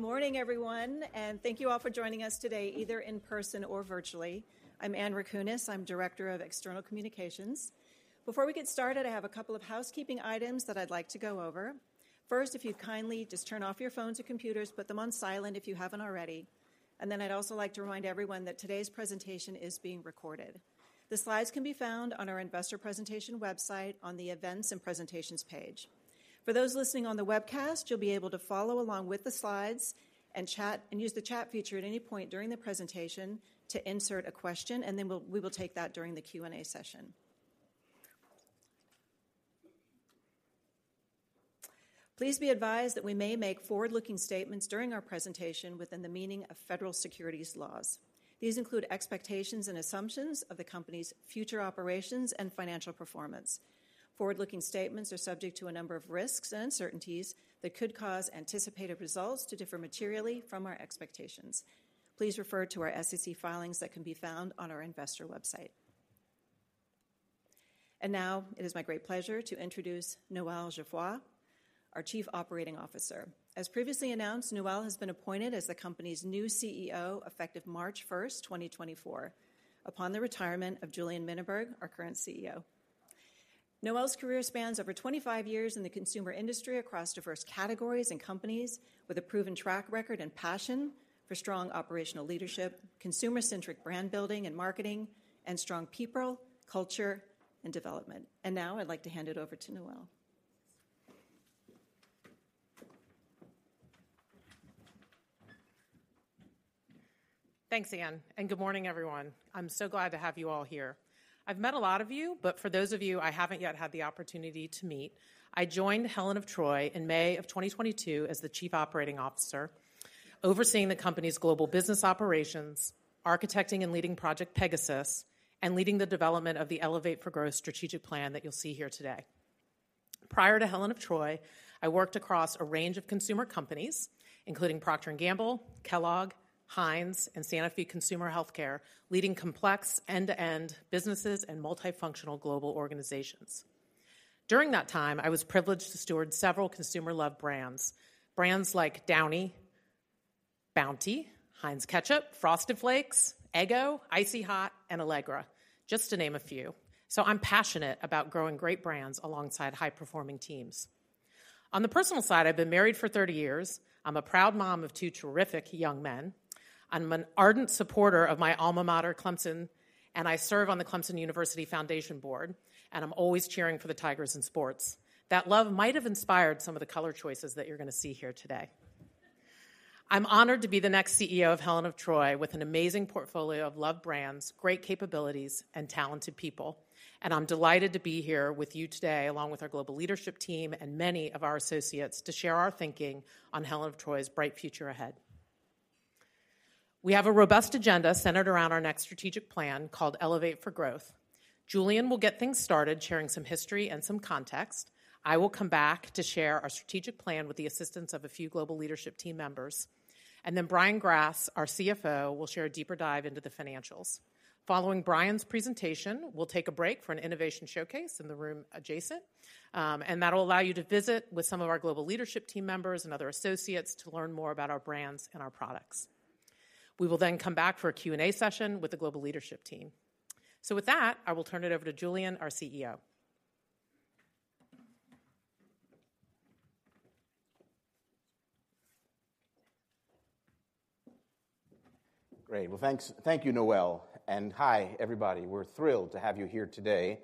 Good morning, everyone, and thank you all for joining us today, either in person or virtually. I'm Anne Rakunas, Director of External Communications. Before we get started, I have a couple of housekeeping items that I'd like to go over. First, if you'd kindly just turn off your phones or computers, put them on silent if you haven't already. Then I'd also like to remind everyone that today's presentation is being recorded. The slides can be found on our investor presentation website on the Events & Presentations page. For those listening on the webcast, you'll be able to follow along with the slides and chat, and use the chat feature at any point during the presentation to insert a question, and then we'll, we will take that during the Q&A session. Please be advised that we may make forward-looking statements during our presentation within the meaning of federal securities laws. These include expectations and assumptions of the company's future operations and financial performance. Forward-looking statements are subject to a number of risks and uncertainties that could cause anticipated results to differ materially from our expectations. Please refer to our SEC filings that can be found on our investor website. Now, it is my great pleasure to introduce Noel Geoffroy, our Chief Operating Officer. As previously announced, Noel has been appointed as the company's new CEO, effective March 1, 2024, upon the retirement of Julien Mininberg, our current CEO. Noel's career spans over 25 years in the consumer industry across diverse categories and companies, with a proven track record and passion for strong operational leadership, consumer-centric brand building and marketing, and strong people, culture, and development. Now, I'd like to hand it over to Noel. Thanks, Anne, and good morning, everyone. I'm so glad to have you all here. I've met a lot of you, but for those of you I haven't yet had the opportunity to meet, I joined Helen of Troy in May of 2022 as the Chief Operating Officer, overseeing the company's global business operations, architecting and leading Project Pegasus, and leading the development of the Elevate for Growth strategic plan that you'll see here today. Prior to Helen of Troy, I worked across a range of consumer companies, including Procter & Gamble, Kellogg, Heinz, and Sanofi Consumer Healthcare, leading complex end-to-end businesses and multifunctional global organizations. During that time, I was privileged to steward several consumer loved brands, brands like Downy, Bounty, Heinz Ketchup, Frosted Flakes, Eggo, Icy Hot, and Allegra, just to name a few. So I'm passionate about growing great brands alongside high-performing teams. On the personal side, I've been married for 30 years. I'm a proud mom of two terrific young men. I'm an ardent supporter of my alma mater, Clemson, and I serve on the Clemson University Foundation board, and I'm always cheering for the Tigers in sports. That love might have inspired some of the color choices that you're gonna see here today. I'm honored to be the next CEO of Helen of Troy with an amazing portfolio of loved brands, great capabilities, and talented people, and I'm delighted to be here with you today, along with our global leadership team and many of our associates, to share our thinking on Helen of Troy's bright future ahead. We have a robust agenda centered around our next strategic plan, called Elevate for Growth. Julien will get things started, sharing some history and some context. I will come back to share our strategic plan with the assistance of a few global leadership team members, and then Brian Grass, our CFO, will share a deeper dive into the financials. Following Brian's presentation, we'll take a break for an innovation showcase in the room adjacent, and that'll allow you to visit with some of our global leadership team members and other associates to learn more about our brands and our products. We will then come back for a Q&A session with the global leadership team. With that, I will turn it over to Julien, our CEO. Great! Well, thanks... Thank you, Noel, and hi, everybody. We're thrilled to have you here today.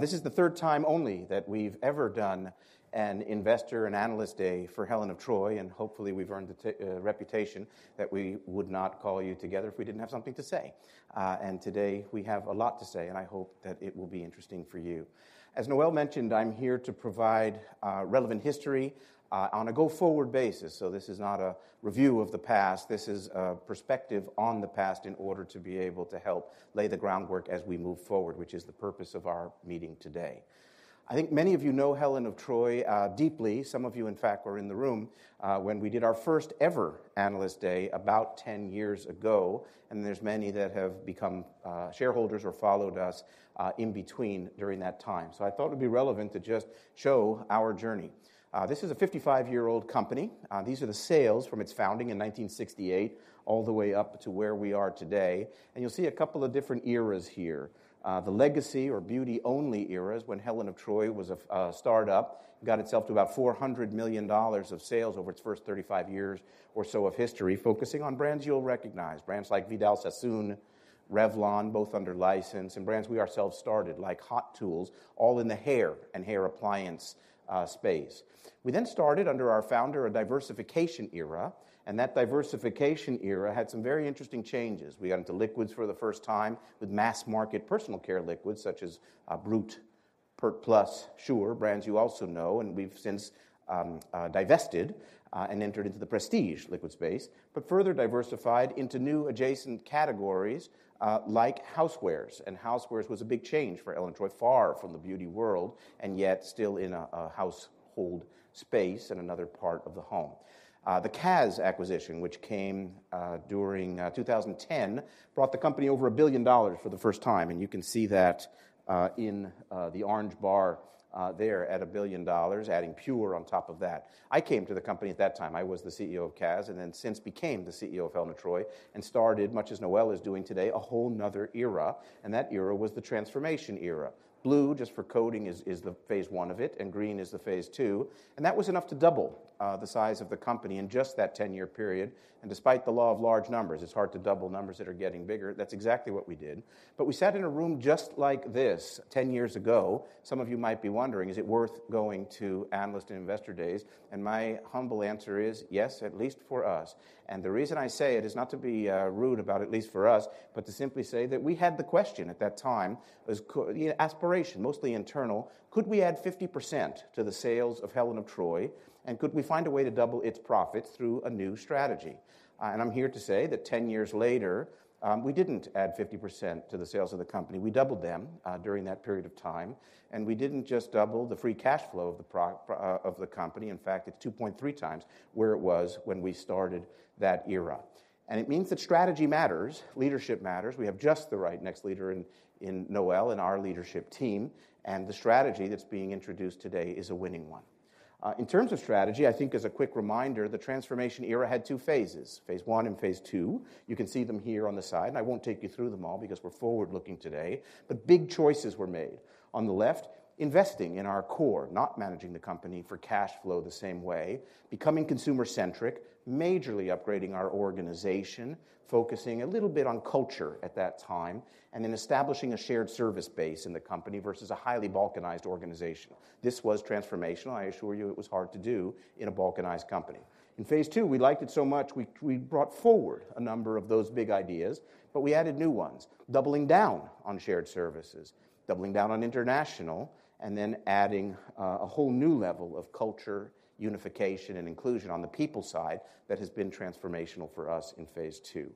This is the third time only that we've ever done an investor and analyst day for Helen of Troy, and hopefully, we've earned the reputation that we would not call you together if we didn't have something to say. And today, we have a lot to say, and I hope that it will be interesting for you. As Noel mentioned, I'm here to provide relevant history on a go-forward basis. So this is not a review of the past, this is a perspective on the past in order to be able to help lay the groundwork as we move forward, which is the purpose of our meeting today. I think many of you know Helen of Troy deeply. Some of you, in fact, were in the room when we did our first-ever analyst day about 10 years ago, and there's many that have become shareholders or followed us in between during that time. So I thought it'd be relevant to just show our journey. This is a 55-year-old company. These are the sales from its founding in 1968, all the way up to where we are today. And you'll see a couple of different eras here. The legacy or beauty-only era is when Helen of Troy was a startup, got itself to about $400 million of sales over its first 35 years or so of history, focusing on brands you'll recognize, brands like Vidal Sassoon, Revlon, both under license, and brands we ourselves started, like Hot Tools, all in the hair and hair appliance space. We then started, under our founder, a diversification era, and that diversification era had some very interesting changes. We got into liquids for the first time with mass-market personal care liquids such as Brut, Pert Plus, Sure, brands you also know, and we've since divested and entered into the prestige liquid space, but further diversified into new adjacent categories, like housewares. Housewares was a big change for Helen of Troy, far from the beauty world, and yet still in a household space and another part of the home. The Kaz acquisition, which came during 2010, brought the company over $1 billion for the first time, and you can see that in the orange bar there at $1 billion, adding PUR on top of that. I came to the company at that time. I was the CEO of Kaz, and then since became the CEO of Helen of Troy, and started, much as Noel is doing today, a whole another era, and that era was the transformation era. Blue, just for coding, is the phase one of it, and green is the phase two, and that was enough to double the size of the company in just that 10-year period... and despite the law of large numbers, it's hard to double numbers that are getting bigger. That's exactly what we did. But we sat in a room just like this 10 years ago. Some of you might be wondering, is it worth going to analyst and investor days? My humble answer is yes, at least for us. The reason I say it is not to be rude, at least for us, but to simply say that we had the question at that time, the aspiration, mostly internal: Could we add 50% to the sales of Helen of Troy, and could we find a way to double its profits through a new strategy? And I'm here to say that 10 years later, we didn't add 50% to the sales of the company. We doubled them during that period of time, and we didn't just double the free cash flow of the company. In fact, it's 2.3 times where it was when we started that era. And it means that strategy matters, leadership matters. We have just the right next leader in Noel and our leadership team, and the strategy that's being introduced today is a winning one. In terms of strategy, I think as a quick reminder, the transformation era had two phases: phase one and phase two. You can see them here on the side, and I won't take you through them all because we're forward-looking today, but big choices were made. On the left, investing in our core, not managing the company for cash flow the same way, becoming consumer-centric, majorly upgrading our organization, focusing a little bit on culture at that time, and then establishing a shared service base in the company versus a highly balkanized organization. This was transformational. I assure you, it was hard to do in a balkanized company. In phase two, we liked it so much, we, we brought forward a number of those big ideas, but we added new ones, doubling down on shared services, doubling down on international, and then adding a whole new level of culture, unification, and inclusion on the people side that has been transformational for us in phase two.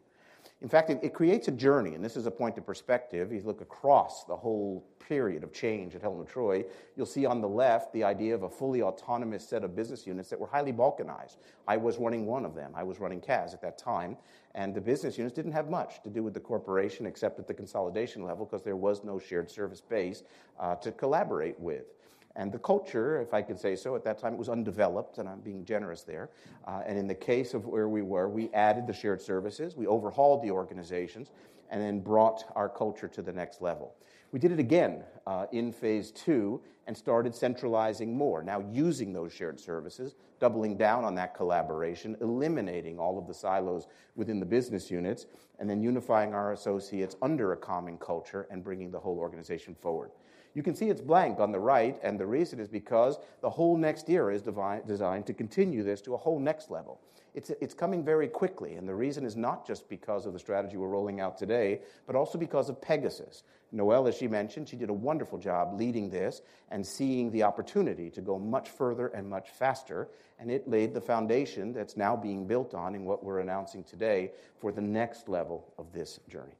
In fact, it, it creates a journey, and this is a point of perspective. You look across the whole period of change at Helen of Troy, you'll see on the left the idea of a fully autonomous set of business units that were highly balkanized. I was running one of them. I was running Kaz at that time, and the business units didn't have much to do with the corporation, except at the consolidation level, 'cause there was no shared service base to collaborate with. The culture, if I could say so at that time, it was undeveloped, and I'm being generous there. In the case of where we were, we added the shared services, we overhauled the organizations, and then brought our culture to the next level. We did it again, in phase two and started centralizing more, now using those shared services, doubling down on that collaboration, eliminating all of the silos within the business units, and then unifying our associates under a common culture and bringing the whole organization forward. You can see it's blank on the right, and the reason is because the whole next era is designed to continue this to a whole next level. It's, it's coming very quickly, and the reason is not just because of the strategy we're rolling out today, but also because of Pegasus. Noel, as she mentioned, she did a wonderful job leading this and seeing the opportunity to go much further and much faster, and it laid the foundation that's now being built on in what we're announcing today for the next level of this journey.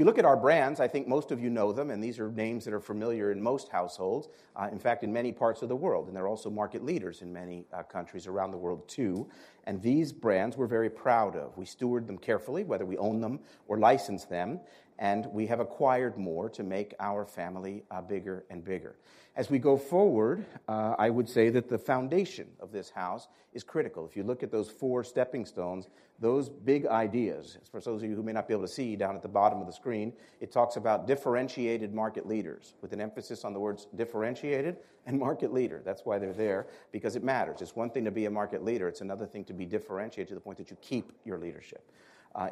If you look at our brands, I think most of you know them, and these are names that are familiar in most households, in fact, in many parts of the world, and they're also market leaders in many countries around the world too. And these brands we're very proud of. We steward them carefully, whether we own them or license them, and we have acquired more to make our family bigger and bigger. As we go forward, I would say that the foundation of this house is critical. If you look at those four stepping stones, those big ideas, for those of you who may not be able to see down at the bottom of the screen, it talks about differentiated market leaders, with an emphasis on the words differentiated and market leader. That's why they're there, because it matters. It's one thing to be a market leader. It's another thing to be differentiated to the point that you keep your leadership.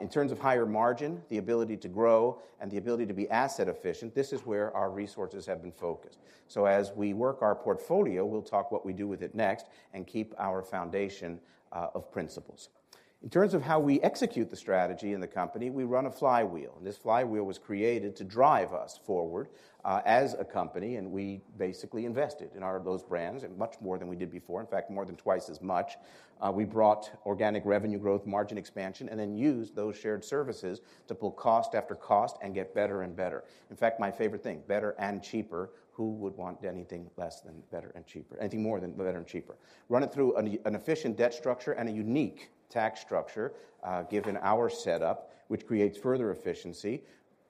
In terms of higher margin, the ability to grow, and the ability to be asset efficient, this is where our resources have been focused. So as we work our portfolio, we'll talk what we do with it next and keep our foundation of principles. In terms of how we execute the strategy in the company, we run a flywheel, and this flywheel was created to drive us forward, as a company, and we basically invested in our, those brands and much more than we did before. In fact, more than twice as much. We brought organic revenue growth, margin expansion, and then used those shared services to pull cost after cost and get better and better. In fact, my favorite thing, better and cheaper, who would want anything less than better and cheaper? Anything more than better and cheaper? Run it through an efficient debt structure and a unique tax structure, given our setup, which creates further efficiency,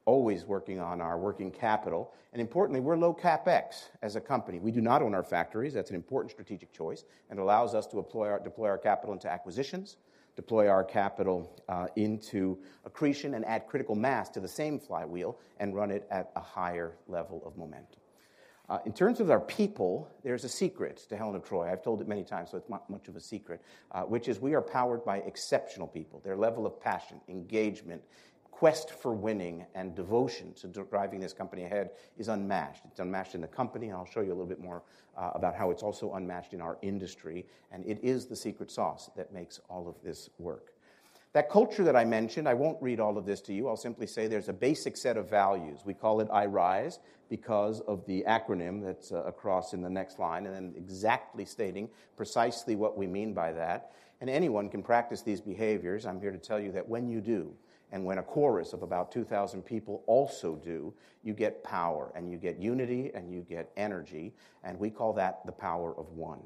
always working on our working capital, and importantly, we're low CapEx as a company. We do not own our factories. That's an important strategic choice and allows us to deploy our capital into acquisitions, deploy our capital into accretion, and add critical mass to the same flywheel and run it at a higher level of momentum. In terms of our people, there's a secret to Helen of Troy. I've told it many times, so it's not much of a secret, which is we are powered by exceptional people. Their level of passion, engagement, quest for winning, and devotion to driving this company ahead is unmatched. It's unmatched in the company, and I'll show you a little bit more about how it's also unmatched in our industry, and it is the secret sauce that makes all of this work. That culture that I mentioned, I won't read all of this to you. I'll simply say there's a basic set of values. We call it I-RISE because of the acronym that's across in the next line, and then exactly stating precisely what we mean by that. Anyone can practice these behaviors. I'm here to tell you that when you do, and when a chorus of about 2,000 people also do, you get power, and you get unity, and you get energy, and we call that the power of one.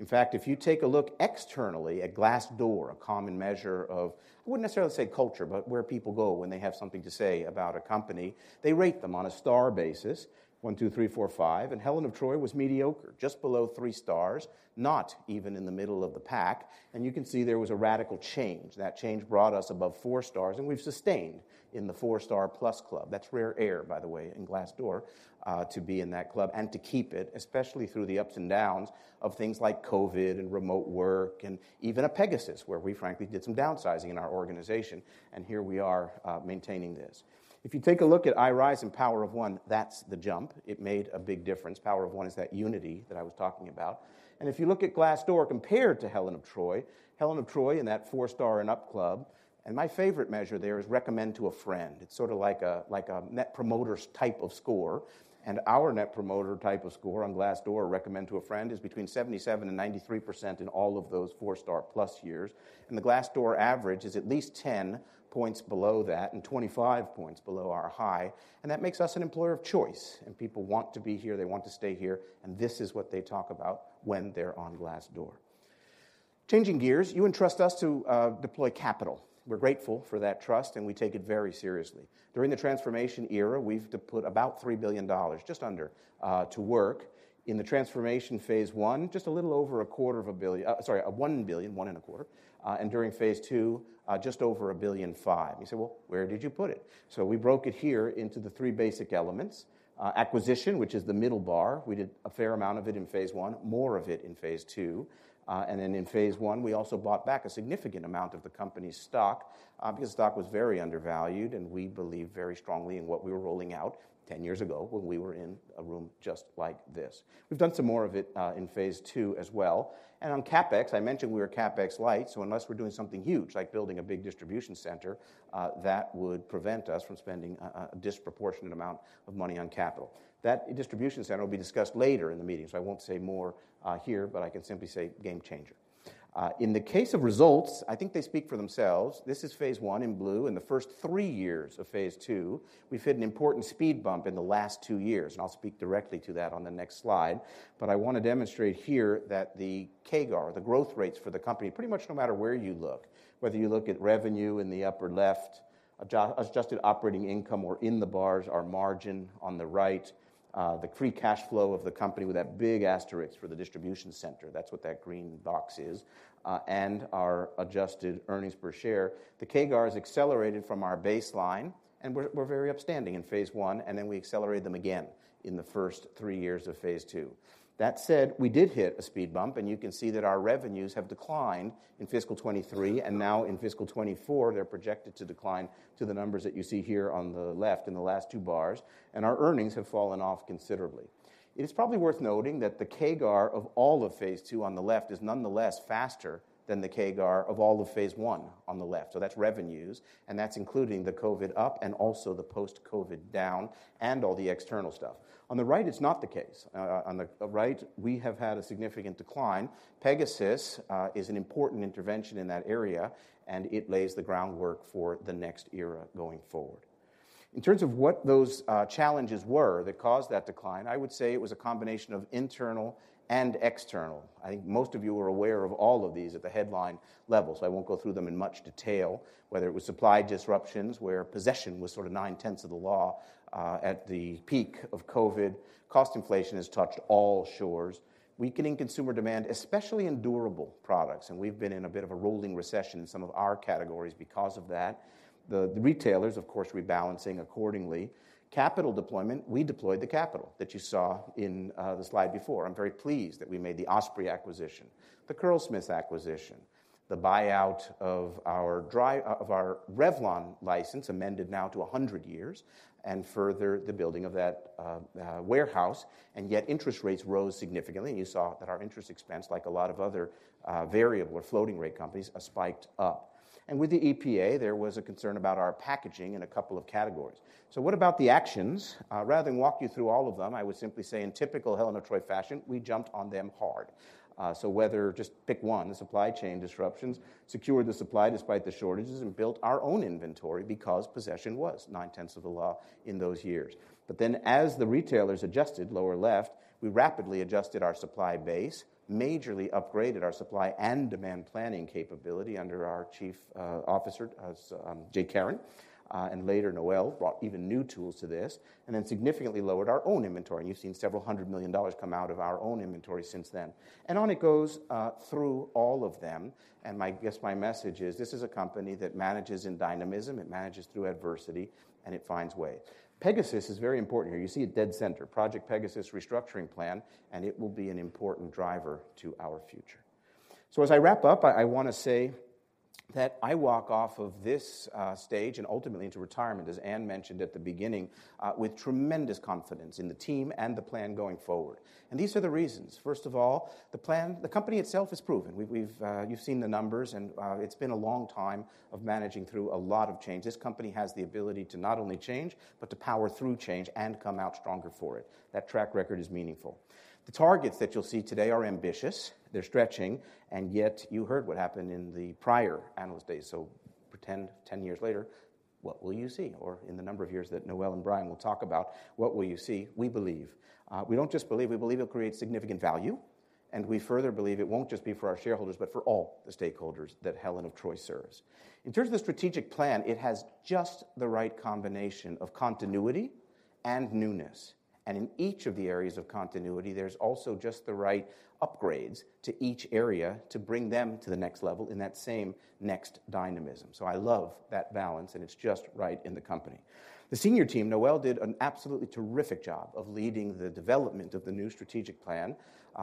In fact, if you take a look externally at Glassdoor, a common measure of, I wouldn't necessarily say culture, but where people go when they have something to say about a company, they rate them on a star basis, one, two, three, four, five, and Helen of Troy was mediocre, just below 3 stars, not even in the middle of the pack. You can see there was a radical change. That change brought us above four stars, and we've sustained in the four-star plus club. That's rare air, by the way, in Glassdoor, to be in that club and to keep it, especially through the ups and downs of things like COVID and remote work and even a Pegasus, where we frankly did some downsizing in our organization, and here we are, maintaining this. If you take a look at I-RISE and Power of One, that's the jump. It made a big difference. Power of One is that unity that I was talking about. And if you look at Glassdoor compared to Helen of Troy, Helen of Troy in that four-star and up club, and my favorite measure there is recommend to a friend. It's sort of like a, like a net promoter's type of score, and our net promoter type of score on Glassdoor, recommend to a friend, is between 77% and 93% in all of those four-star plus years. And the Glassdoor average is at least 10 points below that and 25 points below our high, and that makes us an employer of choice, and people want to be here, they want to stay here, and this is what they talk about when they're on Glassdoor. Changing gears, you entrust us to deploy capital. We're grateful for that trust, and we take it very seriously. During the transformation era, we've deployed about $3 billion, just under, to work in the transformation phase one, just a little over a quarter of a billion—sorry, $1 billion, $1.25 billion, and during phase two, just over $1.5 billion. You say, "Well, where did you put it?" So we broke it here into the 3 basic elements. Acquisition, which is the middle bar. We did a fair amount of it in phase one, more of it in phase two. And then in phase one, we also bought back a significant amount of the company's stock, because the stock was very undervalued, and we believed very strongly in what we were rolling out 10 years ago when we were in a room just like this. We've done some more of it in phase two as well. On CapEx, I mentioned we were CapEx light, so unless we're doing something huge, like building a big distribution center, that would prevent us from spending a, a disproportionate amount of money on capital. That distribution center will be discussed later in the meeting, so I won't say more here, but I can simply say game changer. In the case of results, I think they speak for themselves. This is phase one in blue and the first three years of phase two. We've hit an important speed bump in the last two years, and I'll speak directly to that on the next slide, but I want to demonstrate here that the CAGR, the growth rates for the company, pretty much no matter where you look, whether you look at revenue in the upper left, adjusted operating income or in the bars, our margin on the right, the free cash flow of the company with that big asterisk for the distribution center, that's what that green box is, and our adjusted earnings per share. The CAGR has accelerated from our baseline, and we're very outstanding in phase one, and then we accelerate them again in the first three years of phase two. That said, we did hit a speed bump, and you can see that our revenues have declined in fiscal 2023, and now in fiscal 2024, they're projected to decline to the numbers that you see here on the left in the last two bars, and our earnings have fallen off considerably. It is probably worth noting that the CAGR of all of phase two on the left is nonetheless faster than the CAGR of all of phase one on the left. So that's revenues, and that's including the COVID up and also the post-COVID down and all the external stuff. On the right, it's not the case. On the right, we have had a significant decline. Pegasus is an important intervention in that area, and it lays the groundwork for the next era going forward. In terms of what those challenges were that caused that decline, I would say it was a combination of internal and external. I think most of you are aware of all of these at the headline level, so I won't go through them in much detail, whether it was supply disruptions, where possession was sort of nine-tenths of the law at the peak of COVID. Cost inflation has touched all shores, weakening consumer demand, especially in durable products, and we've been in a bit of a rolling recession in some of our categories because of that. The retailers, of course, rebalancing accordingly. Capital deployment, we deployed the capital that you saw in the slide before. I'm very pleased that we made the Osprey acquisition, the Curlsmith acquisition, the buyout of our Revlon license, amended now to 100 years, and further, the building of that warehouse, and yet interest rates rose significantly, and you saw that our interest expense, like a lot of other variable or floating rate companies, spiked up. And with the EPA, there was a concern about our packaging in a couple of categories. So what about the actions? Rather than walk you through all of them, I would simply say, in typical Helen of Troy fashion, we jumped on them hard. So whether, just pick one, the supply chain disruptions, secured the supply despite the shortages and built our own inventory because possession was nine-tenths of the law in those years. But then, as the retailers adjusted lower left, we rapidly adjusted our supply base, majorly upgraded our supply and demand planning capability under our chief officer, as Jay Caron, and later Noel brought even new tools to this, and then significantly lowered our own inventory. You've seen $ several hundred million come out of our own inventory since then. And on it goes through all of them, and my guess my message is, this is a company that manages in dynamism, it manages through adversity, and it finds way. Pegasus is very important here. You see it dead center, Project Pegasus restructuring plan, and it will be an important driver to our future. So as I wrap up, I wanna say that I walk off of this stage and ultimately into retirement, as Anne mentioned at the beginning, with tremendous confidence in the team and the plan going forward. And these are the reasons: First of all, the plan, the company itself is proven. You've seen the numbers, and it's been a long time of managing through a lot of change. This company has the ability to not only change but to power through change and come out stronger for it. That track record is meaningful. The targets that you'll see today are ambitious, they're stretching, and yet you heard what happened in the prior Analyst Day. So pretend 10 years later, what will you see? Or in the number of years that Noel and Brian will talk about, what will you see, we believe. We don't just believe, we believe it'll create significant value, and we further believe it won't just be for our shareholders, but for all the stakeholders that Helen of Troy serves. In terms of the strategic plan, it has just the right combination of continuity and newness. And in each of the areas of continuity, there's also just the right upgrades to each area to bring them to the next level in that same next dynamism. So I love that balance, and it's just right in the company. The senior team, Noel, did an absolutely terrific job of leading the development of the new strategic plan,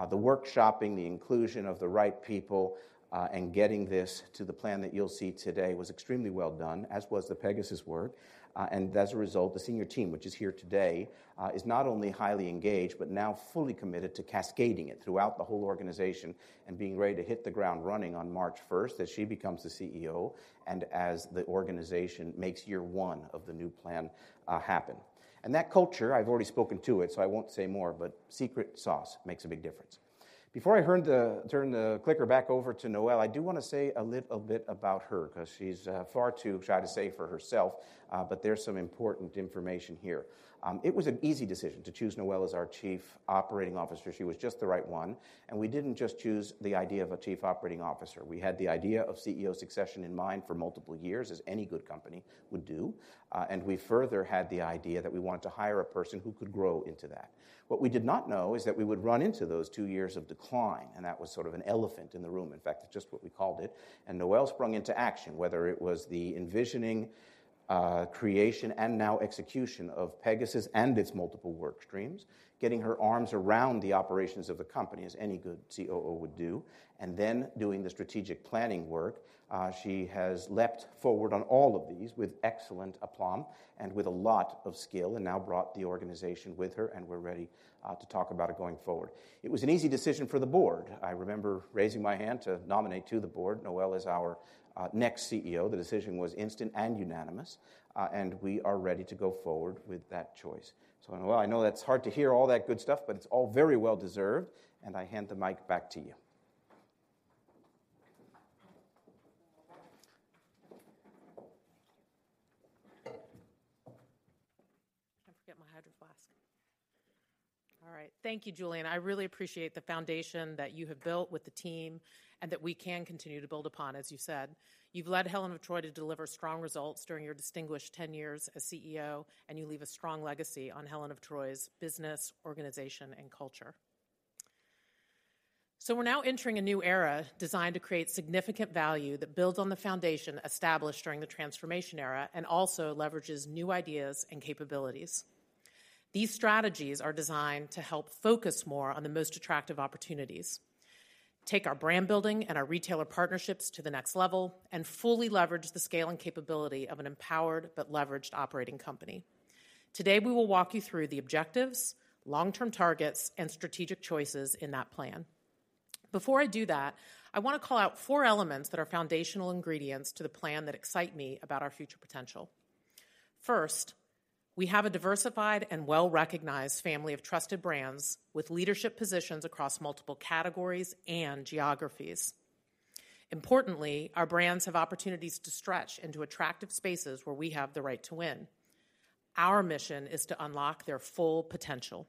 the workshopping, the inclusion of the right people, and getting this to the plan that you'll see today was extremely well done, as was the Pegasus work. And as a result, the senior team, which is here today, is not only highly engaged but now fully committed to cascading it throughout the whole organization and being ready to hit the ground running on March first, as she becomes the CEO and as the organization makes year one of the new plan, happen. And that culture, I've already spoken to it, so I won't say more, but secret sauce makes a big difference. Before I hand the clicker back over to Noel, I do want to say a bit about her 'cause she's far too shy to say for herself, but there's some important information here. It was an easy decision to choose Noel as our Chief Operating Officer. She was just the right one, and we didn't just choose the idea of a Chief Operating Officer. We had the idea of CEO succession in mind for multiple years, as any good company would do, and we further had the idea that we wanted to hire a person who could grow into that. What we did not know is that we would run into those 2 years of decline, and that was sort of an elephant in the room. In fact, it's just what we called it, and Noel sprung into action. Whether it was the envisioning, creation, and now execution of Pegasus and its multiple work streams, getting her arms around the operations of the company, as any good COO would do, and then doing the strategic planning work. She has leapt forward on all of these with excellent aplomb and with a lot of skill, and now brought the organization with her, and we're ready to talk about it going forward. It was an easy decision for the board. I remember raising my hand to nominate to the board Noel as our next CEO. The decision was instant and unanimous, and we are ready to go forward with that choice. So Noel, I know that's hard to hear all that good stuff, but it's all very well deserved, and I hand the mic back to you. I forget my Hydro Flask. All right. Thank you, Julien. I really appreciate the foundation that you have built with the team and that we can continue to build upon, as you said. You've led Helen of Troy to deliver strong results during your distinguished 10 years as CEO, and you leave a strong legacy on Helen of Troy's business, organization, and culture. We're now entering a new era designed to create significant value that builds on the foundation established during the transformation era and also leverages new ideas and capabilities. These strategies are designed to help focus more on the most attractive opportunities, take our brand building and our retailer partnerships to the next level, and fully leverage the scale and capability of an empowered but leveraged operating company. Today, we will walk you through the objectives, long-term targets, and strategic choices in that plan. Before I do that, I want to call out four elements that are foundational ingredients to the plan that excite me about our future potential. First, we have a diversified and well-recognized family of trusted brands with leadership positions across multiple categories and geographies. Importantly, our brands have opportunities to stretch into attractive spaces where we have the right to win. Our mission is to unlock their full potential.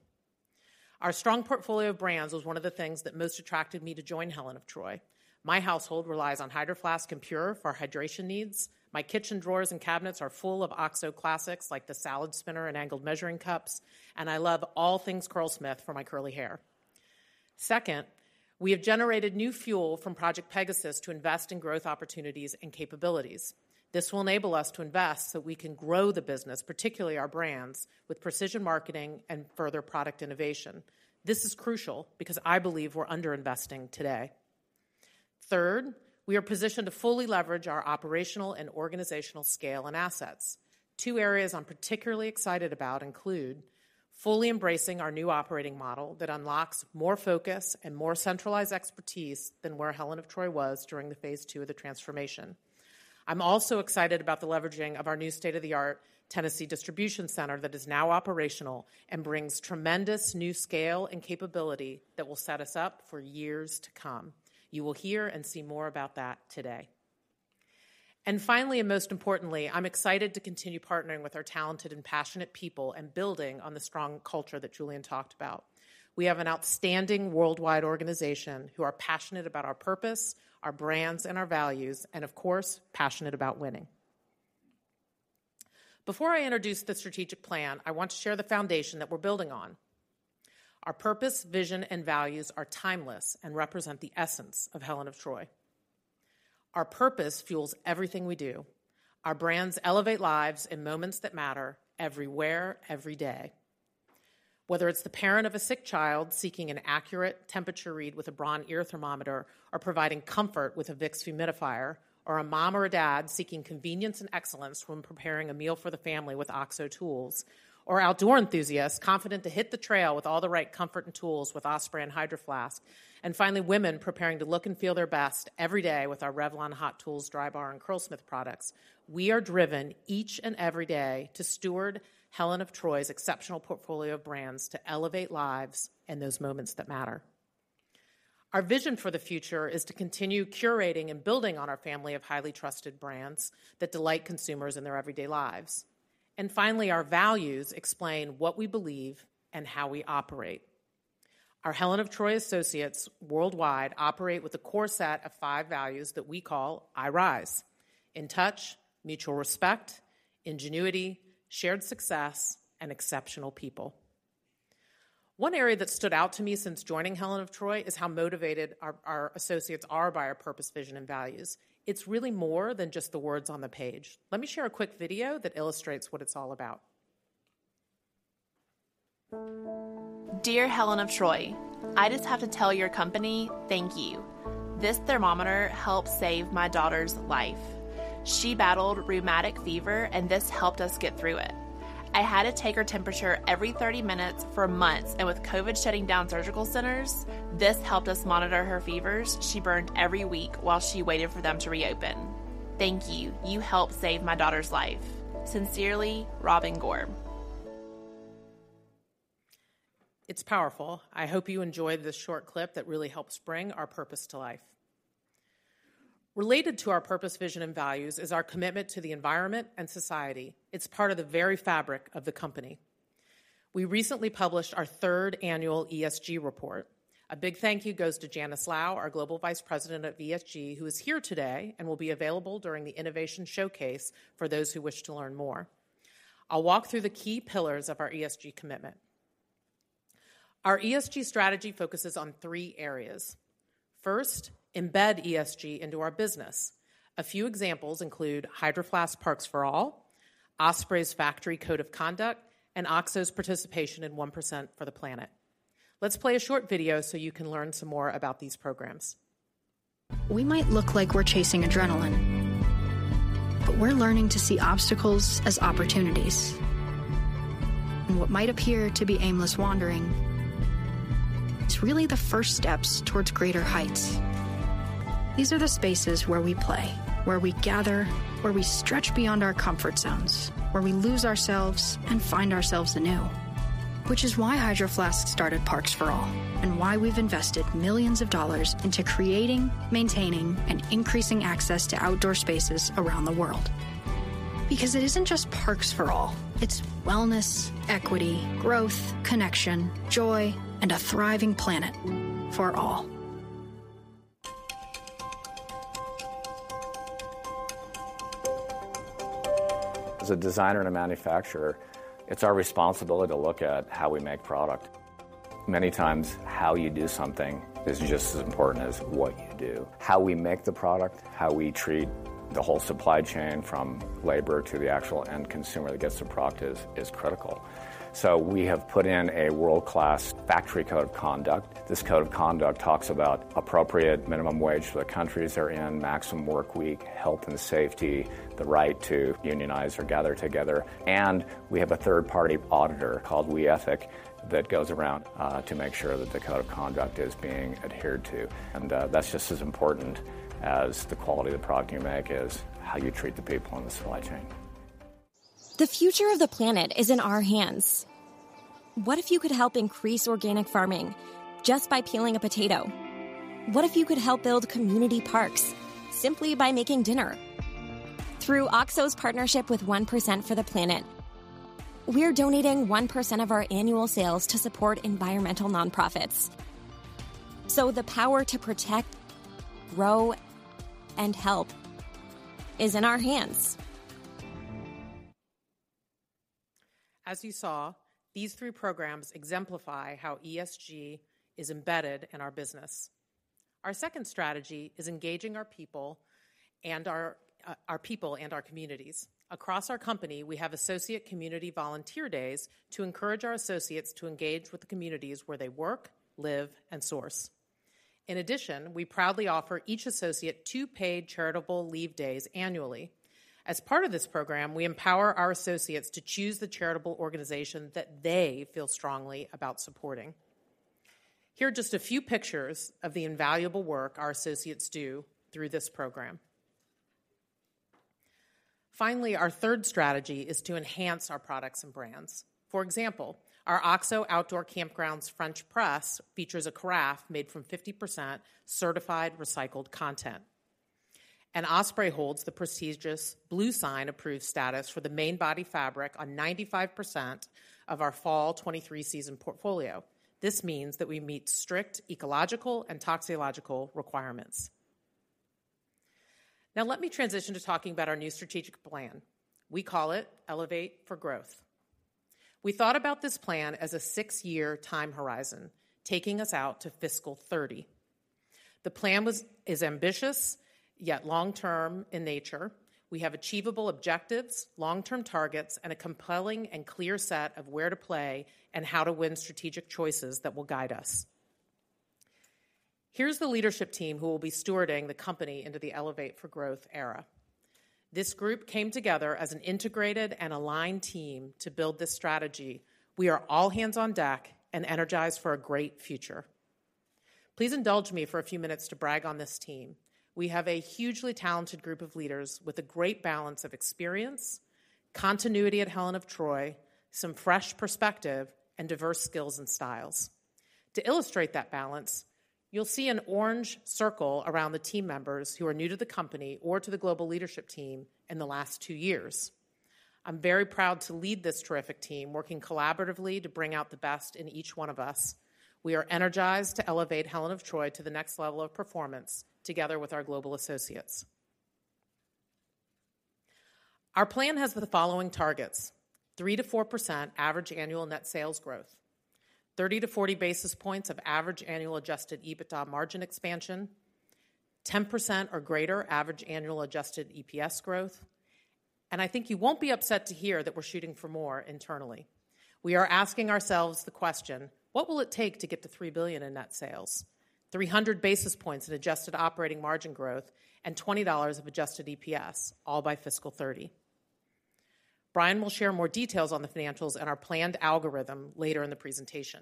Our strong portfolio of brands was one of the things that most attracted me to join Helen of Troy. My household relies on Hydro Flask and PUR for our hydration needs. My kitchen drawers and cabinets are full of OXO classics, like the salad spinner and angled measuring cups, and I love all things Curlsmith for my curly hair. Second, we have generated new fuel from Project Pegasus to invest in growth opportunities and capabilities. This will enable us to invest so we can grow the business, particularly our brands, with precision marketing and further product innovation. This is crucial because I believe we're underinvesting today. Third, we are positioned to fully leverage our operational and organizational scale and assets. Two areas I'm particularly excited about include fully embracing our new operating model that unlocks more focus and more centralized expertise than where Helen of Troy was during the phase two of the transformation. I'm also excited about the leveraging of our new state-of-the-art Tennessee distribution center that is now operational and brings tremendous new scale and capability that will set us up for years to come. You will hear and see more about that today. And finally, and most importantly, I'm excited to continue partnering with our talented and passionate people and building on the strong culture that Julien talked about. We have an outstanding worldwide organization who are passionate about our purpose, our brands, and our values, and of course, passionate about winning. Before I introduce the strategic plan, I want to share the foundation that we're building on. Our purpose, vision, and values are timeless and represent the essence of Helen of Troy. Our purpose fuels everything we do. Our brands elevate lives in moments that matter everywhere, every day. Whether it's the parent of a sick child seeking an accurate temperature read with a Braun ear thermometer, or providing comfort with a Vicks humidifier, or a mom or a dad seeking convenience and excellence when preparing a meal for the family with OXO tools, or outdoor enthusiasts confident to hit the trail with all the right comfort and tools with Osprey and Hydro Flask, and finally, women preparing to look and feel their best every day with our Revlon Hot Tools, Drybar, and Curlsmith products. We are driven each and every day to steward Helen of Troy's exceptional portfolio of brands to elevate lives in those moments that matter. Our vision for the future is to continue curating and building on our family of highly trusted brands that delight consumers in their everyday lives. And finally, our values explain what we believe and how we operate. Our Helen of Troy associates worldwide operate with a core set of five values that we call I-RISE: In touch, mutual Respect, Ingenuity, Shared success, and Exceptional people. One area that stood out to me since joining Helen of Troy is how motivated our associates are by our purpose, vision, and values. It's really more than just the words on the page. Let me share a quick video that illustrates what it's all about. Dear Helen of Troy, I just have to tell your company thank you. This thermometer helped save my daughter's life. She battled rheumatic fever, and this helped us get through it. I had to take her temperature every 30 minutes for months, and with COVID shutting down surgical centers, this helped us monitor her fevers she burned every week while she waited for them to reopen. Thank you. You helped save my daughter's life. Sincerely, Robin Gore. It's powerful. I hope you enjoyed this short clip that really helps bring our purpose to life. Related to our purpose, vision, and values is our commitment to the environment and society. It's part of the very fabric of the company. We recently published our third annual ESG report. A big thank you goes to Janice Lau, our Global Vice President of ESG, who is here today and will be available during the innovation showcase for those who wish to learn more. I'll walk through the key pillars of our ESG commitment. Our ESG strategy focuses on three areas. First, embed ESG into our business. A few examples include Hydro Flask Parks for All, Osprey's Factory Code of Conduct, and OXO's participation in 1% for the Planet. Let's play a short video so you can learn some more about these programs. We might look like we're chasing adrenaline, but we're learning to see obstacles as opportunities. What might appear to be aimless wandering, it's really the first steps towards greater heights. These are the spaces where we play, where we gather, where we stretch beyond our comfort zones, where we lose ourselves and find ourselves anew. Which is why Hydro Flask started Parks for All, and why we've invested $millions into creating, maintaining, and increasing access to outdoor spaces around the world. Because it isn't just parks for all, it's wellness, equity, growth, connection, joy, and a thriving planet for all. As a designer and a manufacturer, it's our responsibility to look at how we make product. Many times, how you do something is just as important as what you do. How we make the product, how we treat the whole supply chain, from labor to the actual end consumer that gets the product, is critical. So we have put in a world-class factory code of conduct. This code of conduct talks about appropriate minimum wage for the countries they're in, maximum workweek, health and safety, the right to unionize or gather together, and we have a third-party auditor called WeEthic that goes around to make sure that the code of conduct is being adhered to. And that's just as important as the quality of the product you make is how you treat the people in the supply chain. The future of the planet is in our hands. What if you could help increase organic farming just by peeling a potato? What if you could help build community parks simply by making dinner? Through OXO's partnership with 1% for the Planet, we're donating 1% of our annual sales to support environmental nonprofits. So the power to protect, grow, and help is in our hands. As you saw, these three programs exemplify how ESG is embedded in our business. Our second strategy is engaging our people and our people and our communities. Across our company, we have associate community volunteer days to encourage our associates to engage with the communities where they work, live, and source. In addition, we proudly offer each associate two paid charitable leave days annually. As part of this program, we empower our associates to choose the charitable organization that they feel strongly about supporting. Here are just a few pictures of the invaluable work our associates do through this program. Finally, our third strategy is to enhance our products and brands. For example, our OXO Outdoor Campground French Press features a carafe made from 50% certified recycled content. Osprey holds the prestigious Bluesign Approved status for the main body fabric on 95% of our fall 2023 season portfolio. This means that we meet strict ecological and toxicological requirements. Now, let me transition to talking about our new strategic plan. We call it Elevate for Growth. We thought about this plan as a 6-year time horizon, taking us out to fiscal 2030. The plan is ambitious, yet long-term in nature. We have achievable objectives, long-term targets, and a compelling and clear set of Where to Play and How to Win strategic choices that will guide us. Here's the leadership team who will be stewarding the company into the Elevate for Growth era. This group came together as an integrated and aligned team to build this strategy. We are all hands on deck and energized for a great future. Please indulge me for a few minutes to brag on this team. We have a hugely talented group of leaders with a great balance of experience, continuity at Helen of Troy, some fresh perspective, and diverse skills and styles. To illustrate that balance. You'll see an orange circle around the team members who are new to the company or to the global leadership team in the last two years. I'm very proud to lead this terrific team, working collaboratively to bring out the best in each one of us. We are energized to elevate Helen of Troy to the next level of performance together with our global associates. Our plan has the following targets: 3%-4% average annual net sales growth, 30-40 basis points of average annual Adjusted EBITDA margin expansion, 10% or greater average annual adjusted EPS growth, and I think you won't be upset to hear that we're shooting for more internally. We are asking ourselves the question, what will it take to get to $3 billion in net sales, 300 basis points in adjusted operating margin growth, and $20 of adjusted EPS, all by fiscal 2030? Brian will share more details on the financials and our planned algorithm later in the presentation.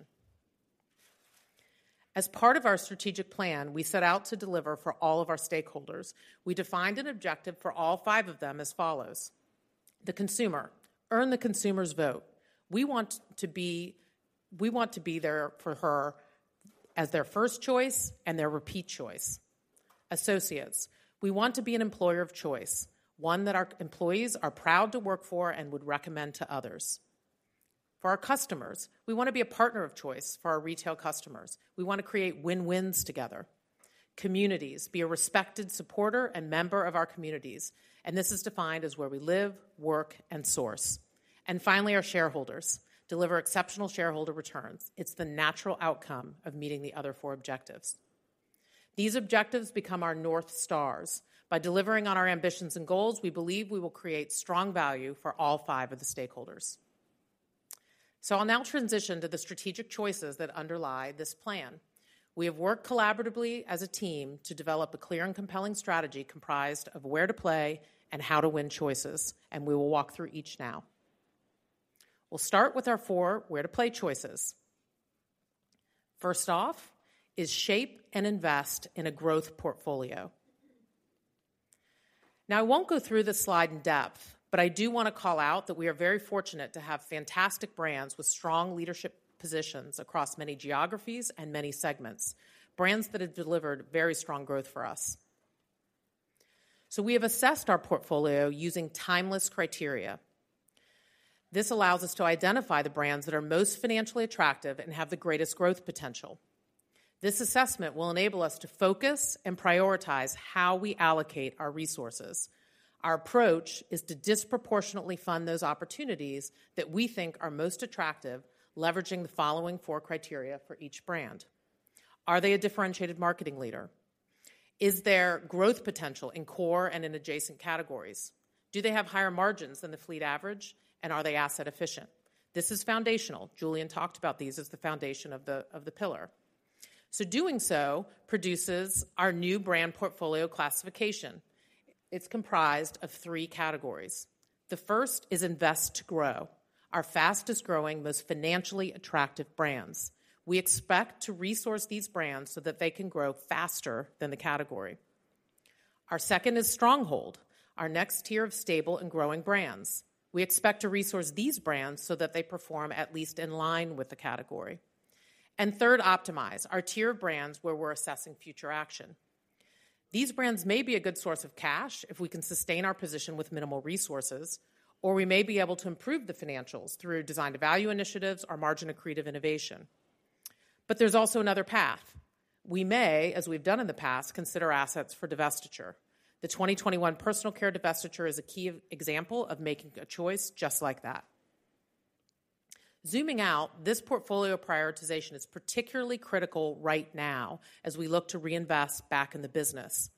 As part of our strategic plan, we set out to deliver for all of our stakeholders. We defined an objective for all five of them as follows: The consumer, earn the consumer's vote. We want to be, we want to be there for her as their first choice and their repeat choice. Associates, we want to be an employer of choice, one that our employees are proud to work for and would recommend to others. For our customers, we want to be a partner of choice for our retail customers. We want to create win-wins together. Communities, be a respected supporter and member of our communities, and this is defined as where we live, work, and source. And finally, our shareholders, deliver exceptional shareholder returns. It's the natural outcome of meeting the other four objectives. These objectives become our North Stars. By delivering on our ambitions and goals, we believe we will create strong value for all five of the stakeholders. So I'll now transition to the strategic choices that underlie this plan. We have worked collaboratively as a team to develop a clear and compelling strategy comprised of Where to Play and How to Win choices, and we will walk through each now. We'll start with our four Where to Play choices. First off, is shape and invest in a growth portfolio. Now, I won't go through this slide in depth, but I do want to call out that we are very fortunate to have fantastic brands with strong leadership positions across many geographies and many segments, brands that have delivered very strong growth for us. So we have assessed our portfolio using timeless criteria. This allows us to identify the brands that are most financially attractive and have the greatest growth potential. This assessment will enable us to focus and prioritize how we allocate our resources. Our approach is to disproportionately fund those opportunities that we think are most attractive, leveraging the following four criteria for each brand. Are they a differentiated marketing leader? Is there growth potential in core and in adjacent categories? Do they have higher margins than the fleet average, and are they asset efficient? This is foundational. Julien talked about these as the foundation of the pillar. So doing so produces our new brand portfolio classification. It's comprised of three categories. The first is Invest to Grow, our fastest-growing, most financially attractive brands. We expect to resource these brands so that they can grow faster than the category. Our second is Stronghold, our next tier of stable and growing brands. We expect to resource these brands so that they perform at least in line with the category. And third, Optimize, our tier of brands where we're assessing future action. These brands may be a good source of cash if we can sustain our position with minimal resources, or we may be able to improve the financials through Design-to-value initiatives or margin-accretive innovation. But there's also another path. We may, as we've done in the past, consider assets for divestiture. The 2021 personal care divestiture is a key example of making a choice just like that. Zooming out, this portfolio prioritization is particularly critical right now as we look to reinvest back in the business.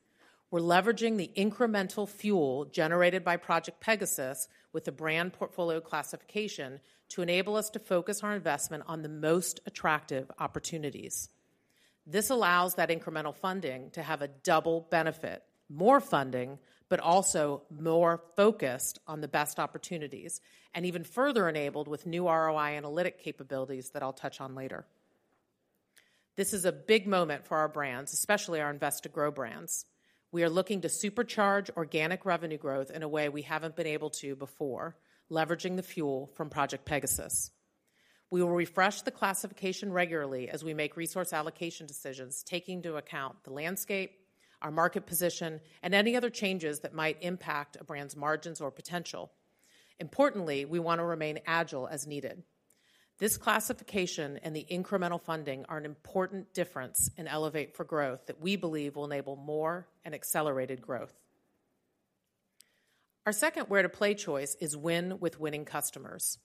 We're leveraging the incremental fuel generated by Project Pegasus with the brand portfolio classification to enable us to focus our investment on the most attractive opportunities. This allows that incremental funding to have a double benefit, more funding, but also more focused on the best opportunities and even further enabled with new ROI analytic capabilities that I'll touch on later. This is a big moment for our brands, especially our Invest to Grow brands. We are looking to supercharge organic revenue growth in a way we haven't been able to before, leveraging the fuel from Project Pegasus. We will refresh the classification regularly as we make resource allocation decisions, taking into account the landscape, our market position, and any other changes that might impact a brand's margins or potential. Importantly, we want to remain agile as needed. This classification and the incremental funding are an important difference in Elevate for Growth that we believe will enable more and accelerated growth. Our second Where to Play choice is win with winning customers.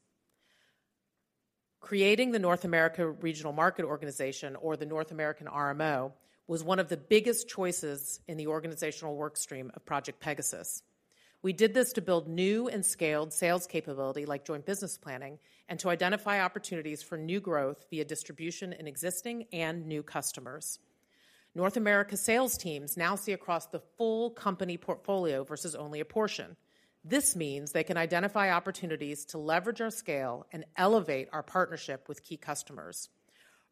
Creating the North America Regional Market Organization, or the North American RMO, was one of the biggest choices in the organizational work stream of Project Pegasus. We did this to build new and scaled sales capability, like joint business planning, and to identify opportunities for new growth via distribution in existing and new customers. North America sales teams now see across the full company portfolio versus only a portion. This means they can identify opportunities to leverage our scale and elevate our partnership with key customers.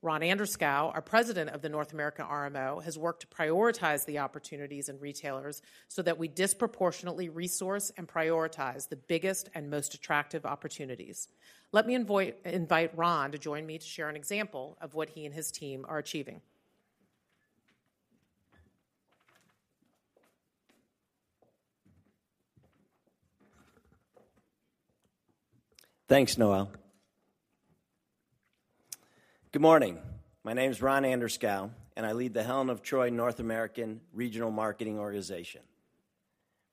Ron Anderskow, our President of the North America RMO, has worked to prioritize the opportunities and retailers so that we disproportionately resource and prioritize the biggest and most attractive opportunities. Let me invite Ron to join me to share an example of what he and his team are achieving. Thanks, Noel. Good morning. My name is Ron Anderskow, and I lead the Helen of Troy North America Regional Market Organization.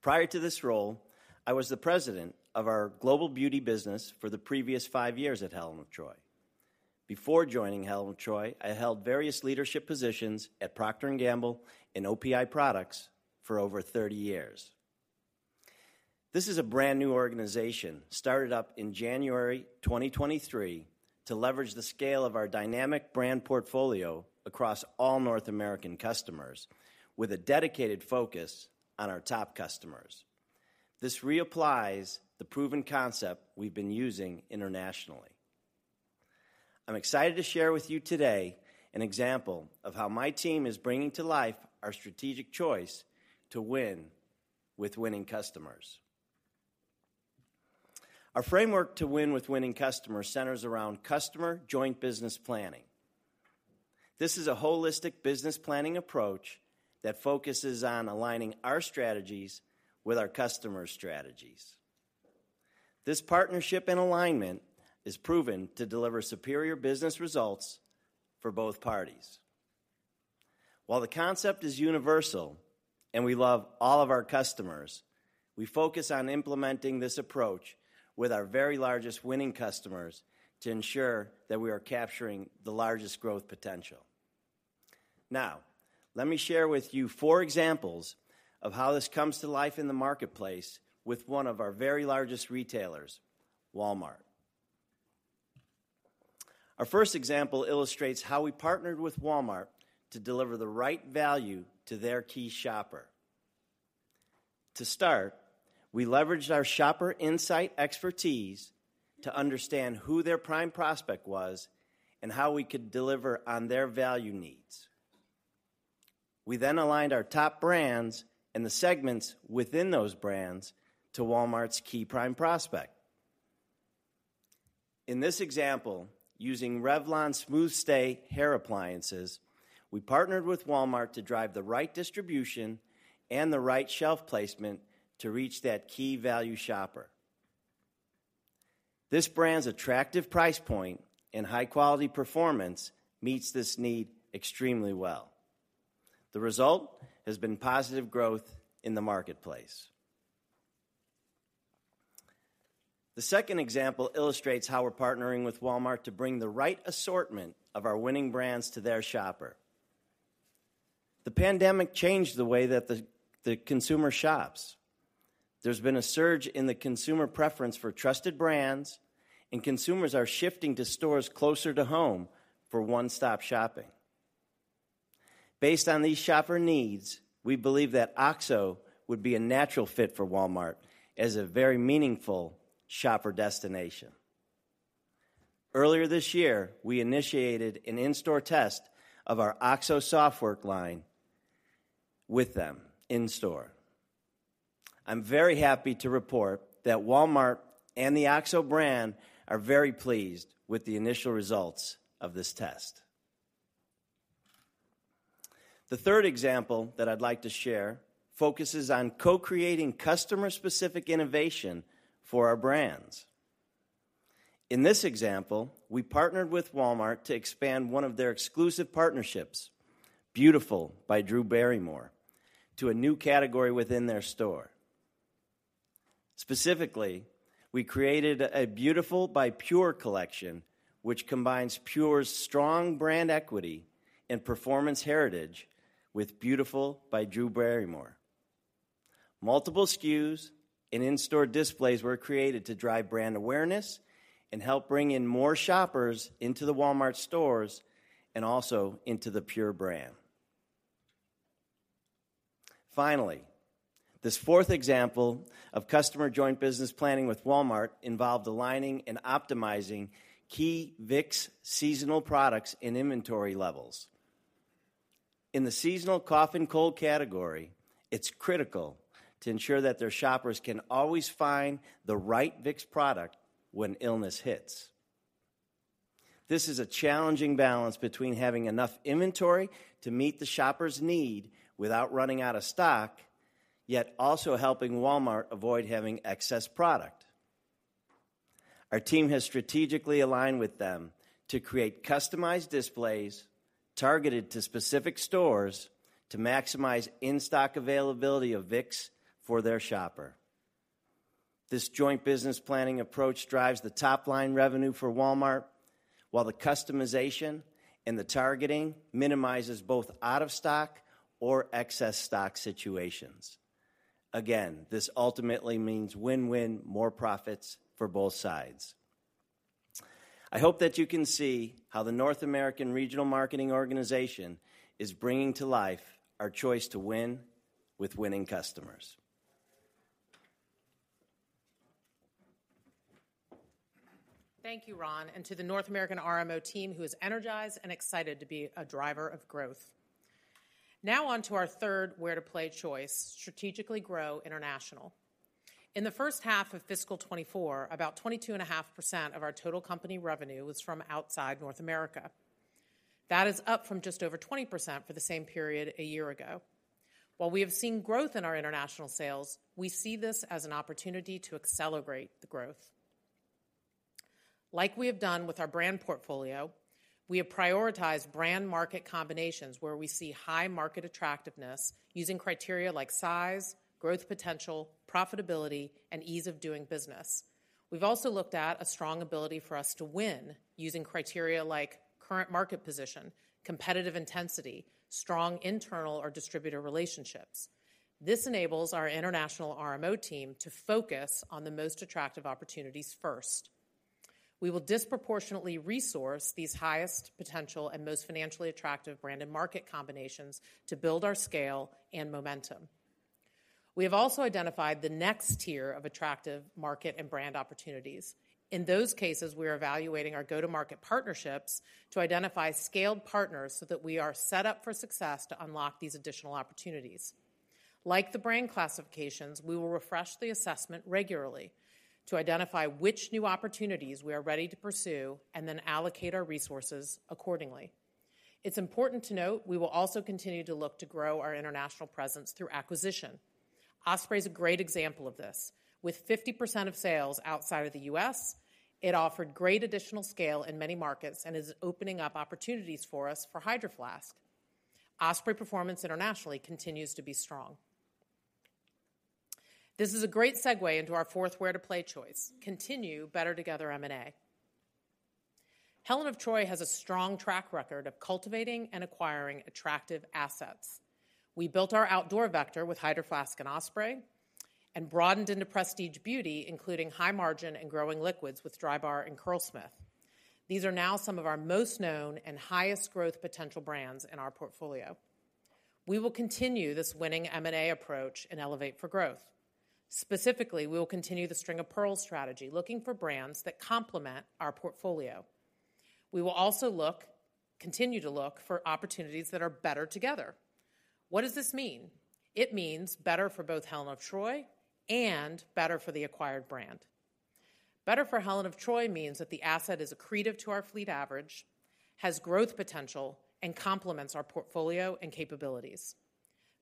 Prior to this role, I was the president of our global beauty business for the previous five years at Helen of Troy. Before joining Helen of Troy, I held various leadership positions at Procter & Gamble and OPI Products for over 30 years. This is a brand-new organization, started up in January 2023, to leverage the scale of our dynamic brand portfolio across all North American customers, with a dedicated focus on our top customers. This reapplies the proven concept we've been using internationally. I'm excited to share with you today an example of how my team is bringing to life our strategic choice to win with winning customers. Our framework to win with winning customers centers around customer joint business planning. This is a holistic business planning approach that focuses on aligning our strategies with our customers' strategies. This partnership and alignment is proven to deliver superior business results for both parties. While the concept is universal, and we love all of our customers, we focus on implementing this approach with our very largest winning customers to ensure that we are capturing the largest growth potential. Now, let me share with you four examples of how this comes to life in the marketplace with one of our very largest retailers, Walmart. Our first example illustrates how we partnered with Walmart to deliver the right value to their key shopper. To start, we leveraged our shopper insight expertise to understand who their prime prospect was and how we could deliver on their value needs. We then aligned our top brands and the segments within those brands to Walmart's key prime prospect. In this example, using Revlon SmoothStay Hair Appliances, we partnered with Walmart to drive the right distribution and the right shelf placement to reach that key value shopper. This brand's attractive price point and high-quality performance meets this need extremely well. The result has been positive growth in the marketplace. The second example illustrates how we're partnering with Walmart to bring the right assortment of our winning brands to their shopper. The pandemic changed the way that the consumer shops. There's been a surge in the consumer preference for trusted brands, and consumers are shifting to stores closer to home for one-stop shopping. Based on these shopper needs, we believe that OXO would be a natural fit for Walmart as a very meaningful shopper destination. Earlier this year, we initiated an in-store test of our OXO SoftWorks line with them in store. I'm very happy to report that Walmart and the OXO brand are very pleased with the initial results of this test. The third example that I'd like to share focuses on co-creating customer-specific innovation for our brands. In this example, we partnered with Walmart to expand one of their exclusive partnerships, Beautiful by Drew Barrymore, to a new category within their store. Specifically, we created a Beautiful by PUR collection, which combines PUR's strong brand equity and performance heritage with Beautiful by Drew Barrymore. Multiple SKUs and in-store displays were created to drive brand awareness and help bring in more shoppers into the Walmart stores and also into the PUR brand. Finally, this fourth example of customer joint business planning with Walmart involved aligning and optimizing key Vicks seasonal products and inventory levels. In the seasonal cough and cold category, it's critical to ensure that their shoppers can always find the right Vicks product when illness hits. This is a challenging balance between having enough inventory to meet the shopper's need without running out of stock, yet also helping Walmart avoid having excess product. Our team has strategically aligned with them to create customized displays targeted to specific stores to maximize in-stock availability of Vicks for their shopper. This joint business planning approach drives the top-line revenue for Walmart, while the customization and the targeting minimizes both out-of-stock or excess stock situations. Again, this ultimately means win-win, more profits for both sides. I hope that you can see how the North American Regional Marketing Organization is bringing to life our choice to win with winning customers. Thank you, Ron, and to the North America RMO team, who is energized and excited to be a driver of growth. Now on to our third Where to Play choice, strategically grow international. In the first half of fiscal 2024, about 22.5% of our total company revenue was from outside North America. That is up from just over 20% for the same period a year ago. While we have seen growth in our international sales, we see this as an opportunity to accelerate the growth. Like we have done with our brand portfolio, we have prioritized brand market combinations where we see high market attractiveness using criteria like size, growth potential, profitability, and ease of doing business. We've also looked at a strong ability for us to win using criteria like current market position, competitive intensity, strong internal or distributor relationships. This enables our international RMO team to focus on the most attractive opportunities first. We will disproportionately resource these highest potential and most financially attractive brand and market combinations to build our scale and momentum. We have also identified the next tier of attractive market and brand opportunities. In those cases, we are evaluating our go-to-market partnerships to identify scaled partners so that we are set up for success to unlock these additional opportunities. Like the brand classifications, we will refresh the assessment regularly to identify which new opportunities we are ready to pursue and then allocate our resources accordingly. It's important to note, we will also continue to look to grow our international presence through acquisition. Osprey is a great example of this. With 50% of sales outside of the U.S., it offered great additional scale in many markets and is opening up opportunities for us for Hydro Flask. Osprey performance internationally continues to be strong. This is a great segue into our fourth Where to Play choice: continue Better Together M&A. Helen of Troy has a strong track record of cultivating and acquiring attractive assets. We built our outdoor vector with Hydro Flask and Osprey and broadened into prestige beauty, including high margin and growing liquids with Drybar and Curlsmith. These are now some of our most known and highest growth potential brands in our portfolio. We will continue this winning M&A approach in Elevate for Growth. Specifically, we will continue the string-of-pearls strategy, looking for brands that complement our portfolio. We will also look, continue to look for opportunities that are better together. What does this mean? It means better for both Helen of Troy and better for the acquired brand. Better for Helen of Troy means that the asset is accretive to our fleet average, has growth potential, and complements our portfolio and capabilities.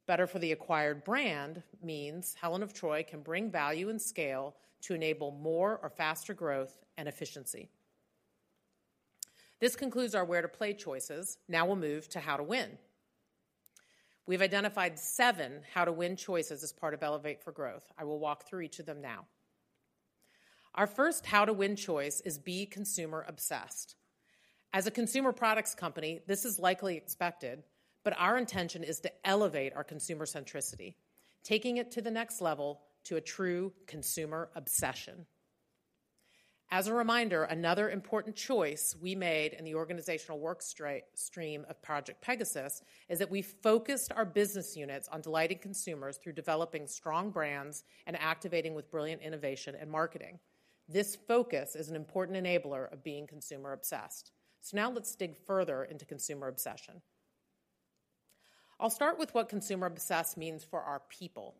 Better for the acquired brand means Helen of Troy can bring value and scale to enable more or faster growth and efficiency. This concludes our Where to Play choices. Now we'll move to How to Win. We've identified seven How to Win choices as part of Elevate for Growth. I will walk through each of them now. Our first How to Win choice is be consumer-obsessed. As a consumer products company, this is likely expected, but our intention is to elevate our consumer centricity, taking it to the next level, to a true consumer obsession. As a reminder, another important choice we made in the organizational work stream of Project Pegasus is that we focused our business units on delighting consumers through developing strong brands and activating with brilliant innovation and marketing. This focus is an important enabler of being consumer-obsessed. So now let's dig further into consumer obsession. I'll start with what consumer-obsessed means for our people.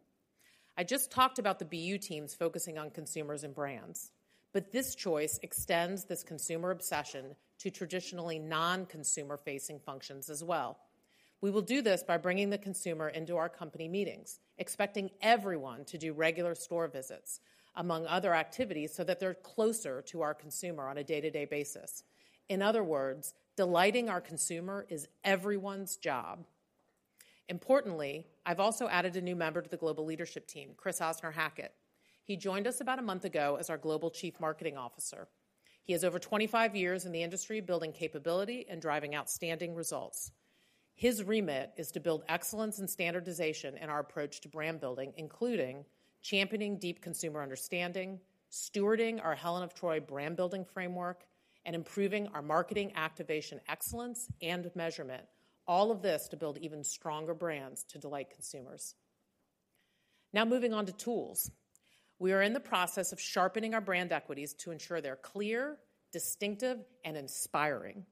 I just talked about the BU teams focusing on consumers and brands, but this choice extends this consumer obsession to traditionally non-consumer-facing functions as well. We will do this by bringing the consumer into our company meetings, expecting everyone to do regular store visits, among other activities, so that they're closer to our consumer on a day-to-day basis. In other words, delighting our consumer is everyone's job. Importantly, I've also added a new member to the global leadership team, Chris Osner-Hackett. He joined us about a month ago as our Global Chief Marketing Officer. He has over 25 years in the industry building capability and driving outstanding results. His remit is to build excellence and standardization in our approach to brand building, including championing deep consumer understanding, stewarding our Helen of Troy brand building framework, and improving our marketing activation excellence and measurement, all of this to build even stronger brands to delight consumers. Now, moving on to tools. We are in the process of sharpening our brand equities to ensure they're clear, distinctive, and inspiring.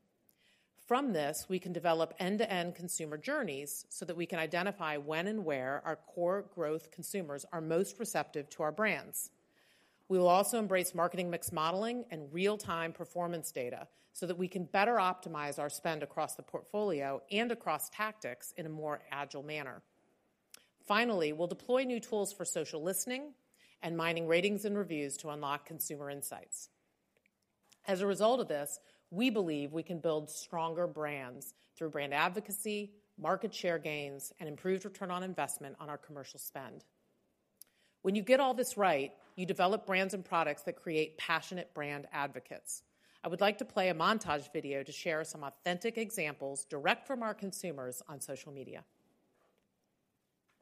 From this, we can develop end-to-end consumer journeys so that we can identify when and where our core growth consumers are most receptive to our brands. We will also embrace marketing mix modeling and real-time performance data so that we can better Optimize our spend across the portfolio and across tactics in a more agile manner. Finally, we'll deploy new tools for social listening and mining ratings and reviews to unlock consumer insights. As a result of this, we believe we can build stronger brands through brand advocacy, market share gains, and improved return on investment on our commercial spend. When you get all this right, you develop brands and products that create passionate brand advocates. I would like to play a montage video to share some authentic examples direct from our consumers on social media. ...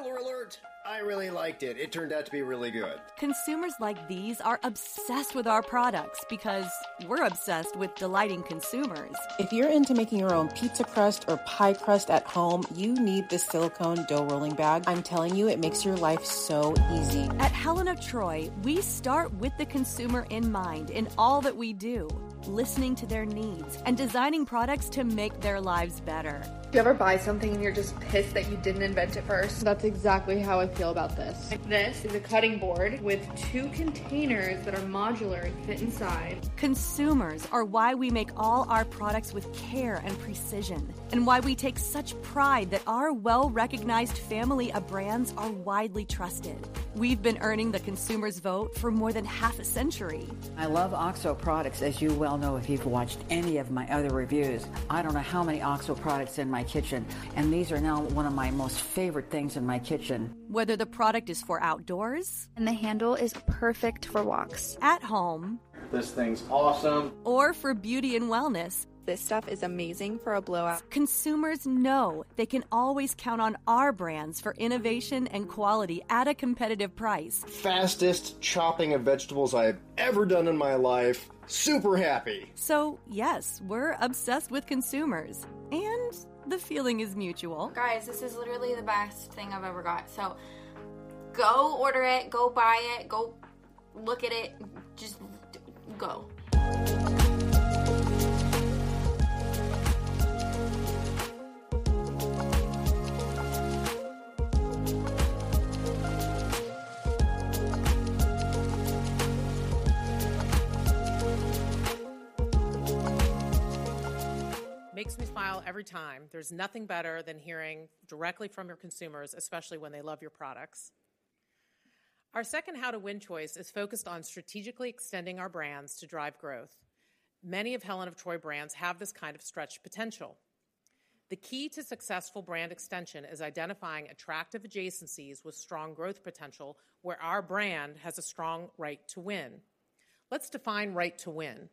Spoiler alert! I really liked it. It turned out to be really good. Consumers like these are obsessed with our products because we're obsessed with delighting consumers. If you're into making your own pizza crust or pie crust at home, you need this silicone dough rolling bag. I'm telling you, it makes your life so easy. At Helen of Troy, we start with the consumer in mind in all that we do, listening to their needs and designing products to make their lives better. Do you ever buy something, and you're just pissed that you didn't invent it first? That's exactly how I feel about this. This is a cutting board with two containers that are modular and fit inside. Consumers are why we make all our products with care and precision, and why we take such pride that our well-recognized family of brands are widely trusted. We've been earning the consumer's vote for more than half a century. I love OXO products, as you well know, if you've watched any of my other reviews. I don't know how many OXO products are in my kitchen, and these are now one of my most favorite things in my kitchen. Whether the product is for outdoors- The handle is perfect for walks.... At home. This thing's awesome. Or for Beauty and Wellness. This stuff is amazing for a blowout. Consumers know they can always count on our brands for innovation and quality at a competitive price. Fastest chopping of vegetables I've ever done in my life. Super happy! Yes, we're obsessed with consumers, and the feeling is mutual. Guys, this is literally the best thing I've ever got, so go order it, go buy it, go look at it. Just go. Makes me smile every time. There's nothing better than hearing directly from your consumers, especially when they love your products. Our second How to Win choice is focused on strategically extending our brands to drive growth. Many of Helen of Troy brands have this kind of stretch potential. The key to successful brand extension is identifying attractive adjacencies with strong growth potential, where our brand has a strong right to win. Let's define right to win.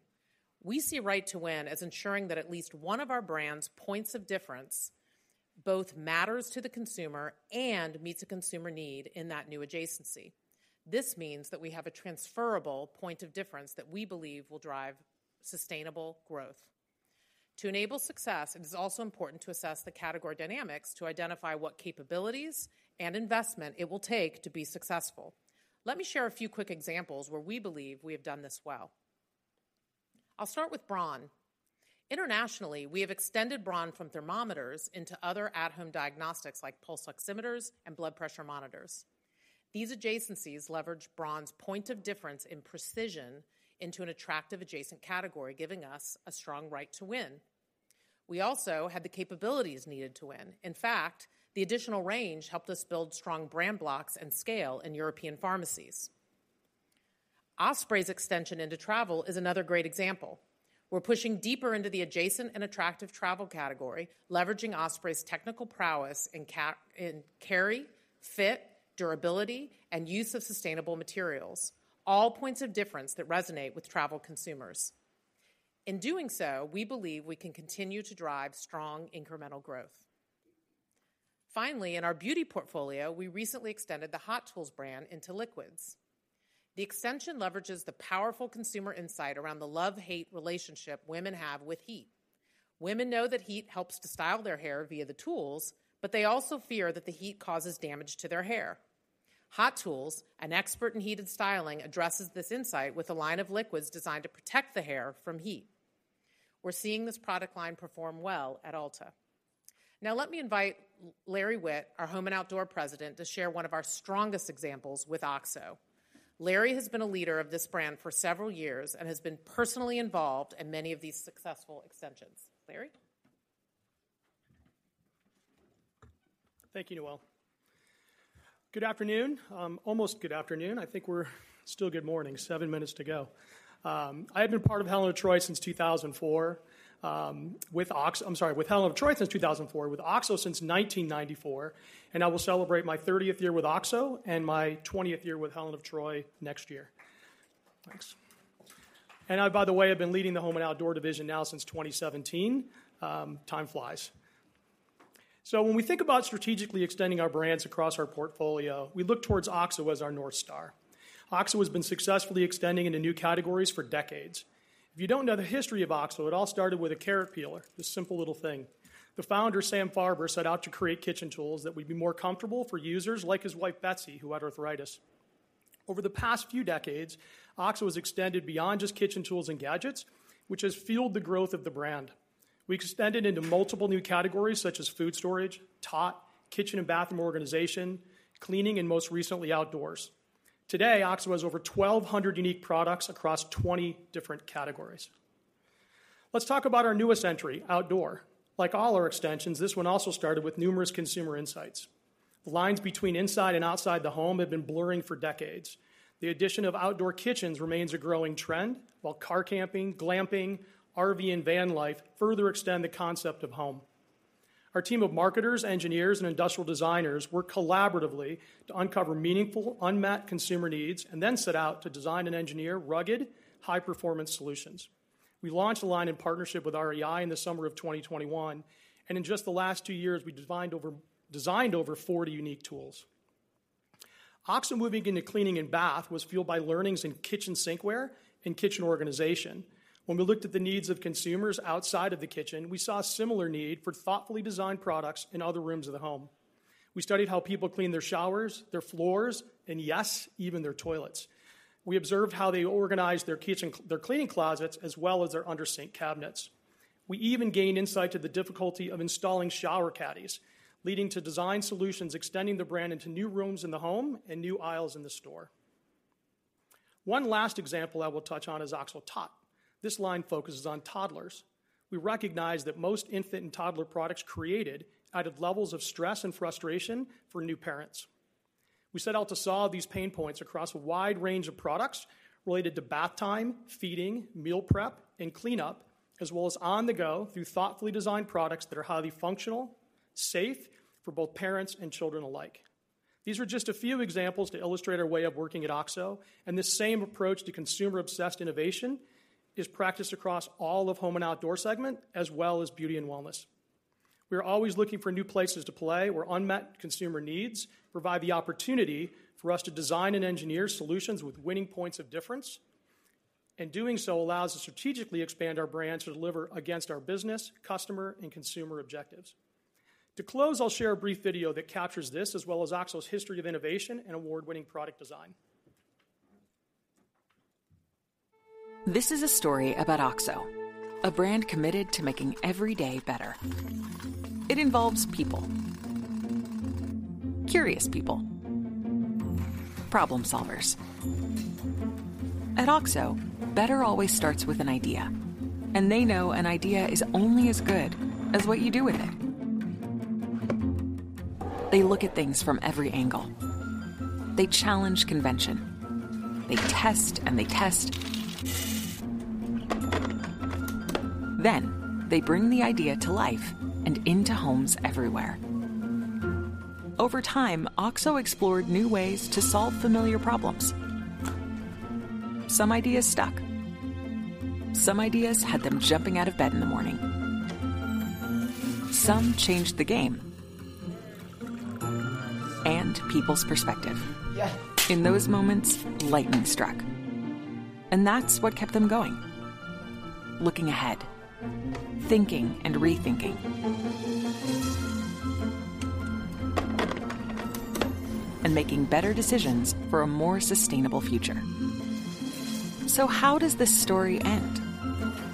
We see right to win as ensuring that at least one of our brand's points of difference both matters to the consumer and meets a consumer need in that new adjacency. This means that we have a transferable point of difference that we believe will drive sustainable growth. To enable success, it is also important to assess the category dynamics to identify what capabilities and investment it will take to be successful. Let me share a few quick examples where we believe we have done this well. I'll start with Braun. Internationally, we have extended Braun from thermometers into other at-home diagnostics like pulse oximeters and blood pressure monitors. These adjacencies leverage Braun's point of difference in precision into an attractive adjacent category, giving us a strong right to win. We also had the capabilities needed to win. In fact, the additional range helped us build strong brand blocks and scale in European pharmacies. Osprey's extension into travel is another great example. We're pushing deeper into the adjacent and attractive travel category, leveraging Osprey's technical prowess in carry, fit, durability, and use of sustainable materials, all points of difference that resonate with travel consumers. In doing so, we believe we can continue to drive strong incremental growth. Finally, in our beauty portfolio, we recently extended the Hot Tools brand into liquids. The extension leverages the powerful consumer insight around the love-hate relationship women have with heat. Women know that heat helps to style their hair via the tools, but they also fear that the heat causes damage to their hair. Hot Tools, an expert in heated styling, addresses this insight with a line of liquids designed to protect the hair from heat. We're seeing this product line perform well at Ulta. Now, let me invite Larry Witt, our President, Home & Outdoor, to share one of our strongest examples with OXO. Larry has been a leader of this brand for several years and has been personally involved in many of these successful extensions. Larry? Thank you, Noel. Good afternoon. Almost good afternoon. I think we're still good morning, seven minutes to go. I have been part of Helen of Troy since 2004, with Helen of Troy since 2004, with OXO since 1994, and I will celebrate my 30th year with OXO and my 20th year with Helen of Troy next year. Thanks. I, by the way, have been leading the Home and Outdoor division now since 2017. Time flies. When we think about strategically extending our brands across our portfolio, we look towards OXO as our North Star. OXO has been successfully extending into new categories for decades. If you don't know the history of OXO, it all started with a carrot peeler, this simple little thing. The founder, Sam Farber, set out to create kitchen tools that would be more comfortable for users like his wife, Betsy, who had arthritis. Over the past few decades, OXO has extended beyond just kitchen tools and gadgets, which has fueled the growth of the brand. We extended into multiple new categories such as food storage, Tot, kitchen and bathroom organization, cleaning, and most recently, outdoors. Today, OXO has over 1,200 unique products across 20 different categories. Let's talk about our newest entry, Outdoor. Like all our extensions, this one also started with numerous consumer insights. The lines between inside and outside the home have been blurring for decades. The addition of outdoor kitchens remains a growing trend, while car camping, glamping, RV, and van life further extend the concept of home. Our team of marketers, engineers, and industrial designers worked collaboratively to uncover meaningful, unmet consumer needs and then set out to design and engineer rugged, high-performance solutions. We launched a line in partnership with REI in the summer of 2021, and in just the last two years, we designed over 40 unique tools. OXO moving into cleaning and bath was fueled by learnings in kitchen sinkware and kitchen organization. When we looked at the needs of consumers outside of the kitchen, we saw a similar need for thoughtfully designed products in other rooms of the home. We studied how people clean their showers, their floors, and yes, even their toilets. We observed how they organized their kitchen, their cleaning closets, as well as their under sink cabinets. We even gained insight to the difficulty of installing shower caddies, leading to design solutions, extending the brand into new rooms in the home and new aisles in the store. One last example I will touch on is OXO Tot. This line focuses on toddlers. We recognize that most infant and toddler products created added levels of stress and frustration for new parents. We set out to solve these pain points across a wide range of products related to bath time, feeding, meal prep, and cleanup, as well as on-the-go, through thoughtfully designed products that are highly functional, safe for both parents and children alike. These are just a few examples to illustrate our way of working at OXO, and this same approach to consumer-obsessed innovation is practiced across all of Home and Outdoor segment, as well as Beauty and Wellness. We are always looking for new places to play, where unmet consumer needs provide the opportunity for us to design and engineer solutions with winning points of difference, and doing so allows us to strategically expand our brands to deliver against our business, customer, and consumer objectives. To close, I'll share a brief video that captures this, as well as OXO's history of innovation and award-winning product design. This is a story about OXO, a brand committed to making every day better. It involves people, curious people, problem solvers. At OXO, better always starts with an idea, and they know an idea is only as good as what you do with it. They look at things from every angle. They challenge convention. They test and they test. Then they bring the idea to life and into homes everywhere. Over time, OXO explored new ways to solve familiar problems. Some ideas stuck. Some ideas had them jumping out of bed in the morning. Some changed the game and people's perspective. Yes! In those moments, lightning struck, and that's what kept them going. Looking ahead, thinking and rethinking. And making better decisions for a more sustainable future. So how does this story end?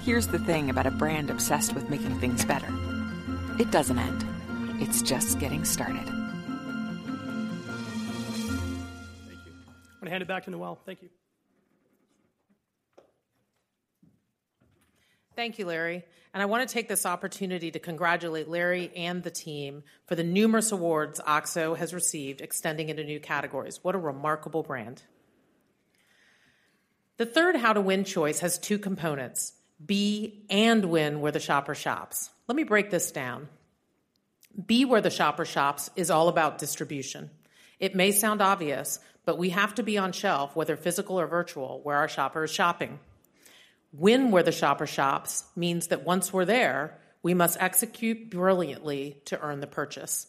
Here's the thing about a brand obsessed with making things better. It doesn't end. It's just getting started. Thank you. I'm going to hand it back to Noel. Thank you. Thank you, Larry, and I want to take this opportunity to congratulate Larry and the team for the numerous awards OXO has received extending into new categories. What a remarkable brand! The third How to Win choice has two components: be and win where the shopper shops. Let me break this down. Be where the shopper shops is all about distribution. It may sound obvious, but we have to be on shelf, whether physical or virtual, where our shopper is shopping. Win where the shopper shops means that once we're there, we must execute brilliantly to earn the purchase.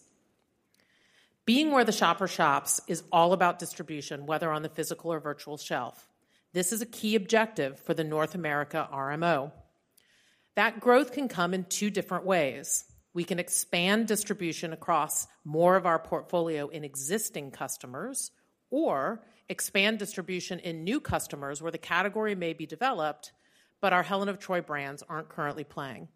Being where the shopper shops is all about distribution, whether on the physical or virtual shelf. This is a key objective for the North America RMO. That growth can come in two different ways. We can expand distribution across more of our portfolio in existing customers, or expand distribution in new customers where the category may be developed, but our Helen of Troy brands aren't currently playing.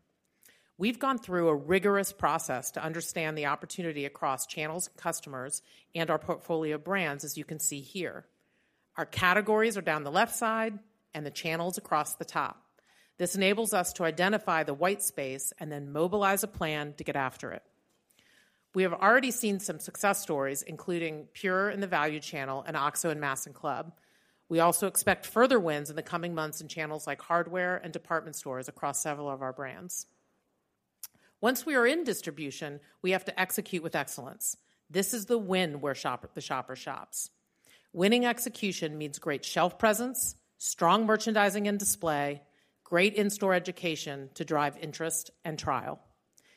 We've gone through a rigorous process to understand the opportunity across channels, customers, and our portfolio of brands, as you can see here. Our categories are down the left side and the channels across the top. This enables us to identify the white space and then mobilize a plan to get after it. We have already seen some success stories, including PUR in the value channel and OXO in Mass and Club. We also expect further wins in the coming months in channels like hardware and department stores across several of our brands. Once we are in distribution, we have to execute with excellence. This is the win where the shopper shops. Winning execution means great shelf presence, strong merchandising and display, great in-store education to drive interest and trial.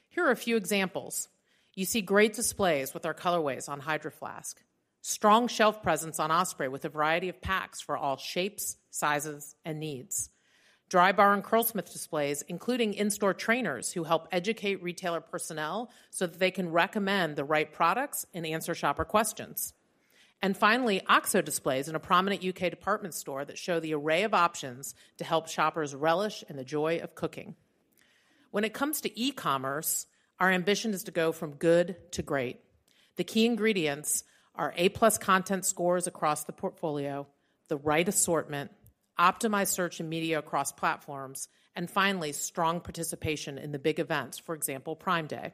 Here are a few examples. You see great displays with our colorways on Hydro Flask, strong shelf presence on Osprey with a variety of packs for all shapes, sizes, and needs. Drybar and Curlsmith displays, including in-store trainers who help educate retailer personnel so that they can recommend the right products and answer shopper questions. And finally, OXO displays in a prominent UK department store that show the array of options to help shoppers relish in the joy of cooking. When it comes to e-commerce, our ambition is to go from good to great. The key ingredients are A+ content scores across the portfolio, the right assortment, Optimized search and media across platforms, and finally, strong participation in the big events, for example, Prime Day.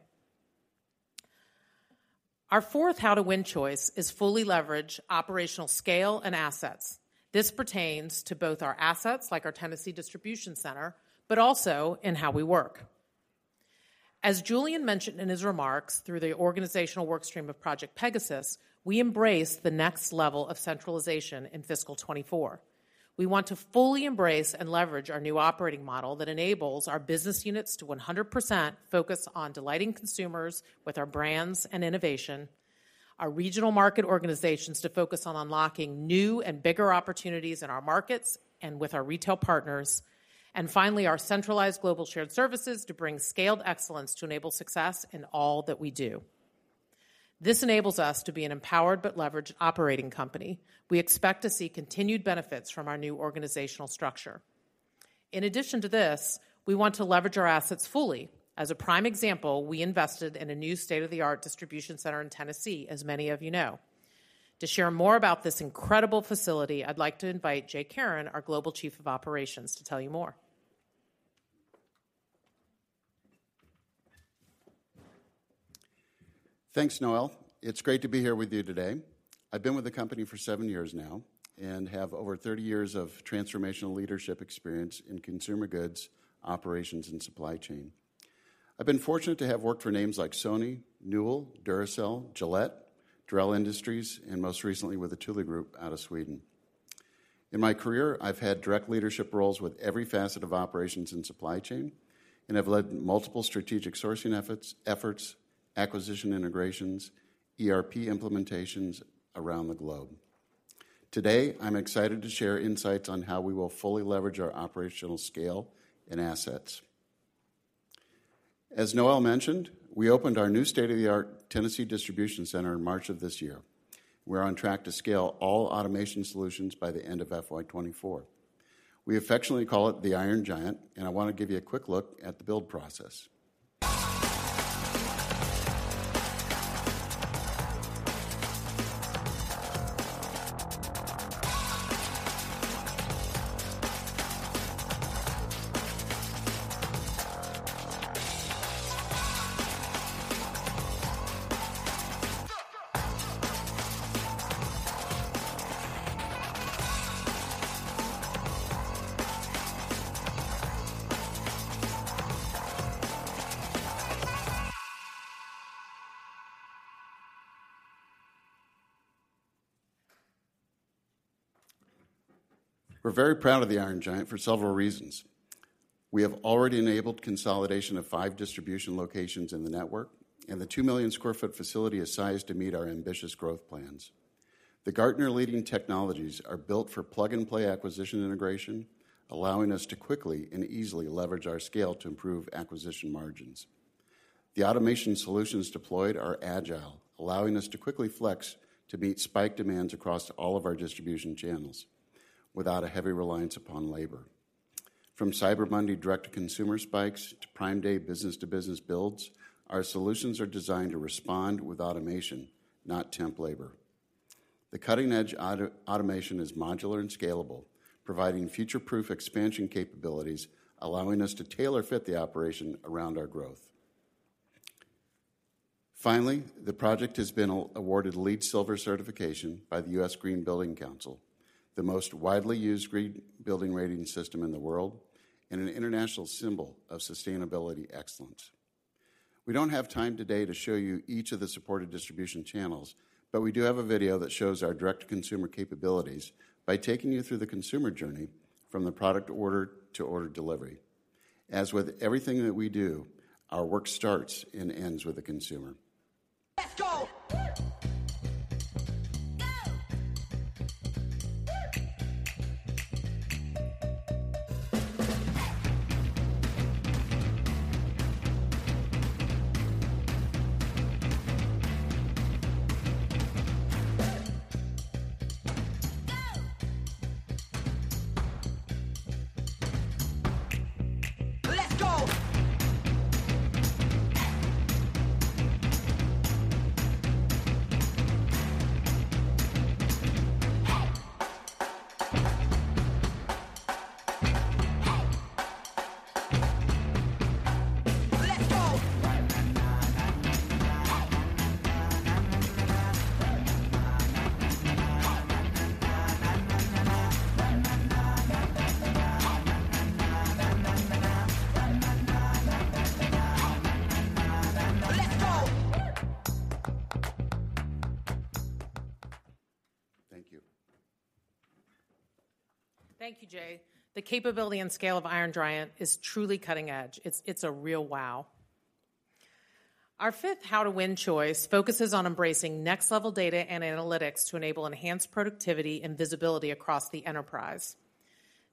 Our fourth How to Win choice is fully leverage operational scale and assets. This pertains to both our assets, like our Tennessee Distribution Center, but also in how we work. As Julien mentioned in his remarks, through the organizational work stream of Project Pegasus, we embrace the next level of centralization in fiscal 2024. We want to fully embrace and leverage our new operating model that enables our business units to 100% focus on delighting consumers with our brands and innovation, our regional market organizations to focus on unlocking new and bigger opportunities in our markets and with our retail partners, and finally, our centralized global shared services to bring scaled excellence to enable success in all that we do. This enables us to be an empowered but leveraged operating company. We expect to see continued benefits from our new organizational structure. In addition to this, we want to leverage our assets fully. As a prime example, we invested in a new state-of-the-art distribution center in Tennessee, as many of you know. To share more about this incredible facility, I'd like to invite Jay Caron, our Global Chief of Operations, to tell you more. Thanks, Noel. It's great to be here with you today. I've been with the company for seven years now and have over 30 years of transformational leadership experience in consumer goods, operations, and supply chain. I've been fortunate to have worked for names like Sony, Newell, Duracell, Gillette, Dorel Industries, and most recently with the Thule Group out of Sweden. In my career, I've had direct leadership roles with every facet of operations and supply chain, and I've led multiple strategic sourcing efforts, acquisition integrations, ERP implementations around the globe. Today, I'm excited to share insights on how we will fully leverage our operational scale and assets. As Noel mentioned, we opened our new state-of-the-art Tennessee distribution center in March of this year. We're on track to scale all automation solutions by the end of FY 2024. We affectionately call it the Iron Giant, and I want to give you a quick look at the build process. We're very proud of the Iron Giant for several reasons. We have already enabled consolidation of 5 distribution locations in the network, and the 2 million sq ft facility is sized to meet our ambitious growth plans. The Gartner leading technologies are built for plug-and-play acquisition integration, allowing us to quickly and easily leverage our scale to improve acquisition margins. The automation solutions deployed are agile, allowing us to quickly flex to meet spike demands across all of our distribution channels without a heavy reliance upon labor. From Cyber Monday, direct-to-consumer spikes to Prime Day business-to-business builds, our solutions are designed to respond with automation, not temp labor. The cutting-edge automation is modular and scalable, providing future-proof expansion capabilities, allowing us to tailor fit the operation around our growth. Finally, the project has been awarded LEED Silver Certification by the U.S. Green Building Council, the most widely used green building rating system in the world and an international symbol of sustainability excellence. We don't have time today to show you each of the supported distribution channels, but we do have a video that shows our direct-to-consumer capabilities by taking you through the consumer journey from the product order to order delivery. As with everything that we do, our work starts and ends with the consumer. Let. Thank you. Thank you, Jay. The capability and scale of Iron Giant is truly cutting edge. It's, it's a real wow! Our fifth How to Win choice focuses on embracing next-level data and analytics to enable enhanced productivity and visibility across the enterprise.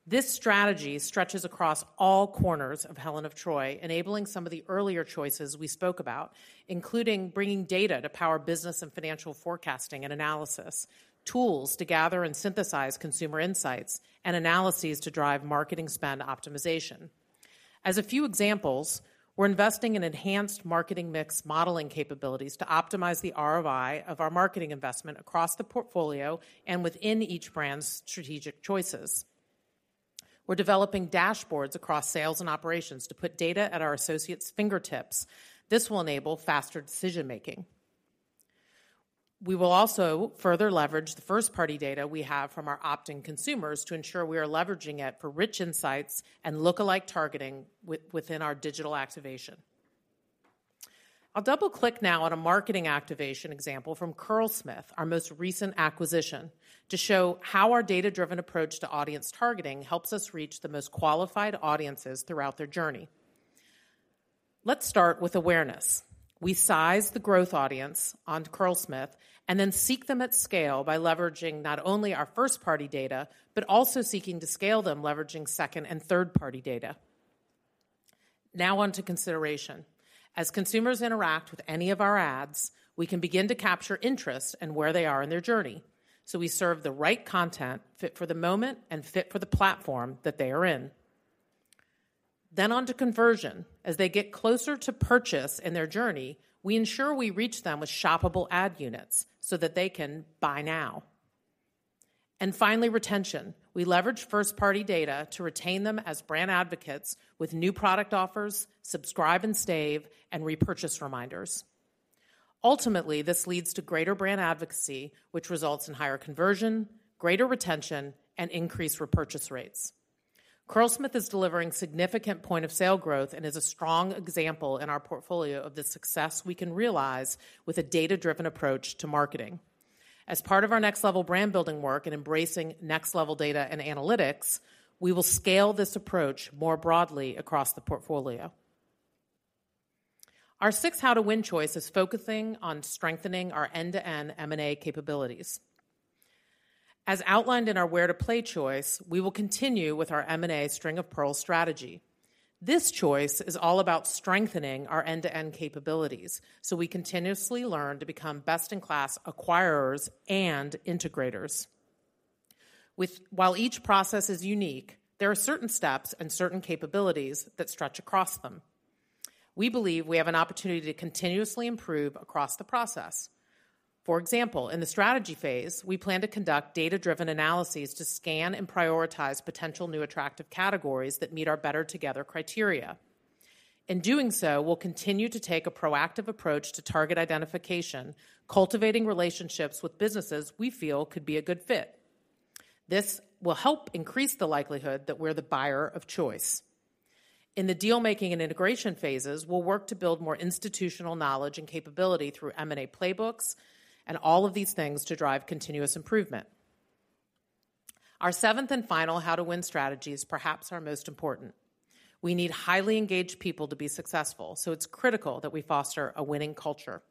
This strategy stretches across all corners of Helen of Troy, enabling some of the earlier choices we spoke about, including bringing data to power business and financial forecasting and analysis, tools to gather and synthesize consumer insights, and analyses to drive marketing spend optimization. As a few examples, we're investing in enhanced marketing mix modeling capabilities to Optimize the ROI of our marketing investment across the portfolio and within each brand's strategic choices. We're developing dashboards across sales and operations to put data at our associates' fingertips. This will enable faster decision-making. We will also further leverage the first-party data we have from our opt-in consumers to ensure we are leveraging it for rich insights and look-alike targeting within our digital activation. I'll double-click now on a marketing activation example from Curlsmith, our most recent acquisition, to show how our data-driven approach to audience targeting helps us reach the most qualified audiences throughout their journey. Let's start with awareness. We size the growth audience on Curlsmith and then seek them at scale by leveraging not only our first-party data, but also seeking to scale them, leveraging second- and third-party data. Now on to consideration. As consumers interact with any of our ads, we can begin to capture interest and where they are in their journey, so we serve the right content, fit for the moment and fit for the platform that they are in. Then on to conversion. As they get closer to purchase in their journey, we ensure we reach them with shoppable ad units so that they can buy now. And finally, retention. We leverage first-party data to retain them as brand advocates with new product offers, subscribe and save, and repurchase reminders. Ultimately, this leads to greater brand advocacy, which results in higher conversion, greater retention, and increased repurchase rates. Curlsmith is delivering significant point-of-sale growth and is a strong example in our portfolio of the success we can realize with a data-driven approach to marketing. As part of our next level brand building work and embracing next level data and analytics, we will scale this approach more broadly across the portfolio. Our sixth How to Win choice is focusing on strengthening our end-to-end M&A capabilities. As outlined in our Where to Play choice, we will continue with our M&A string-of-pearls strategy. This choice is all about strengthening our end-to-end capabilities, so we continuously learn to become best-in-class acquirers and integrators. While each process is unique, there are certain steps and certain capabilities that stretch across them. We believe we have an opportunity to continuously improve across the process. For example, in the strategy phase, we plan to conduct data-driven analyses to scan and prioritize potential new attractive categories that meet our better together criteria. In doing so, we'll continue to take a proactive approach to target identification, cultivating relationships with businesses we feel could be a good fit. This will help increase the likelihood that we're the buyer of choice. In the deal-making and integration phases, we'll work to build more institutional knowledge and capability through M&A playbooks and all of these things to drive continuous improvement. Our seventh and final How to Win strategy is perhaps our most important. We need highly engaged people to be successful, so it's critical that we foster a winning culture.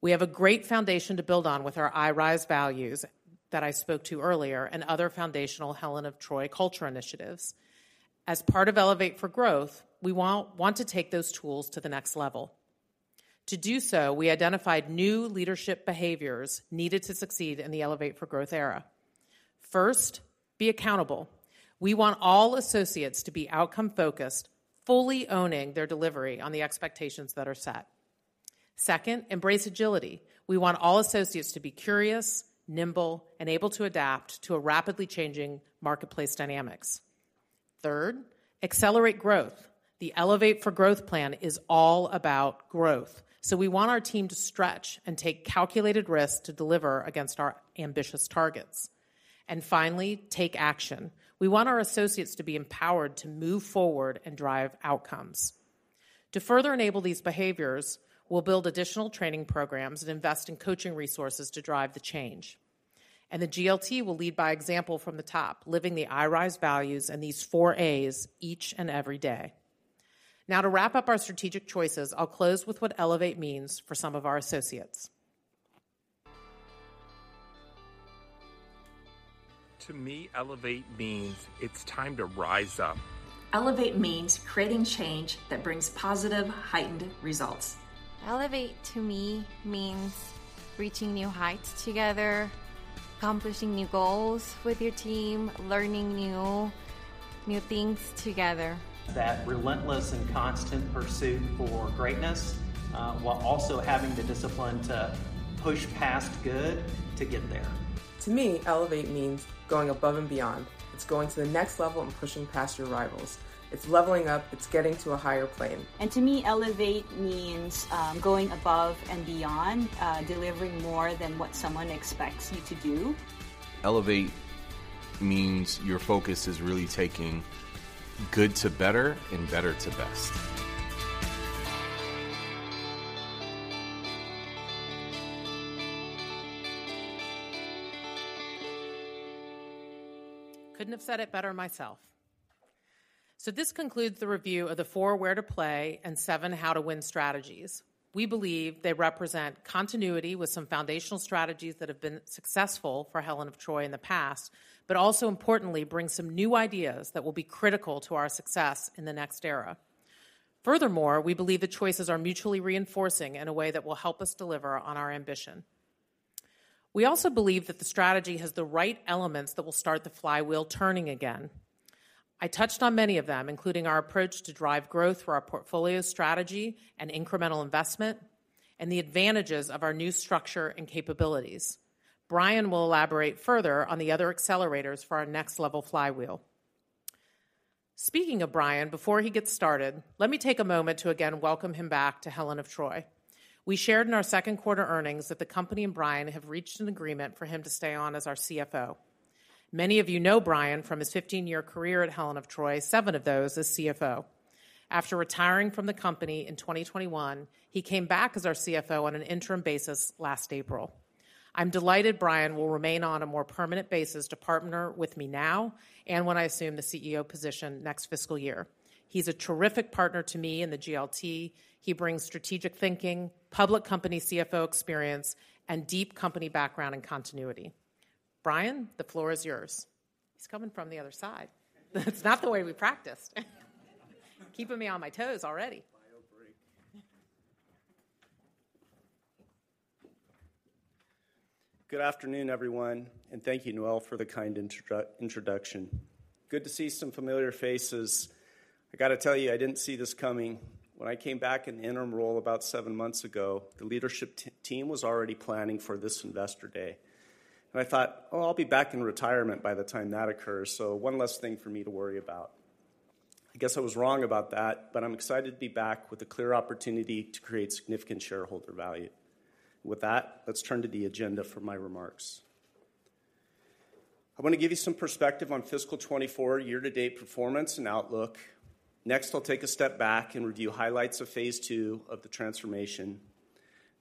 We have a great foundation to build on with our I-RISE values that I spoke to earlier and other foundational Helen of Troy culture initiatives. As part of Elevate for Growth, we want to take those tools to the next level. To do so, we identified new leadership behaviors needed to succeed in the Elevate for Growth era. First, be accountable. We want all associates to be outcome-focused, fully owning their delivery on the expectations that are set. Second, embrace agility. We want all associates to be curious, nimble, and able to adapt to a rapidly changing marketplace dynamics. Third, accelerate growth. The Elevate for Growth plan is all about growth, so we want our team to stretch and take calculated risks to deliver against our ambitious targets. And finally, take action. We want our associates to be empowered to move forward and drive outcomes. To further enable these behaviors, we'll build additional training programs and invest in coaching resources to drive the change, and the GLT will lead by example from the top, living the I-RISE values and these four A's each and every day. Now, to wrap up our strategic choices, I'll close with what Elevate means for some of our associates. To me, Elevate means it's time to rise up. Elevate means creating change that brings positive, heightened results. Elevate, to me, means reaching new heights together, accomplishing new goals with your team, learning new things together. That relentless and constant pursuit for greatness, while also having the discipline to push past good to get there. To me, Elevate means going above and beyond. It's going to the next level and pushing past your rivals. It's leveling up. It's getting to a higher plane. To me, Elevate means going above and beyond, delivering more than what someone expects you to do. Elevate means your focus is really taking good to better and better to best. Couldn't have said it better myself. This concludes the review of the four Where to Play and seven How to Win strategies. We believe they represent continuity with some foundational strategies that have been successful for Helen of Troy in the past, but also importantly, bring some new ideas that will be critical to our success in the next era. Furthermore, we believe the choices are mutually reinforcing in a way that will help us deliver on our ambition. We also believe that the strategy has the right elements that will start the flywheel turning again. I touched on many of them, including our approach to drive growth through our portfolio strategy and incremental investment, and the advantages of our new structure and capabilities. Brian will elaborate further on the other accelerators for our next level flywheel. Speaking of Brian, before he gets started, let me take a moment to again welcome him back to Helen of Troy. We shared in our Q2 earnings that the company and Brian have reached an agreement for him to stay on as our CFO. Many of you know Brian from his 15-year career at Helen of Troy, 7 of those as CFO. After retiring from the company in 2021, he came back as our CFO on an interim basis last April. I'm delighted Brian will remain on a more permanent basis to partner with me now and when I assume the CEO position next fiscal year. He's a terrific partner to me and the GLT. He brings strategic thinking, public company CFO experience, and deep company background and continuity. Brian, the floor is yours. He's coming from the other side. That's not the way we practiced. Keeping me on my toes already. Bio break. Good afternoon, everyone, and thank you, Noel, for the kind introduction. Good to see some familiar faces. I gotta tell you, I didn't see this coming. When I came back in the interim role about seven months ago, the leadership team was already planning for this Investor Day, and I thought, "Oh, I'll be back in retirement by the time that occurs, so one less thing for me to worry about." I guess I was wrong about that, but I'm excited to be back with a clear opportunity to create significant shareholder value. With that, let's turn to the agenda for my remarks. I wanna give you some perspective on fiscal 2024 year-to-date performance and outlook. Next, I'll take a step back and review highlights of phase two of the transformation.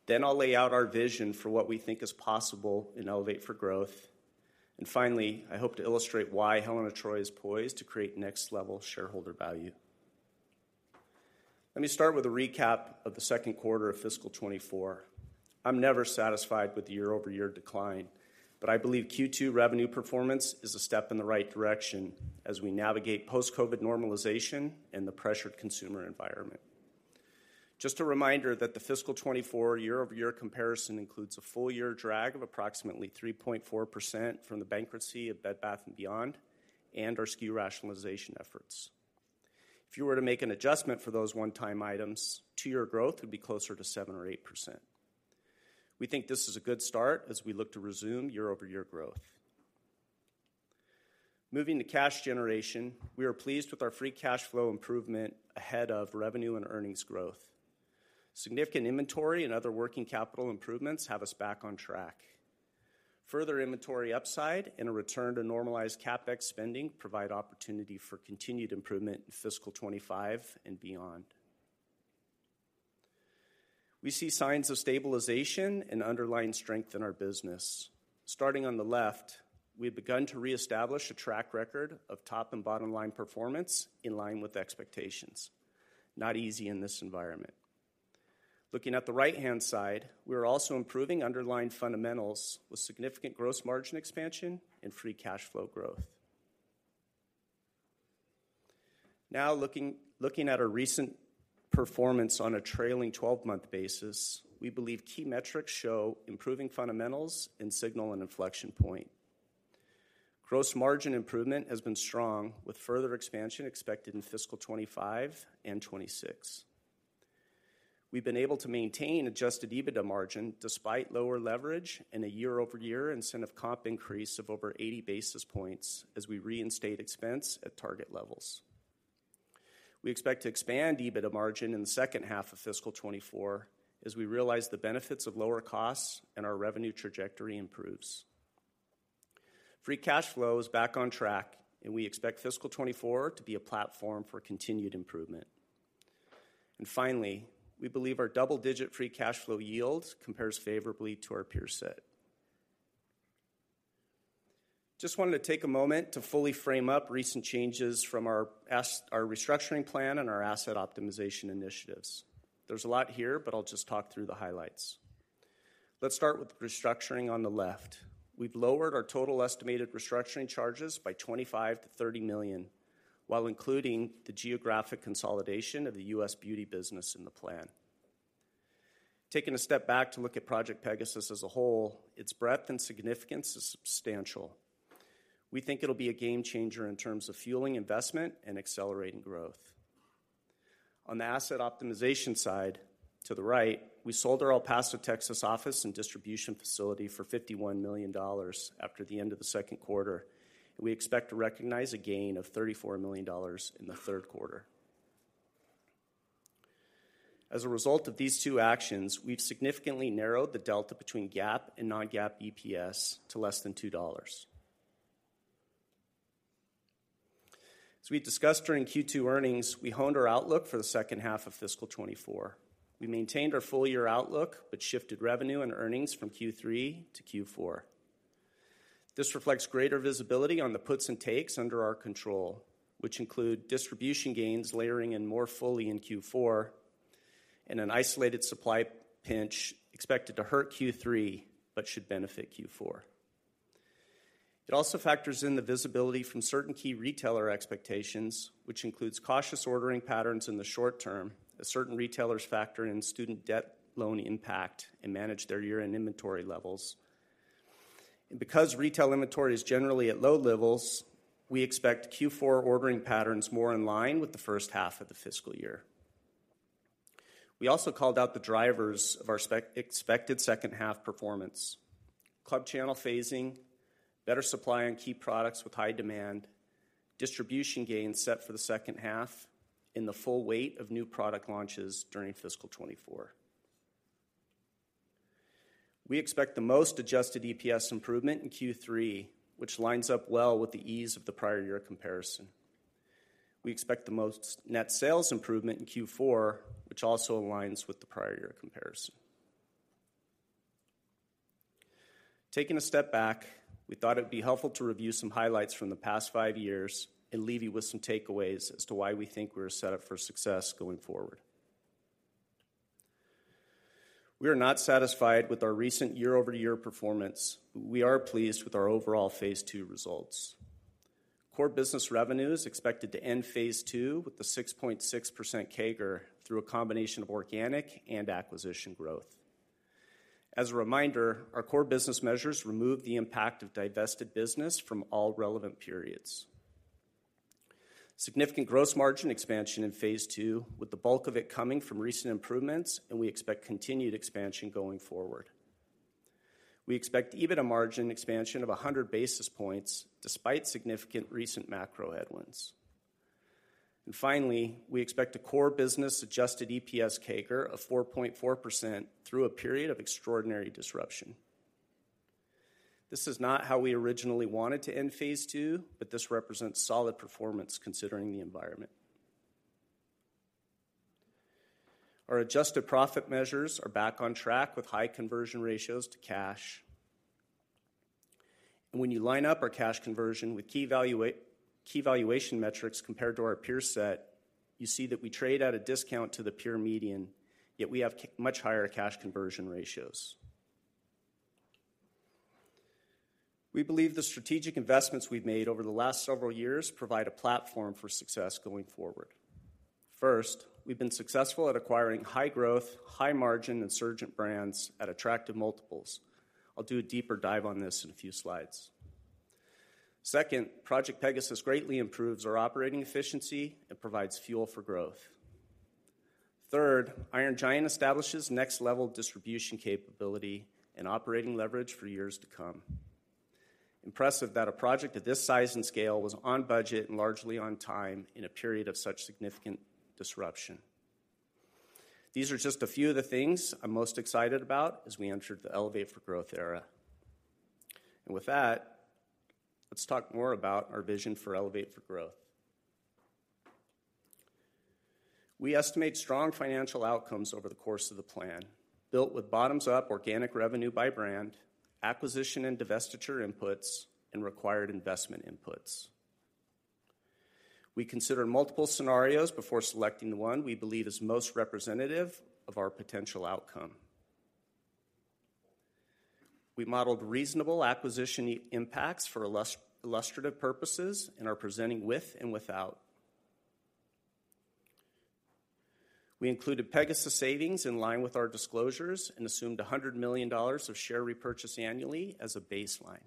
Then I'll lay out our vision for what we think is possible in Elevate for Growth. Finally, I hope to illustrate why Helen of Troy is poised to create next-level shareholder value. Let me start with a recap of the Q2 of fiscal 2024. I'm never satisfied with the year-over-year decline, but I believe Q2 revenue performance is a step in the right direction as we navigate post-COVID normalization and the pressured consumer environment. Just a reminder that the fiscal 2024 year-over-year comparison includes a full year drag of approximately 3.4% from the bankruptcy of Bed Bath & Beyond and our SKU rationalization efforts. If you were to make an adjustment for those one-time items, 2-year growth would be closer to 7% or 8%. We think this is a good start as we look to resume year-over-year growth. Moving to cash generation, we are pleased with our free cash flow improvement ahead of revenue and earnings growth. Significant inventory and other working capital improvements have us back on track. Further inventory upside and a return to normalized CapEx spending provide opportunity for continued improvement in fiscal 2025 and beyond. We see signs of stabilization and underlying strength in our business. Starting on the left, we've begun to reestablish a track record of top and bottom line performance in line with expectations, not easy in this environment. Looking at the right-hand side, we are also improving underlying fundamentals with significant gross margin expansion and free cash flow growth. Now, looking at our recent performance on a trailing twelve-month basis, we believe key metrics show improving fundamentals and signal an inflection point. Gross margin improvement has been strong, with further expansion expected in fiscal 2025 and 2026. We've been able to maintain Adjusted EBITDA margin despite lower leverage and a year-over-year incentive comp increase of over 80 basis points as we reinstate expense at target levels. We expect to expand EBITDA margin in the second half of fiscal 2024 as we realize the benefits of lower costs and our revenue trajectory improves. Free cash flow is back on track, and we expect fiscal 2024 to be a platform for continued improvement. And finally, we believe our double-digit free cash flow yield compares favorably to our peer set. Just wanted to take a moment to fully frame up recent changes from our our restructuring plan and our asset optimization initiatives. There's a lot here, but I'll just talk through the highlights. Let's start with restructuring on the left. We've lowered our total estimated restructuring charges by $25 million-$30 million, while including the geographic consolidation of the U.S. beauty business in the plan. Taking a step back to look at Project Pegasus as a whole, its breadth and significance is substantial. We think it'll be a game changer in terms of fueling investment and accelerating growth. On the asset optimization side, to the right, we sold our El Paso, Texas, office and distribution facility for $51 million after the end of the Q2, and we expect to recognize a gain of $34 million in the Q3. As a result of these two actions, we've significantly narrowed the delta between GAAP and non-GAAP EPS to less than $2. As we discussed during Q2 earnings, we honed our outlook for the second half of fiscal 2024. We maintained our full year outlook, but shifted revenue and earnings from Q3 to Q4. This reflects greater visibility on the puts and takes under our control, which include distribution gains layering in more fully in Q4 and an isolated supply pinch expected to hurt Q3, but should benefit Q4. It also factors in the visibility from certain key retailer expectations, which includes cautious ordering patterns in the short term, as certain retailers factor in student debt loan impact and manage their year-end inventory levels. Because retail inventory is generally at low levels, we expect Q4 ordering patterns more in line with the first half of the fiscal year.... We also called out the drivers of our expected second half performance: club channel phasing, better supply on key products with high demand, distribution gains set for the second half, and the full weight of new product launches during fiscal 2024. We expect the most Adjusted EPS improvement in Q3, which lines up well with the ease of the prior year comparison. We expect the most net sales improvement in Q4, which also aligns with the prior year comparison. Taking a step back, we thought it'd be helpful to review some highlights from the past five years and leave you with some takeaways as to why we think we're set up for success going forward. We are not satisfied with our recent year-over-year performance, but we are pleased with our overall Phase Two results. Core business revenue is expected to end Phase Two with a 6.6% CAGR through a combination of organic and acquisition growth. As a reminder, our core business measures remove the impact of divested business from all relevant periods. Significant gross margin expansion in Phase Two, with the bulk of it coming from recent improvements, and we expect continued expansion going forward. We expect EBITDA margin expansion of 100 basis points despite significant recent macro headwinds. And finally, we expect a core business adjusted EPS CAGR of 4.4% through a period of extraordinary disruption. This is not how we originally wanted to end Phase Two, but this represents solid performance considering the environment. Our adjusted profit measures are back on track with high conversion ratios to cash. And when you line up our cash conversion with key valua... Key valuation metrics compared to our peer set, you see that we trade at a discount to the peer median, yet we have much higher cash conversion ratios. We believe the strategic investments we've made over the last several years provide a platform for success going forward. First, we've been successful at acquiring high growth, high margin, and surging brands at attractive multiples. I'll do a deeper dive on this in a few slides. Second, Project Pegasus greatly improves our operating efficiency and provides fuel for growth. Third, Iron Giant establishes next level distribution capability and operating leverage for years to come. Impressive that a project of this size and scale was on budget and largely on time in a period of such significant disruption. These are just a few of the things I'm most excited about as we enter the Elevate for Growth era. With that, let's talk more about our vision for Elevate for Growth. We estimate strong financial outcomes over the course of the plan, built with bottoms-up organic revenue by brand, acquisition and divestiture inputs, and required investment inputs. We consider multiple scenarios before selecting the one we believe is most representative of our potential outcome. We modeled reasonable acquisition impacts for illustrative purposes and are presenting with and without. We included Pegasus savings in line with our disclosures and assumed $100 million of share repurchase annually as a baseline.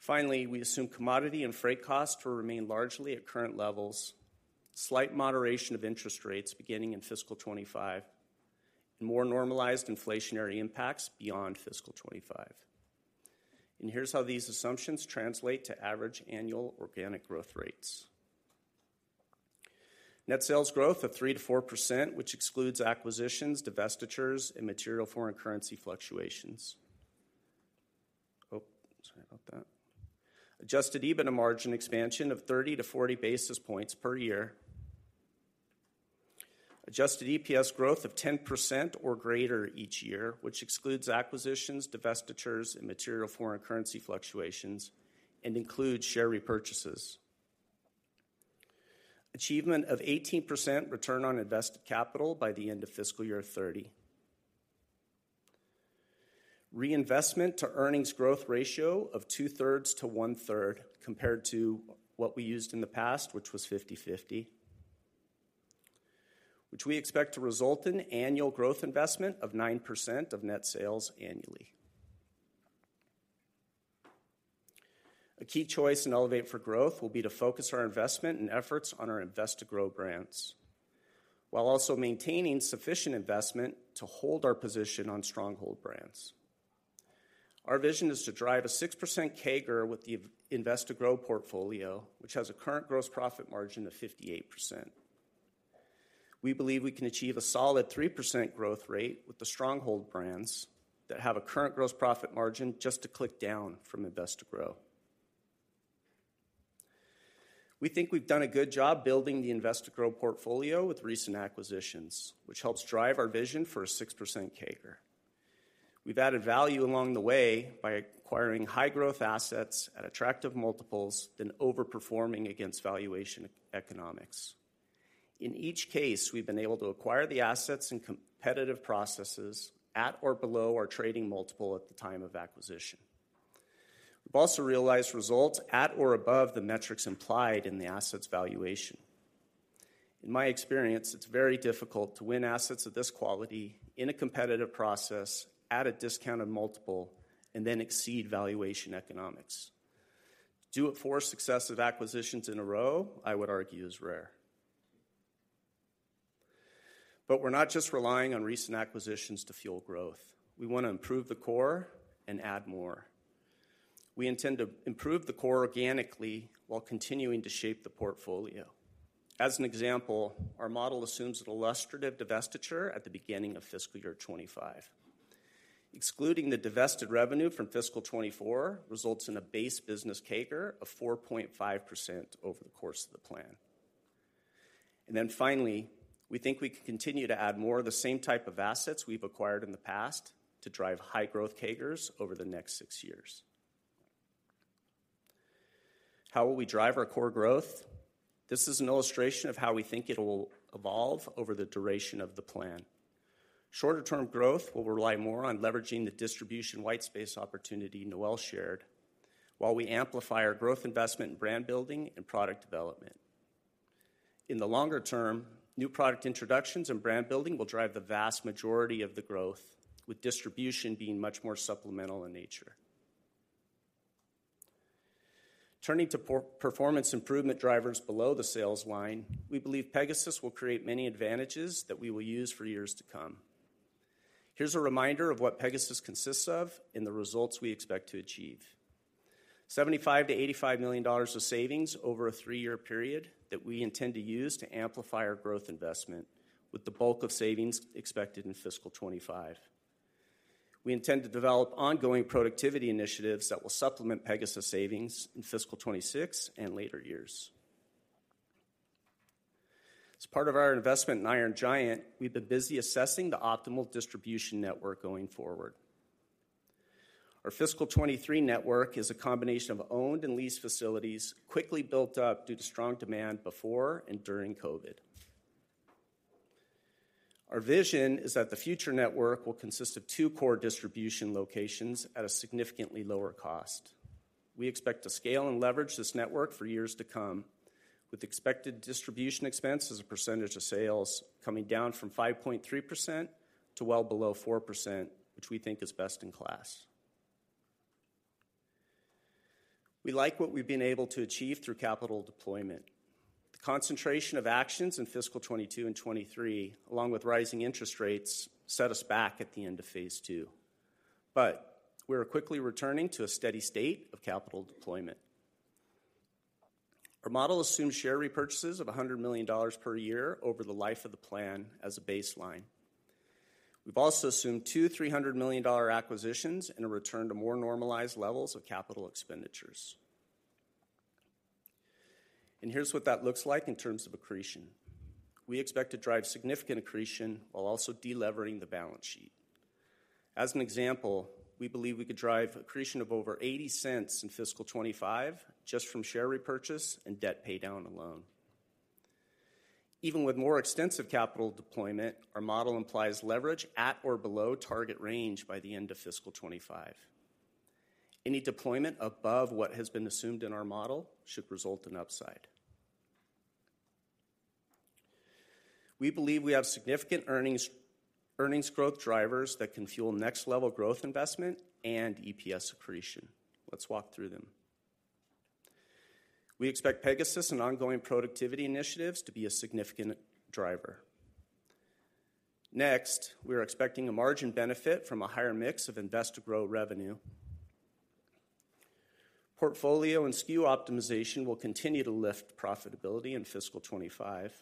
Finally, we assume commodity and freight costs will remain largely at current levels, slight moderation of interest rates beginning in fiscal 2025, and more normalized inflationary impacts beyond fiscal 2025. Here's how these assumptions translate to average annual organic growth rates. Net sales growth of 3%-4%, which excludes acquisitions, divestitures, and material foreign currency fluctuations. Oh, sorry about that. Adjusted EBITDA margin expansion of 30-40 basis points per year. Adjusted EPS growth of 10% or greater each year, which excludes acquisitions, divestitures, and material foreign currency fluctuations, and includes share repurchases. Achievement of 18% return on invested capital by the end of fiscal year 2030. Reinvestment to earnings growth ratio of 2/3-1/3, compared to what we used in the past, which was 50/50, which we expect to result in annual growth investment of 9% of net sales annually. A key choice in Elevate for Growth will be to focus our investment and efforts on our Invest to Grow brands, while also maintaining sufficient investment to hold our position on Stronghold brands. Our vision is to drive a 6% CAGR with the Invest to Grow portfolio, which has a current gross profit margin of 58%. We believe we can achieve a solid 3% growth rate with the Stronghold brands that have a current gross profit margin just a tick down from Invest to Grow. We think we've done a good job building the Invest to Grow portfolio with recent acquisitions, which helps drive our vision for a 6% CAGR. We've added value along the way by acquiring high growth assets at attractive multiples, then overperforming against valuation economics. In each case, we've been able to acquire the assets in competitive processes at or below our trading multiple at the time of acquisition. We've also realized results at or above the metrics implied in the asset's valuation. In my experience, it's very difficult to win assets of this quality in a competitive process at a discounted multiple and then exceed valuation economics. Do it 4 successive acquisitions in a row, I would argue, is rare. But we're not just relying on recent acquisitions to fuel growth. We want to improve the core and add more. We intend to improve the core organically while continuing to shape the portfolio. As an example, our model assumes an illustrative divestiture at the beginning of fiscal year 2025. Excluding the divested revenue from fiscal 2024 results in a base business CAGR of 4.5% over the course of the plan. And then finally, we think we can continue to add more of the same type of assets we've acquired in the past to drive high growth CAGRs over the next 6 years. How will we drive our core growth? This is an illustration of how we think it will evolve over the duration of the plan. Shorter-term growth will rely more on leveraging the distribution white space opportunity Noel shared, while we amplify our growth investment in brand building and product development. In the longer term, new product introductions and brand building will drive the vast majority of the growth, with distribution being much more supplemental in nature. Turning to performance improvement drivers below the sales line, we believe Pegasus will create many advantages that we will use for years to come. Here's a reminder of what Pegasus consists of and the results we expect to achieve. $75 million-$85 million of savings over a three-year period that we intend to use to amplify our growth investment, with the bulk of savings expected in fiscal 2025. We intend to develop ongoing productivity initiatives that will supplement Pegasus savings in fiscal 2026 and later years. As part of our investment in Iron Giant, we've been busy assessing the optimal distribution network going forward. Our fiscal 2023 network is a combination of owned and leased facilities, quickly built up due to strong demand before and during COVID. Our vision is that the future network will consist of two core distribution locations at a significantly lower cost. We expect to scale and leverage this network for years to come, with expected distribution expense as a percentage of sales coming down from 5.3% to well below 4%, which we think is best in class. We like what we've been able to achieve through capital deployment. The concentration of actions in fiscal 2022 and 2023, along with rising interest rates, set us back at the end of phase two, but we are quickly returning to a steady state of capital deployment. Our model assumes share repurchases of $100 million per year over the life of the plan as a baseline. We've also assumed two $300 million acquisitions and a return to more normalized levels of capital expenditures. Here's what that looks like in terms of accretion. We expect to drive significant accretion while also de-levering the balance sheet. As an example, we believe we could drive accretion of over $0.80 in fiscal 2025 just from share repurchase and debt paydown alone. Even with more extensive capital deployment, our model implies leverage at or below target range by the end of fiscal 2025. Any deployment above what has been assumed in our model should result in upside. We believe we have significant earnings, earnings growth drivers that can fuel next level growth investment and EPS accretion. Let's walk through them. We expect Pegasus and ongoing productivity initiatives to be a significant driver. Next, we are expecting a margin benefit from a higher mix of Invest to Grow revenue. Portfolio and SKU optimization will continue to lift profitability in fiscal 2025.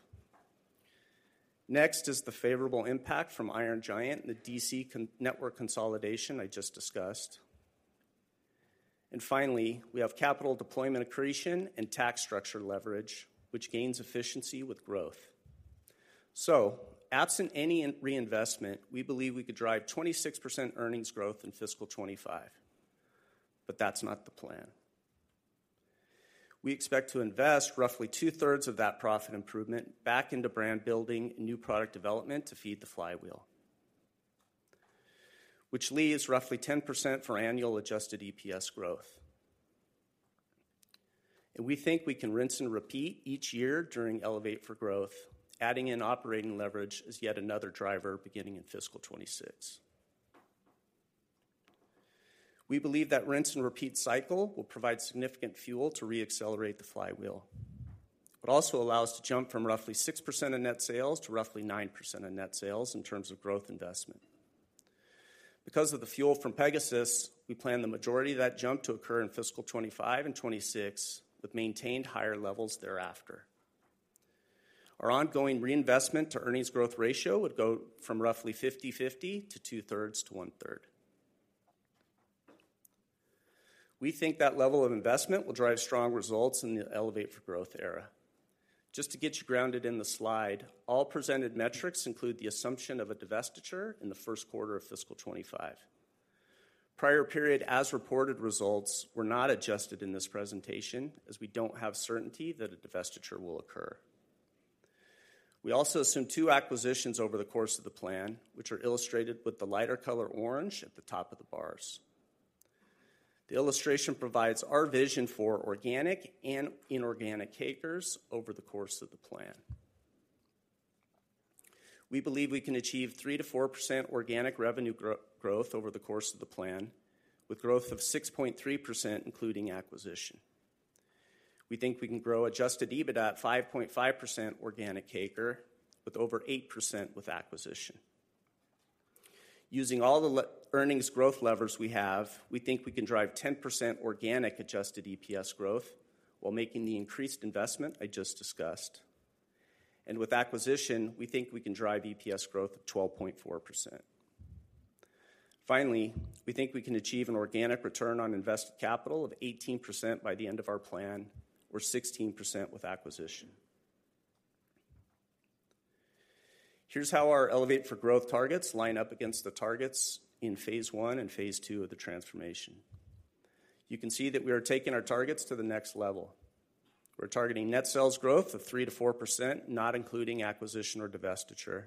Next is the favorable impact from Iron Giant and the DC network consolidation I just discussed. And finally, we have capital deployment accretion and tax structure leverage, which gains efficiency with growth. So absent any reinvestment, we believe we could drive 26% earnings growth in fiscal 2025, but that's not the plan. We expect to invest roughly 2/3 of that profit improvement back into brand building and new product development to feed the flywheel, which leaves roughly 10% for annual adjusted EPS growth. We think we can rinse and repeat each year during Elevate for Growth, adding in operating leverage as yet another driver beginning in fiscal 2026. We believe that rinse and repeat cycle will provide significant fuel to re-accelerate the flywheel, but also allow us to jump from roughly 6% of net sales to roughly 9% of net sales in terms of growth investment. Because of the fuel from Pegasus, we plan the majority of that jump to occur in fiscal 2025 and 2026, with maintained higher levels thereafter. Our ongoing reinvestment to earnings growth ratio would go from roughly 50/50 to 2/3 to 1/3. We think that level of investment will drive strong results in the Elevate for Growth era. Just to get you grounded in the slide, all presented metrics include the assumption of a divestiture in the Q1 of fiscal 2025. Prior period as-reported results were not adjusted in this presentation, as we don't have certainty that a divestiture will occur. We also assume two acquisitions over the course of the plan, which are illustrated with the lighter color orange at the top of the bars. The illustration provides our vision for organic and inorganic CAGRs over the course of the plan. We believe we can achieve 3%-4% organic revenue growth over the course of the plan, with growth of 6.3%, including acquisition. We think we can grow Adjusted EBITDA at 5.5% organic CAGR, with over 8% with acquisition. Using all the earnings growth levers we have, we think we can drive 10% organic adjusted EPS growth while making the increased investment I just discussed. With acquisition, we think we can drive EPS growth of 12.4%. Finally, we think we can achieve an organic return on invested capital of 18% by the end of our plan, or 16% with acquisition. Here's how our Elevate for Growth targets line up against the targets in phase one and phase two of the transformation. You can see that we are taking our targets to the next level. We're targeting net sales growth of 3%-4%, not including acquisition or divestiture.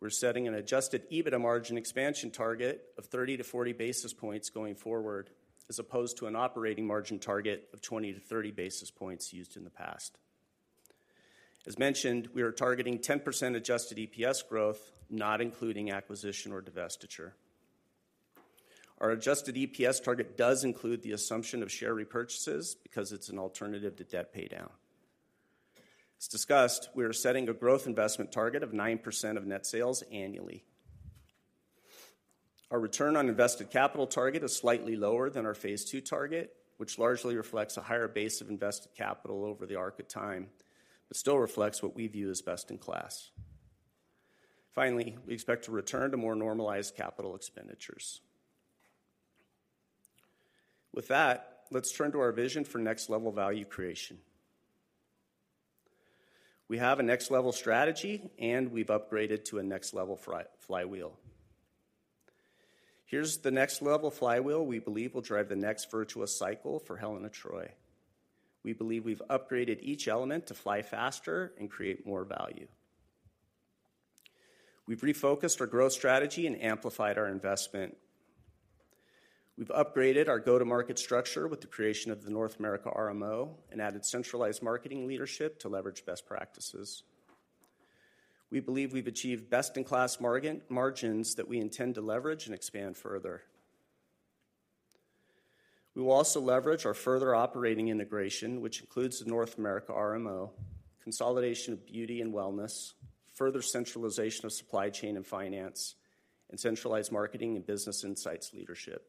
We're setting an Adjusted EBITDA margin expansion target of 30-40 basis points going forward, as opposed to an operating margin target of 20-30 basis points used in the past. As mentioned, we are targeting 10% adjusted EPS growth, not including acquisition or divestiture. Our adjusted EPS target does include the assumption of share repurchases because it's an alternative to debt paydown. As discussed, we are setting a growth investment target of 9% of net sales annually. Our return on invested capital target is slightly lower than our phase two target, which largely reflects a higher base of invested capital over the arc of time, but still reflects what we view as best-in-class. Finally, we expect to return to more normalized capital expenditures. With that, let's turn to our vision for next-level value creation. We have a next-level strategy, and we've upgraded to a next-level flywheel. Here's the next-level flywheel we believe will drive the next virtuous cycle for Helen of Troy. We believe we've upgraded each element to fly faster and create more value. We've refocused our growth strategy and amplified our investment. We've upgraded our go-to-market structure with the creation of the North America RMO and added centralized marketing leadership to leverage best practices. We believe we've achieved best-in-class margins that we intend to leverage and expand further. We will also leverage our further operating integration, which includes the North America RMO, consolidation of Beauty and Wellness, further centralization of supply chain and finance, and centralized marketing and business insights leadership.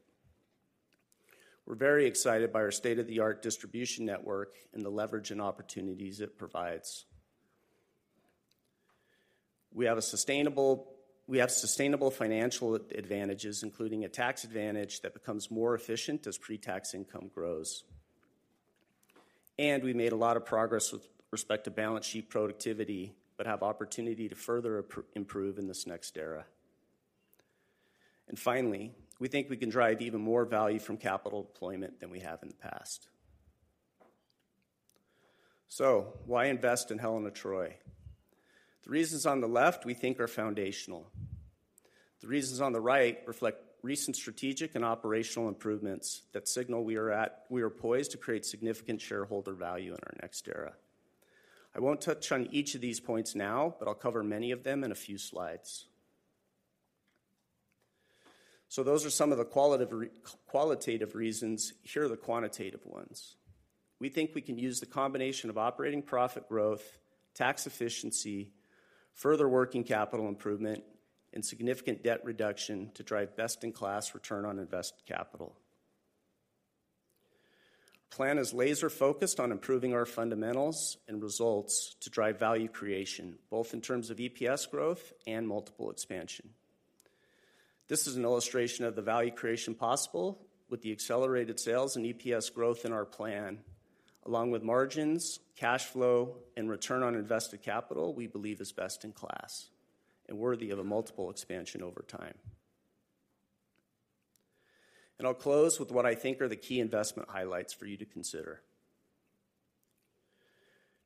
We're very excited by our state-of-the-art distribution network and the leverage and opportunities it provides. We have sustainable financial advantages, including a tax advantage that becomes more efficient as pre-tax income grows. We made a lot of progress with respect to balance sheet productivity, but have opportunity to further improve in this next era. Finally, we think we can drive even more value from capital deployment than we have in the past. Why invest in Helen of Troy? The reasons on the left we think are foundational. The reasons on the right reflect recent strategic and operational improvements that signal we are poised to create significant shareholder value in our next era. I won't touch on each of these points now, but I'll cover many of them in a few slides. Those are some of the qualitative reasons. Here are the quantitative ones. We think we can use the combination of operating profit growth, tax efficiency, further working capital improvement, and significant debt reduction to drive best-in-class return on invested capital. Plan is laser-focused on improving our fundamentals and results to drive value creation, both in terms of EPS growth and multiple expansion. This is an illustration of the value creation possible with the accelerated sales and EPS growth in our plan, along with margins, cash flow, and return on invested capital we believe is best in class and worthy of a multiple expansion over time. I'll close with what I think are the key investment highlights for you to consider.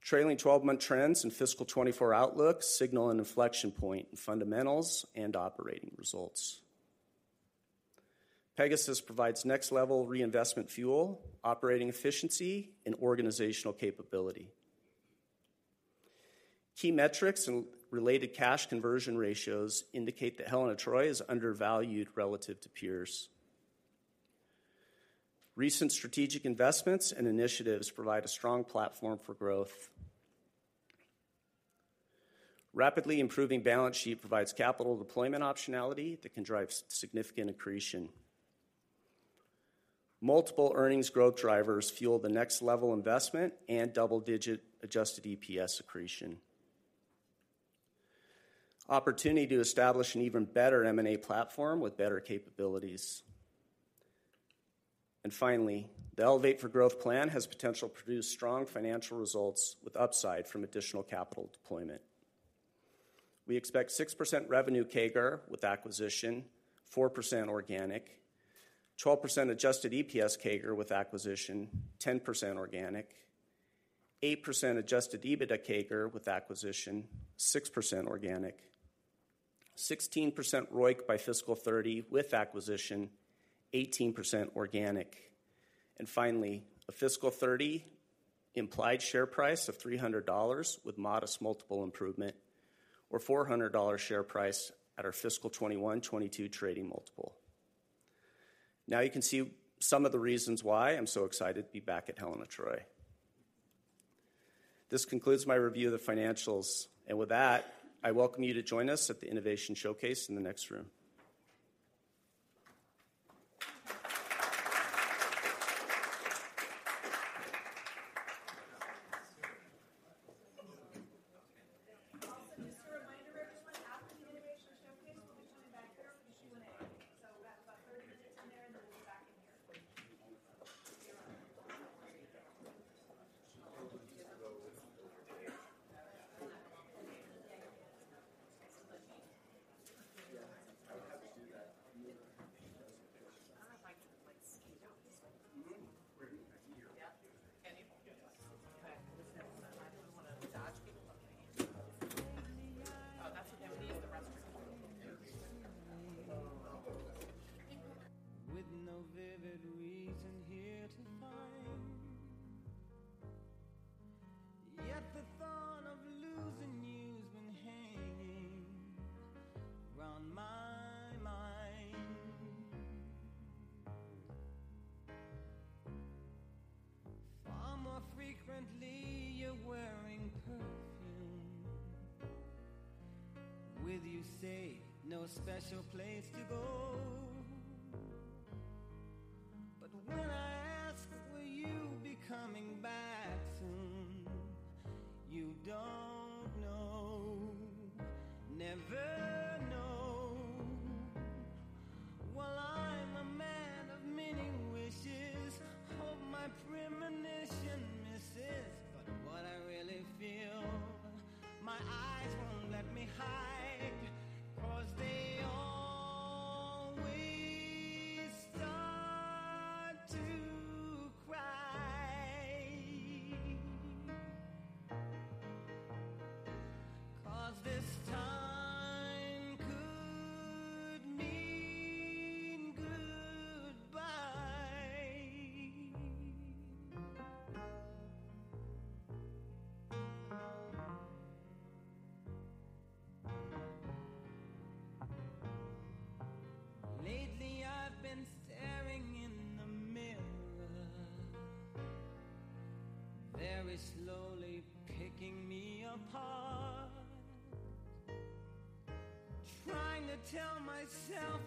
Trailing 12-month trends and fiscal 2024 outlook signal an inflection point in fundamentals and operating results. Pegasus provides next-level reinvestment fuel, operating efficiency, and organizational capability. Key metrics and related cash conversion ratios indicate that Helen of Troy is undervalued relative to peers. Recent strategic investments and initiatives provide a strong platform for growth. Rapidly improving balance sheet provides capital deployment optionality that can drive significant accretion. Multiple earnings growth drivers fuel the next level of investment and double-digit adjusted EPS accretion. Opportunity to establish an even better M&A platform with better capabilities. And finally, the Elevate for Growth plan has potential to produce strong financial results with upside from additional capital deployment. We expect 6% revenue CAGR with acquisition, 4% organic, 12% adjusted EPS CAGR with acquisition, 10% organic, 8% Adjusted EBITDA CAGR with acquisition, 6% organic.... 16% ROIC by fiscal 2030 with acquisition, 18% organic. And finally, a fiscal 2030 implied share price of $300 with modest multiple improvement or $400 share price at our fiscal 2021, 2022 trading multiple. Now you can see some of the reasons why I'm so excited to be back at Helen of Troy. This concludes my review of the financials, and with that, I welcome you to join us at the innovation showcase in the next room. Also,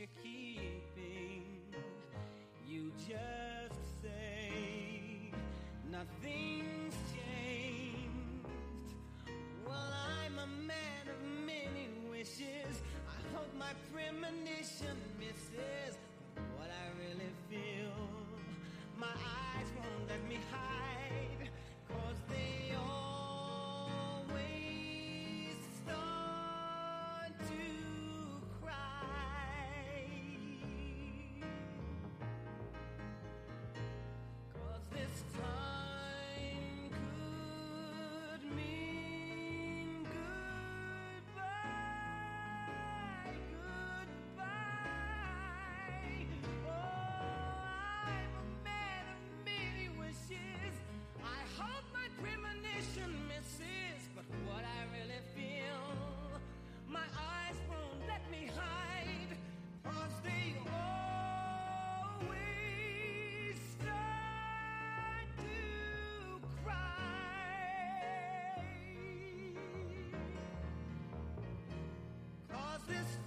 just a reminder everyone, after the innovation showcase, we'll be coming back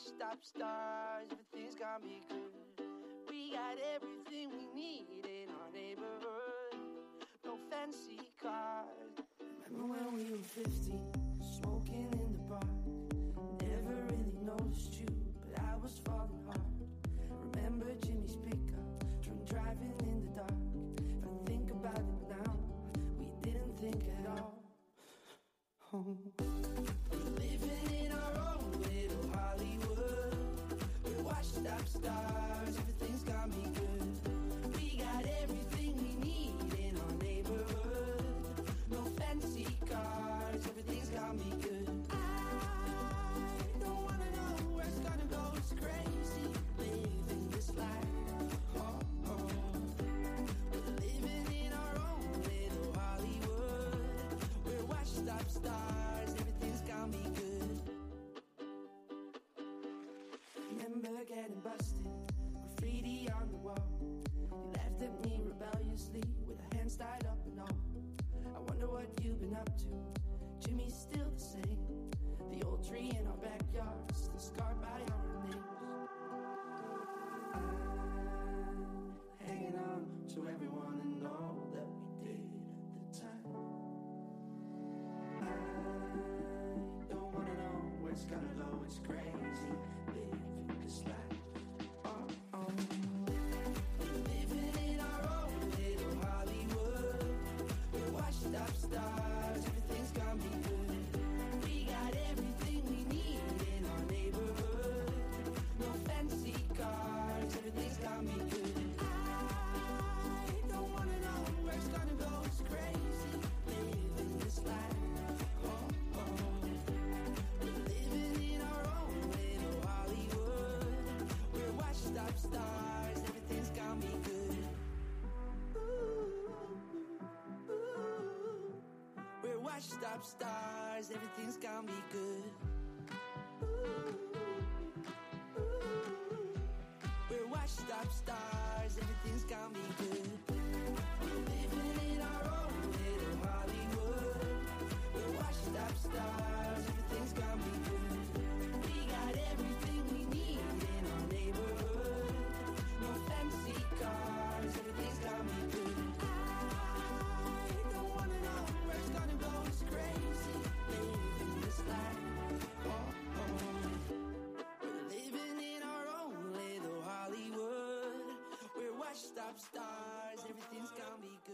here for Q&A. We've got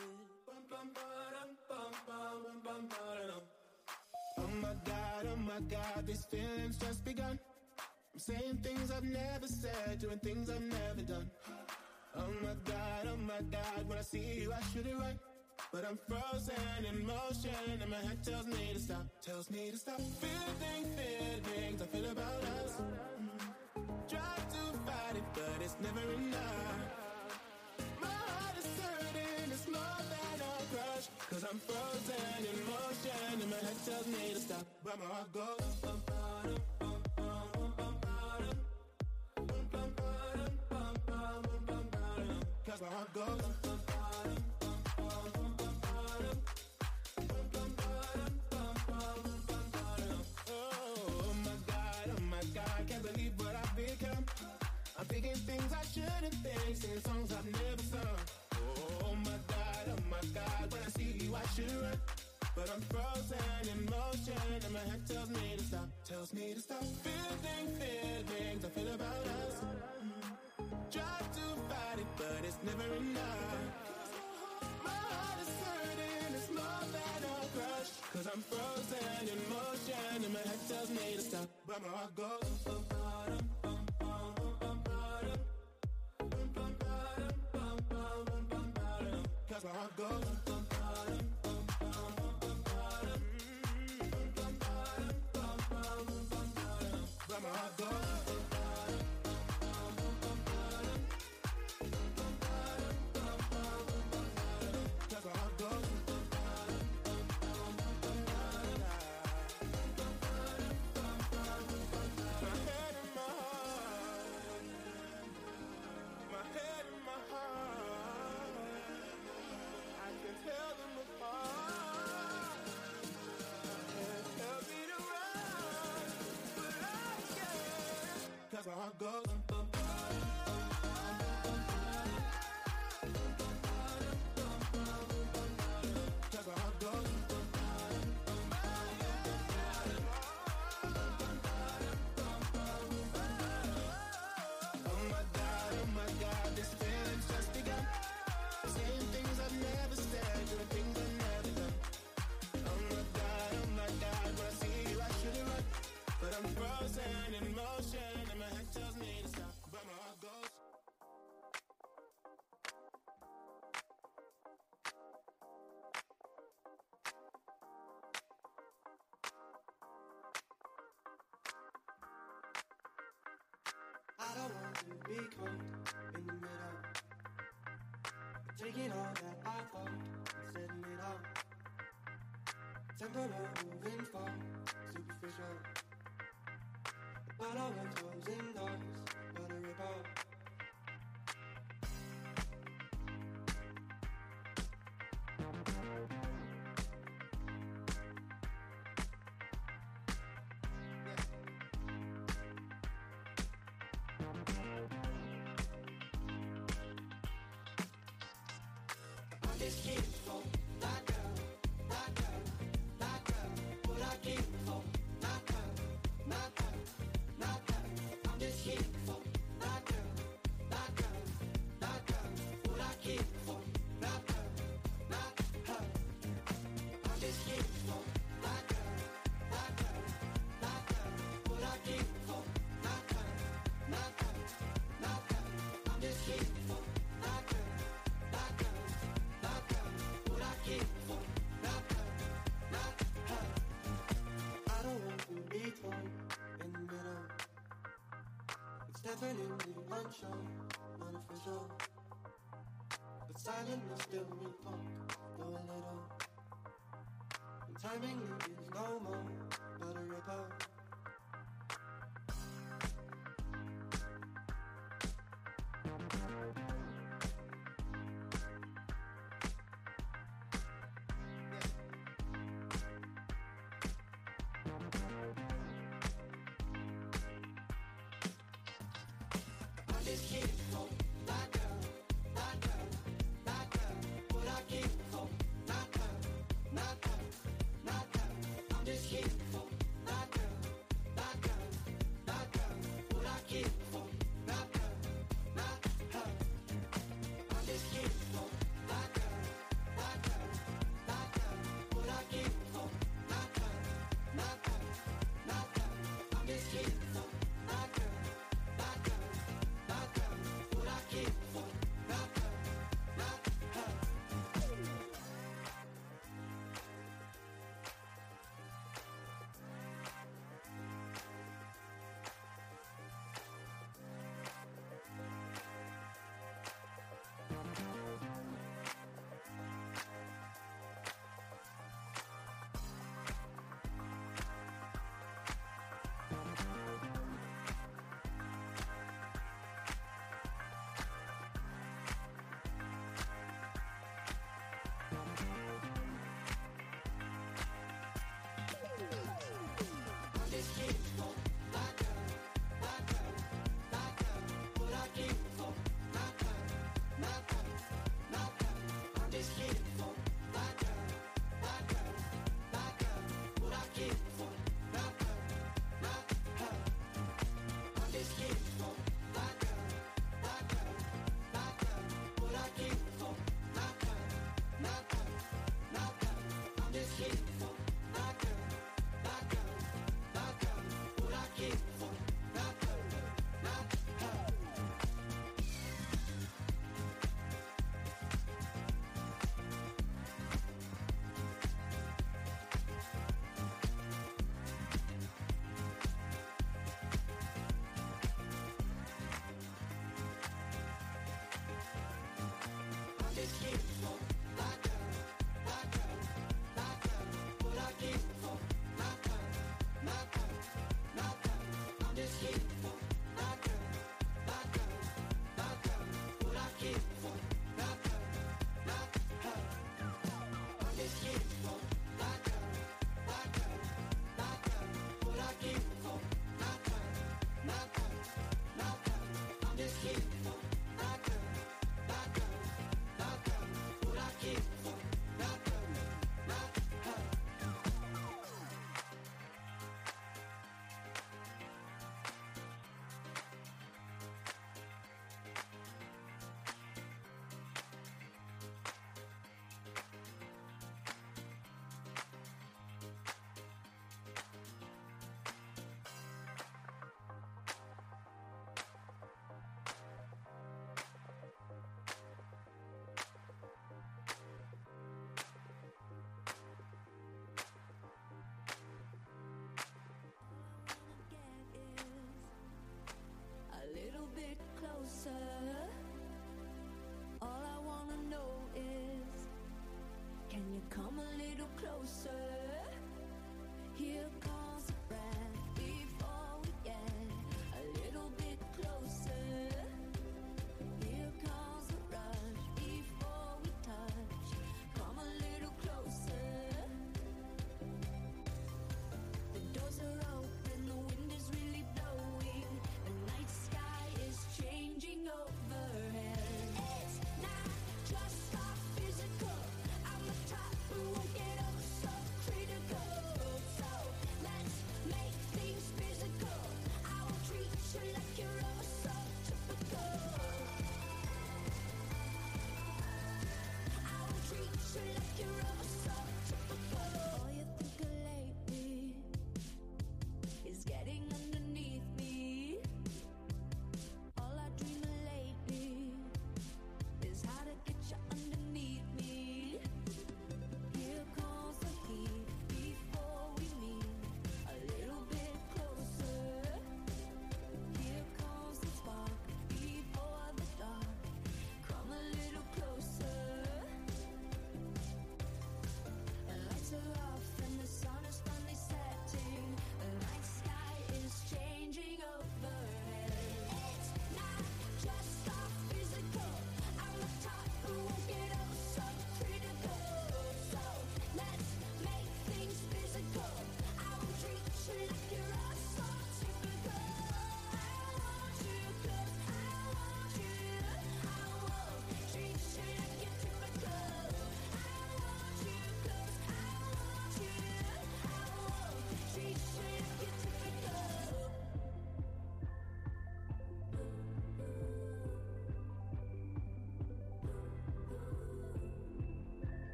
about 30 minutes in there, and then we'll be back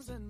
in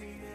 here.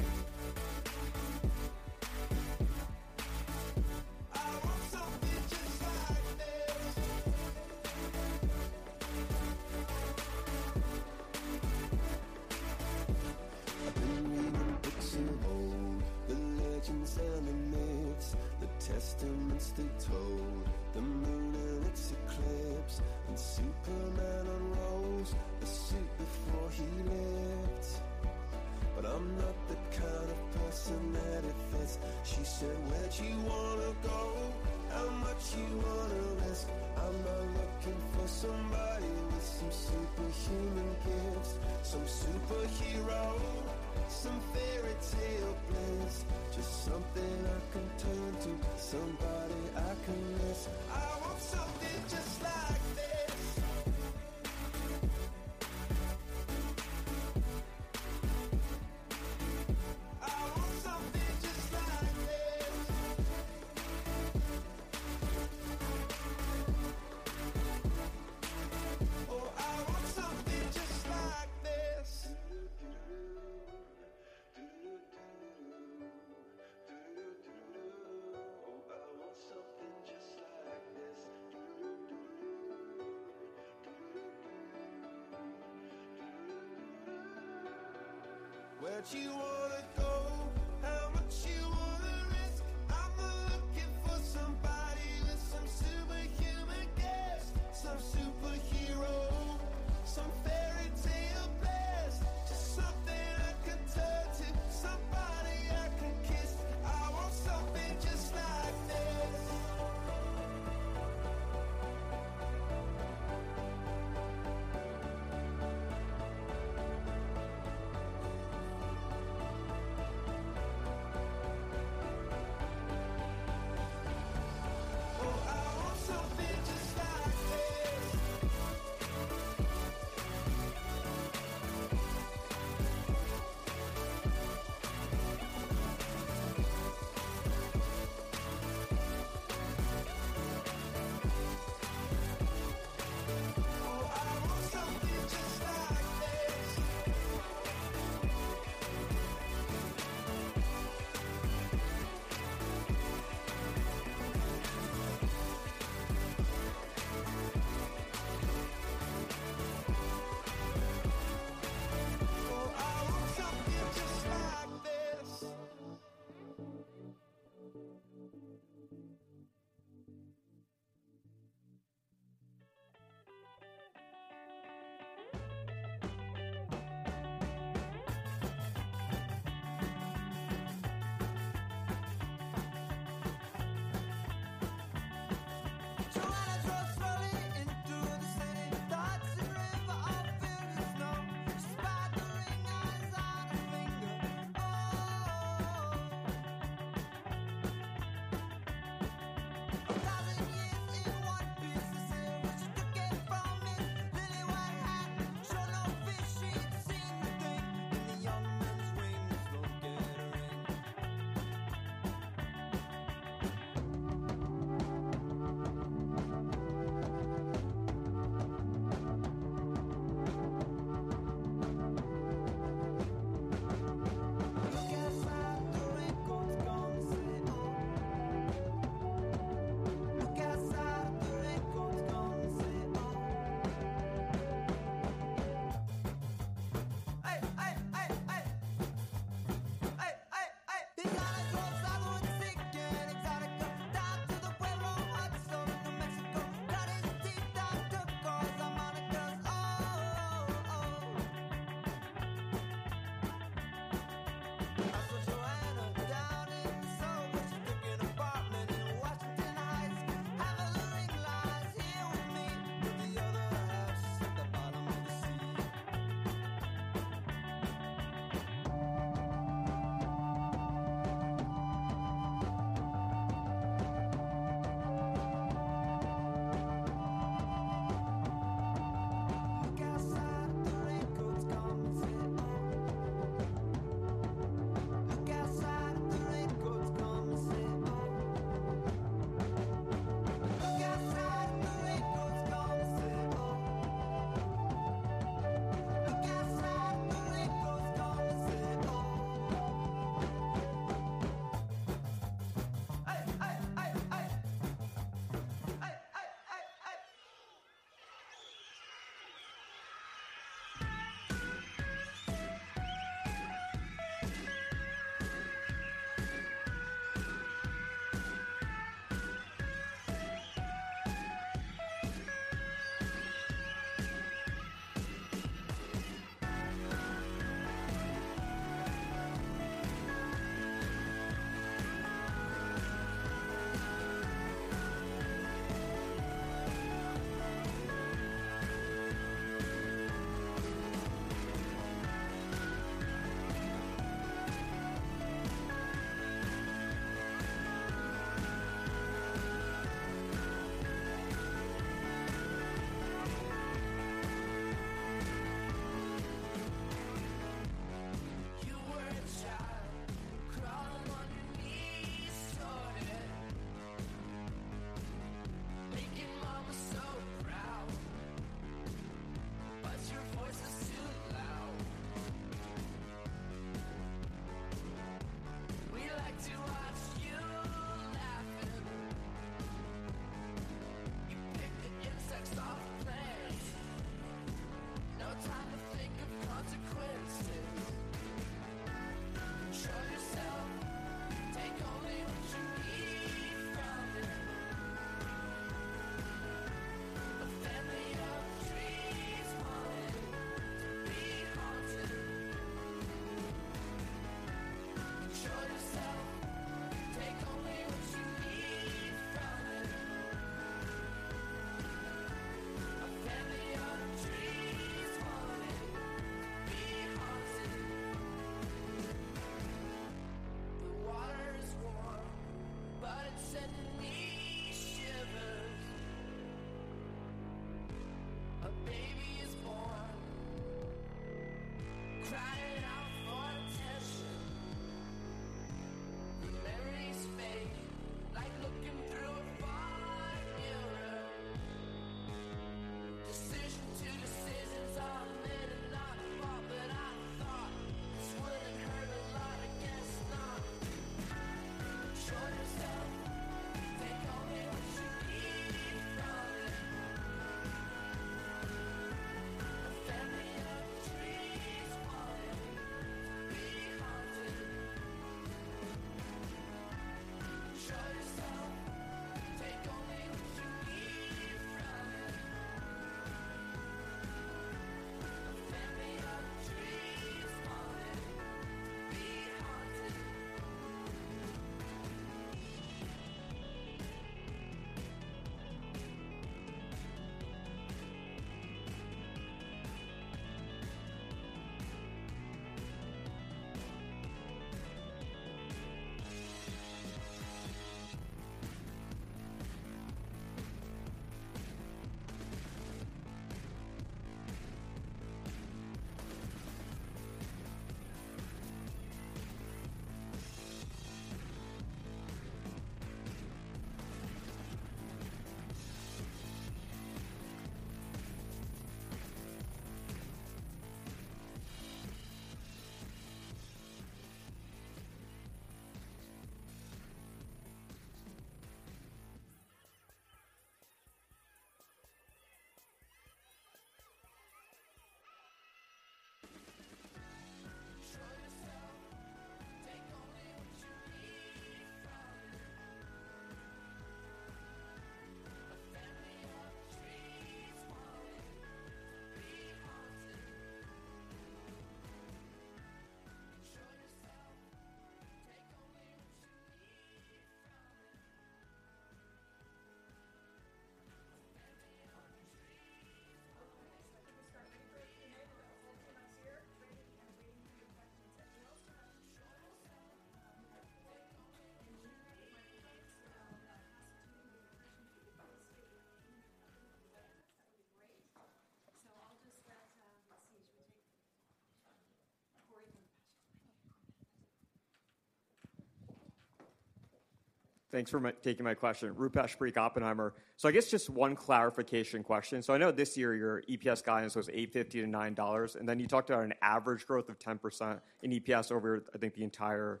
Thanks for taking my question. Rupesh Parikh, Oppenheimer. So I guess just one clarification question. So I know this year your EPS guidance was $8.50-$9, and then you talked about an average growth of 10% in EPS over, I think, the entire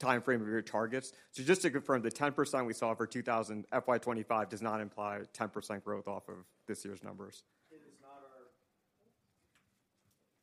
timeframe of your targets. So just to confirm, the 10% we saw for FY 2025 does not imply 10% growth off of this year's numbers? It is not our-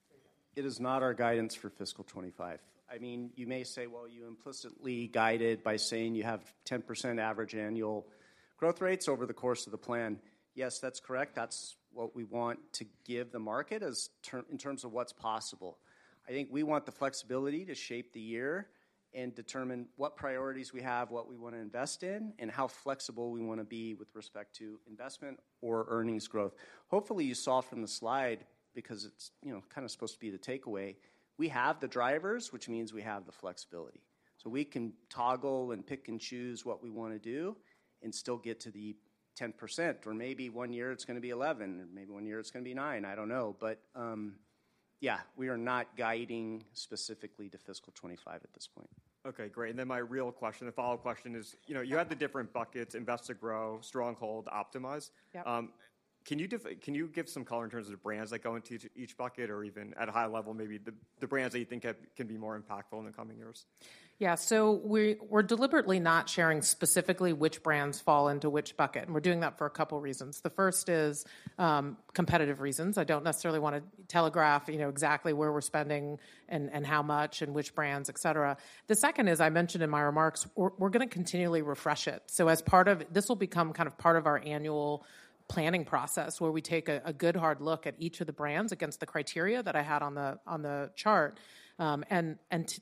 Say again. It is not our guidance for fiscal 2025. I mean, you may say, "Well, you implicitly guided by saying you have 10% average annual growth rates over the course of the plan." Yes, that's correct. That's what we want to give the market as term - in terms of what's possible. I think we want the flexibility to shape the year and determine what priorities we have, what we want to invest in, and how flexible we want to be with respect to investment or earnings growth. Hopefully, you saw from the slide because it's, you know, kind of supposed to be the takeaway, we have the drivers, which means we have the flexibility. So we can toggle and pick and choose what we want to do and still get to the 10%, or maybe one year it's gonna be 11, and maybe one year it's gonna be 9. I don't know. But, yeah, we are not guiding specifically to fiscal 2025 at this point. Okay, great, and then my real question, the follow-up question is, you know, you had the different buckets: Invest to Grow, Stronghold, Optimize. Yep. Can you give some color in terms of the brands that go into each bucket or even at a high level, maybe the brands that you think can be more impactful in the coming years? Yeah. So we're deliberately not sharing specifically which brands fall into which bucket, and we're doing that for a couple reasons. The first is, competitive reasons. I don't necessarily want to telegraph, you know, exactly where we're spending and how much, and which brands, et cetera. The second is, I mentioned in my remarks, we're gonna continually refresh it. So as part of... This will become kind of part of our annual planning process, where we take a good, hard look at each of the brands against the criteria that I had on the chart, and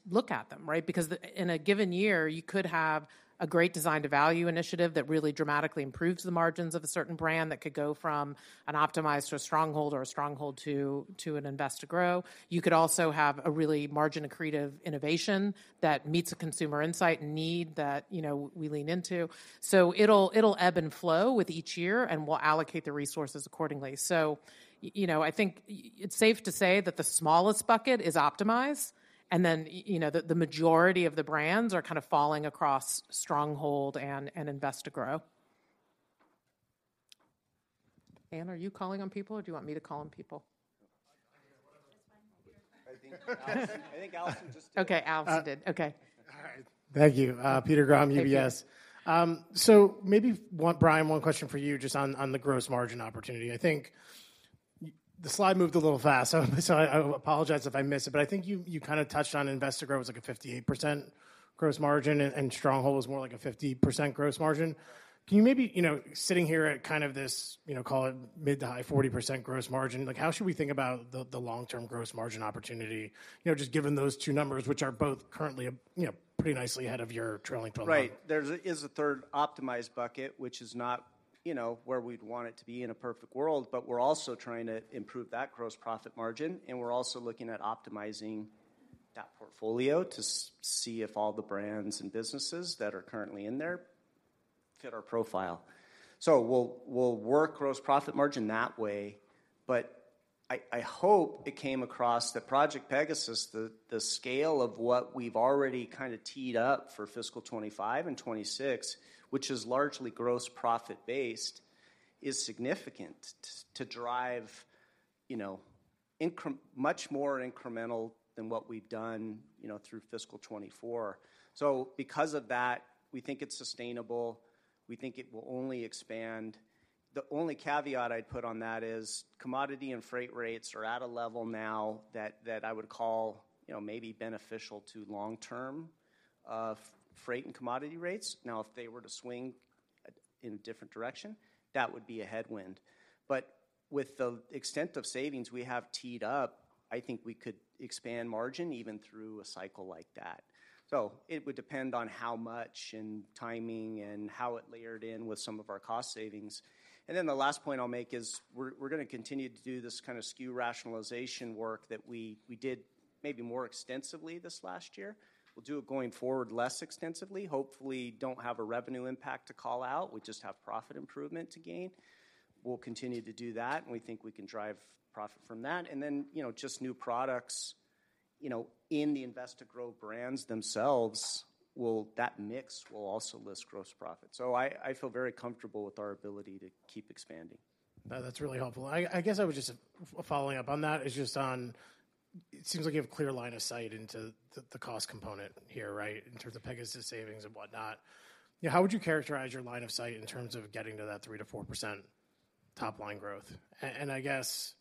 look at them, right? Because the-- in a given year, you could have a great design-to-value initiative that really dramatically improves the margins of a certain brand, that could go from an Optimize to a Stronghold or a Stronghold to an Invest to Grow. You could also have a really margin-accretive innovation that meets a consumer insight and need that, you know, we lean into. So it'll, it'll ebb and flow with each year, and we'll allocate the resources accordingly. So you know, I think it's safe to say that the smallest bucket is Optimize, and then you know, the majority of the brands are kind of falling across Stronghold and Invest to Grow. Ann, are you calling on people, or do you want me to call on people? Thank you. Peter Grom, UBS. So maybe one—Brian, one question for you, just on the gross margin opportunity. I think the slide moved a little fast, so I apologize if I missed it, but I think you kind of touched on Invest to Grow as like a 58% gross margin and Stronghold was more like a 50% gross margin. Can you maybe, you know, sitting here at kind of this, you know, call it mid- to high 40% gross margin, like, how should we think about the long-term gross margin opportunity? You know, just given those two numbers, which are both currently, you know, pretty nicely ahead of your trailing twelve month. Right. There's a third Optimized bucket, which is not, you know, where we'd want it to be in a perfect world, but we're also trying to improve that gross profit margin, and we're also looking at optimizing that portfolio to see if all the brands and businesses that are currently in there fit our profile. So we'll, we'll work gross profit margin that way, but I, I hope it came across that Project Pegasus, the, the scale of what we've already kind of teed up for fiscal 2025 and 2026, which is largely gross profit-based, is significant to drive, you know, much more incremental than what we've done, you know, through fiscal 2024. So because of that, we think it's sustainable, we think it will only expand. The only caveat I'd put on that is commodity and freight rates are at a level now that I would call, you know, maybe beneficial to long-term freight and commodity rates. Now, if they were to swing in a different direction, that would be a headwind. But with the extent of savings we have teed up, I think we could expand margin even through a cycle like that. So it would depend on how much, and timing, and how it layered in with some of our cost savings. And then the last point I'll make is we're gonna continue to do this kind of SKU rationalization work that we did maybe more extensively this last year. We'll do it going forward less extensively. Hopefully, don't have a revenue impact to call out, we just have profit improvement to gain. We'll continue to do that, and we think we can drive profit from that. Then, you know, just new products, you know, in the invest-to-grow brands themselves, will, that mix will also lift gross profit. So I feel very comfortable with our ability to keep expanding. That's really helpful. I guess I was just following up on that. It seems like you have a clear line of sight into the cost component here, right? In terms of Pegasus savings and whatnot. Yeah, how would you characterize your line of sight in terms of getting to that 3%-4% top-line growth? And I guess,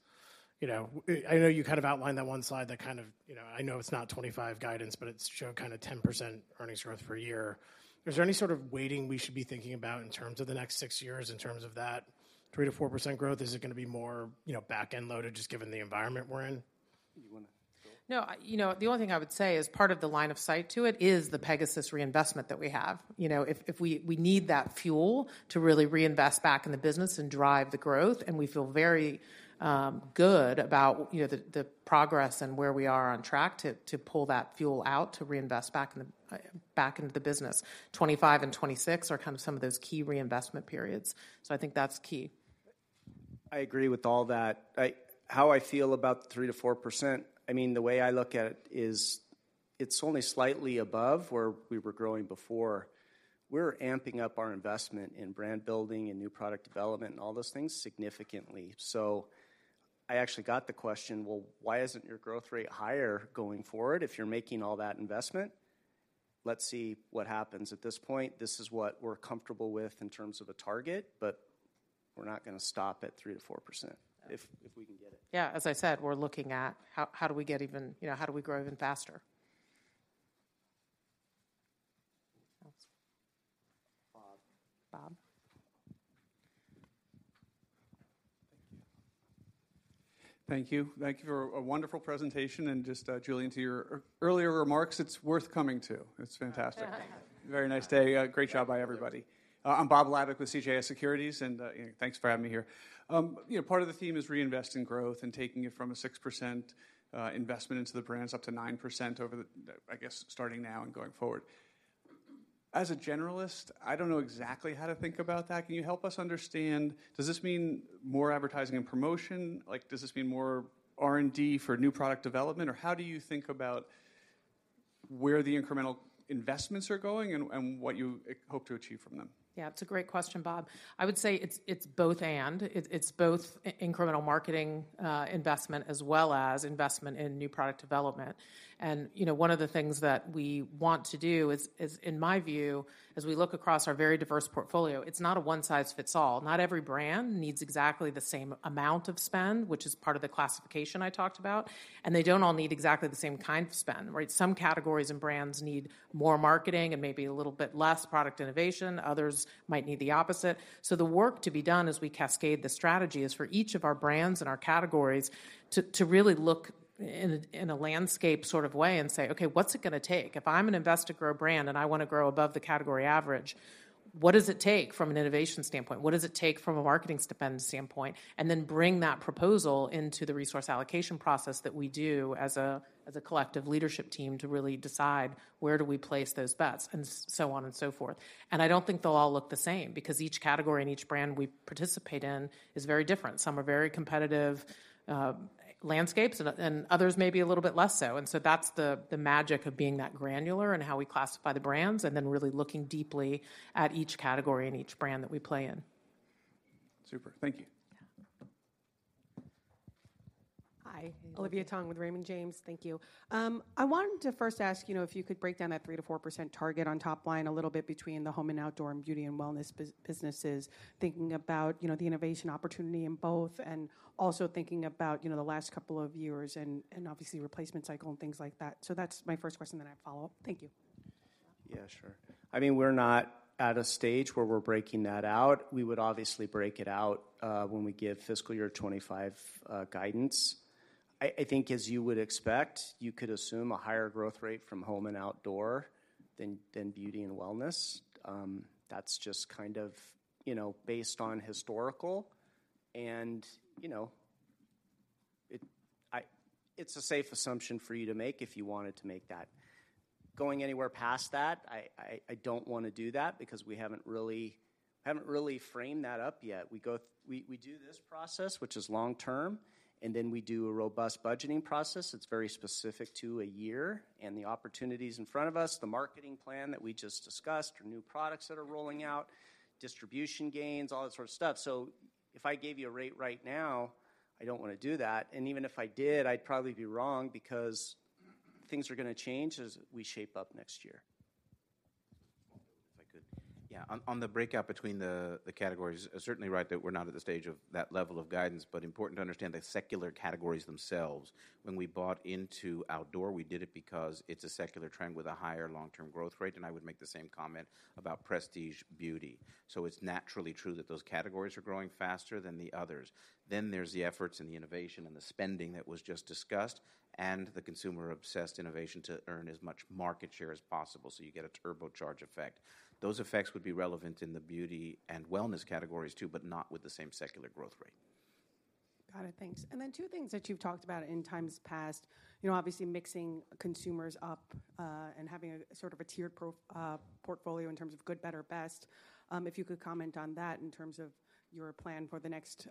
you know, I know you kind of outlined that one slide that kind of, you know, I know it's not 2025 guidance, but it showed kind of 10% earnings growth per year. Is there any sort of weighting we should be thinking about in terms of the next six years, in terms of that 3%-4% growth? Is it gonna be more, you know, back-end loaded, just given the environment we're in? You wanna go? No, you know, the only thing I would say is part of the line of sight to it is the Pegasus reinvestment that we have. You know, if we need that fuel to really reinvest back in the business and drive the growth, and we feel very good about, you know, the progress and where we are on track to pull that fuel out, to reinvest back into the business. 25 and 26 are kind of some of those key reinvestment periods, so I think that's key. I agree with all that. How I feel about the 3%-4%, I mean, the way I look at it is, it's only slightly above where we were growing before. We're amping up our investment in brand building and new product development, and all those things significantly. So I actually got the question: "Well, why isn't your growth rate higher going forward if you're making all that investment?" Let's see what happens. At this point, this is what we're comfortable with in terms of a target, but we're not gonna stop at 3%-4% if, if we can get it. Yeah, as I said, we're looking at how, how do we get even, you know, how do we grow even faster? Bob. Bob. Thank you. Thank you for a wonderful presentation, and just, Julien, to your earlier remarks, it's worth coming to. It's fantastic. Very nice day. Great job by everybody. I'm Robert Labick with CJS Securities, and, you know, thanks for having me here. You know, part of the theme is reinvest in growth and taking it from a 6% investment into the brands, up to 9% over the, the, I guess, starting now and going forward. As a generalist, I don't know exactly how to think about that. Can you help us understand, does this mean more advertising and promotion? Like, does this mean more R&D for new product development, or how do you think about where the incremental investments are going and, and what you hope to achieve from them? Yeah, it's a great question, Bob. I would say it's both and. It's both incremental marketing investment, as well as investment in new product development. And, you know, one of the things that we want to do is, in my view, as we look across our very diverse portfolio, it's not a one size fits all. Not every brand needs exactly the same amount of spend, which is part of the classification I talked about, and they don't all need exactly the same kind of spend, right? Some categories and brands need more marketing and maybe a little bit less product innovation, others might need the opposite. So the work to be done as we cascade the strategy is for each of our brands and our categories to really look in a landscape sort of way and say: "Okay, what's it gonna take? If I'm an Invest to Grow a brand, and I wanna grow above the category average, what does it take from an innovation standpoint? What does it take from a marketing standpoint?" And then bring that proposal into the resource allocation process that we do as a collective leadership team to really decide where do we place those bets, and so on and so forth. And I don't think they'll all look the same, because each category and each brand we participate in is very different. Some are very competitive landscapes, and others may be a little bit less so. And so that's the magic of being that granular and how we classify the brands, and then really looking deeply at each category and each brand that we play in. Super. Thank you. Yeah. Hi. Hey. Olivia Tong with Raymond James. Thank you. I wanted to first ask, you know, if you could break down that 3%-4% target on top line a little bit between the Home and Outdoor and Beauty and Wellness businesses. Thinking about, you know, the innovation opportunity in both, and also thinking about, you know, the last couple of years and obviously replacement cycle and things like that. So that's my first question, then I follow up. Thank you. Yeah, sure. I mean, we're not at a stage where we're breaking that out. We would obviously break it out when we give fiscal year 2025 guidance. I think as you would expect, you could assume a higher growth rate from Home and Outdoor than Beauty and Wellness. That's just kind of, you know, based on historical and, you know, it—it's a safe assumption for you to make, if you wanted to make that. Going anywhere past that, I don't wanna do that because we haven't really framed that up yet. We, we do this process, which is long term, and then we do a robust budgeting process that's very specific to a year and the opportunities in front of us, the marketing plan that we just discussed, or new products that are rolling out, distribution gains, all that sort of stuff. So if I gave you a rate right now, I don't wanna do that, and even if I did, I'd probably be wrong because-... things are going to change as we shape up next year. If I could, yeah, on the breakout between the categories, you're certainly right that we're not at the stage of that level of guidance, but important to understand the secular categories themselves. When we bought into outdoor, we did it because it's a secular trend with a higher long-term growth rate, and I would make the same comment about prestige beauty. So it's naturally true that those categories are growing faster than the others. Then there's the efforts, and the innovation, and the spending that was just discussed, and the consumer-obsessed innovation to earn as much market share as possible, so you get a turbocharge effect. Those effects would be relevant in the Beauty and Wellness categories too, but not with the same secular growth rate. Got it. Thanks. And then two things that you've talked about in times past, you know, obviously mixing consumers up, and having a sort of a tiered portfolio in terms of good, better, best. If you could comment on that in terms of your plan for the next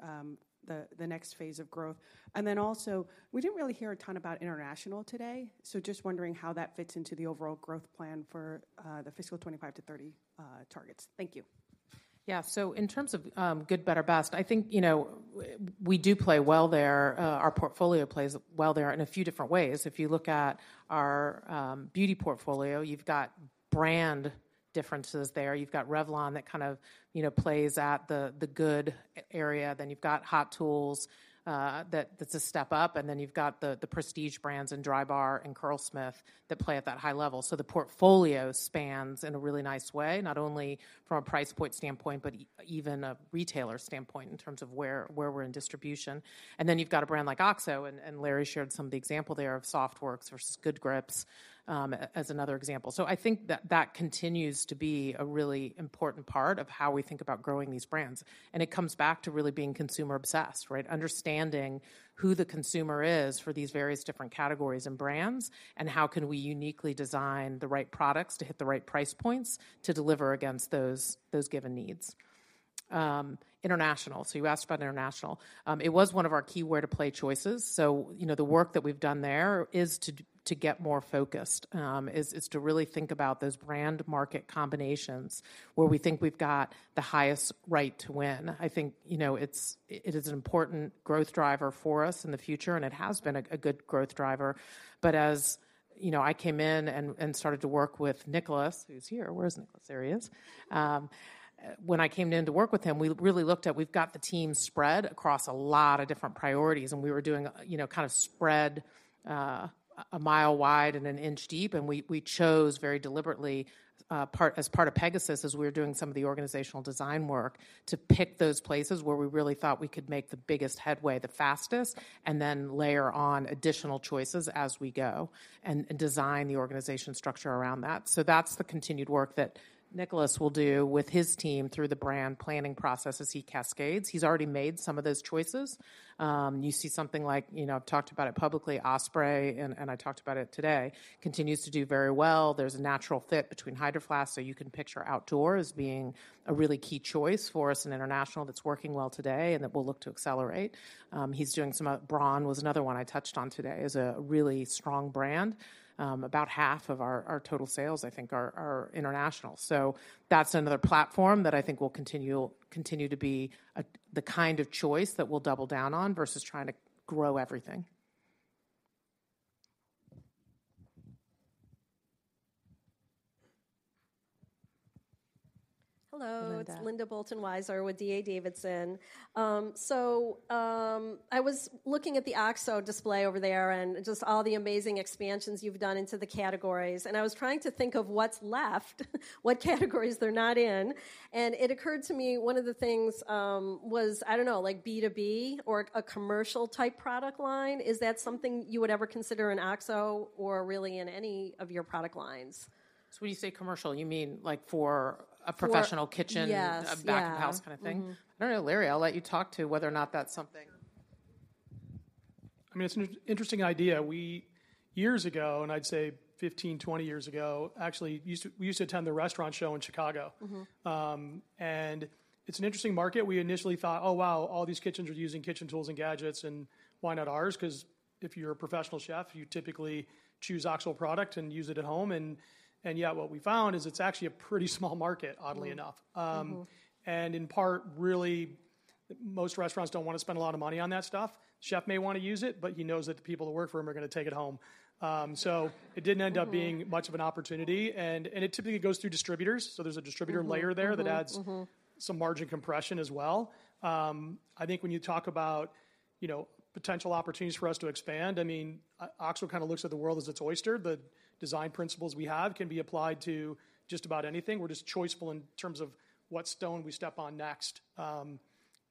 phase of growth. And then also, we didn't really hear a ton about international today, so just wondering how that fits into the overall growth plan for the fiscal 2025-2030 targets. Thank you. Yeah. So in terms of good, better, best, I think, you know, we do play well there. Our portfolio plays well there in a few different ways. If you look at our beauty portfolio, you've got brand differences there. You've got Revlon that kind of, you know, plays at the good area. Then you've got Hot Tools, that's a step up, and then you've got the prestige brands and Drybar and Curlsmith that play at that high level. So the portfolio spans in a really nice way, not only from a price point standpoint, but even a retailer standpoint in terms of where we're in distribution. And then you've got a brand like OXO, and Larry shared some of the example there of SoftWorks versus Good Grips, as another example. So I think that that continues to be a really important part of how we think about growing these brands, and it comes back to really being consumer-obsessed, right? Understanding who the consumer is for these various different categories and brands, and how can we uniquely design the right products to hit the right price points to deliver against those, those given needs. International, so you asked about international. It was one of our key where-to-play choices, so, you know, the work that we've done there is to get more focused, is to really think about those brand-market combinations where we think we've got the highest right to win. I think, you know, it is an important growth driver for us in the future, and it has been a good growth driver. But as, you know, I came in and started to work with Nicolas, who's here... Where is Nicolas? There he is. When I came in to work with him, we really looked at we've got the team spread across a lot of different priorities, and we were doing, you know, kind of spread a mile wide and an inch deep, and we chose very deliberately, part as part of Pegasus, as we were doing some of the organizational design work, to pick those places where we really thought we could make the biggest headway the fastest and then layer on additional choices as we go and design the organization structure around that. So that's the continued work that Nicolas will do with his team through the brand planning process as he cascades. He's already made some of those choices. You see something like, you know, I've talked about it publicly, Osprey, and I talked about it today, continues to do very well. There's a natural fit between Hydro Flask, so you can picture outdoor as being a really key choice for us in international that's working well today and that we'll look to accelerate. Braun was another one I touched on today, is a really strong brand. About half of our total sales, I think, are international. So that's another platform that I think will continue to be the kind of choice that we'll double down on versus trying to grow everything. Hello. Linda. It's Linda Bolton Weiser with D.A. Davidson. So, I was looking at the OXO display over there and just all the amazing expansions you've done into the categories, and I was trying to think of what's left, what categories they're not in, and it occurred to me one of the things was, I don't know, like B2B or a commercial-type product line. Is that something you would ever consider in OXO or really in any of your product lines? So when you say commercial, you mean like for- For- A professional kitchen. Yes. Yeah. a back-of-the-house kind of thing? I don't know. Larry, I'll let you talk to whether or not that's something. I mean, it's an interesting idea. We, years ago, and I'd say 15, 20 years ago, actually used to, we used to attend the Restaurant Show in Chicago. And it's an interesting market. We initially thought, "Oh, wow, all these kitchens are using kitchen tools and gadgets, and why not ours?" 'Cause if you're a professional chef, you typically choose OXO product and use it at home, and, and yet what we found is it's actually a pretty small market, oddly enough. And in part, really, most restaurants don't want to spend a lot of money on that stuff. Chef may want to use it, but he knows that the people who work for him are gonna take it home. So-... it didn't end up being much of an opportunity, and it typically goes through distributors, so there's a distributor layer there.... that adds some margin compression as well. I think when you talk about, you know, potential opportunities for us to expand, I mean, OXO kind of looks at the world as its oyster. The design principles we have can be applied to just about anything. We're just choiceful in terms of what stone we step on next.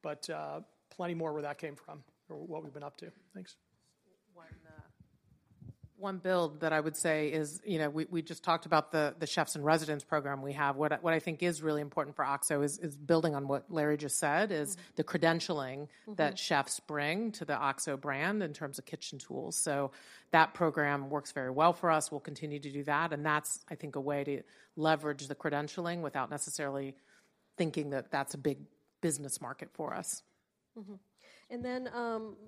But plenty more where that came from, or what we've been up to. Thanks. One, one build that I would say is, you know, we just talked about the Chefs in Residence program we have. What I think is really important for OXO is building on what Larry just said-... is the credentialing-... that chefs bring to the OXO brand in terms of kitchen tools. So that program works very well for us. We'll continue to do that, and that's, I think, a way to leverage the credentialing without necessarily thinking that that's a big business market for us. Mm-hmm. And then,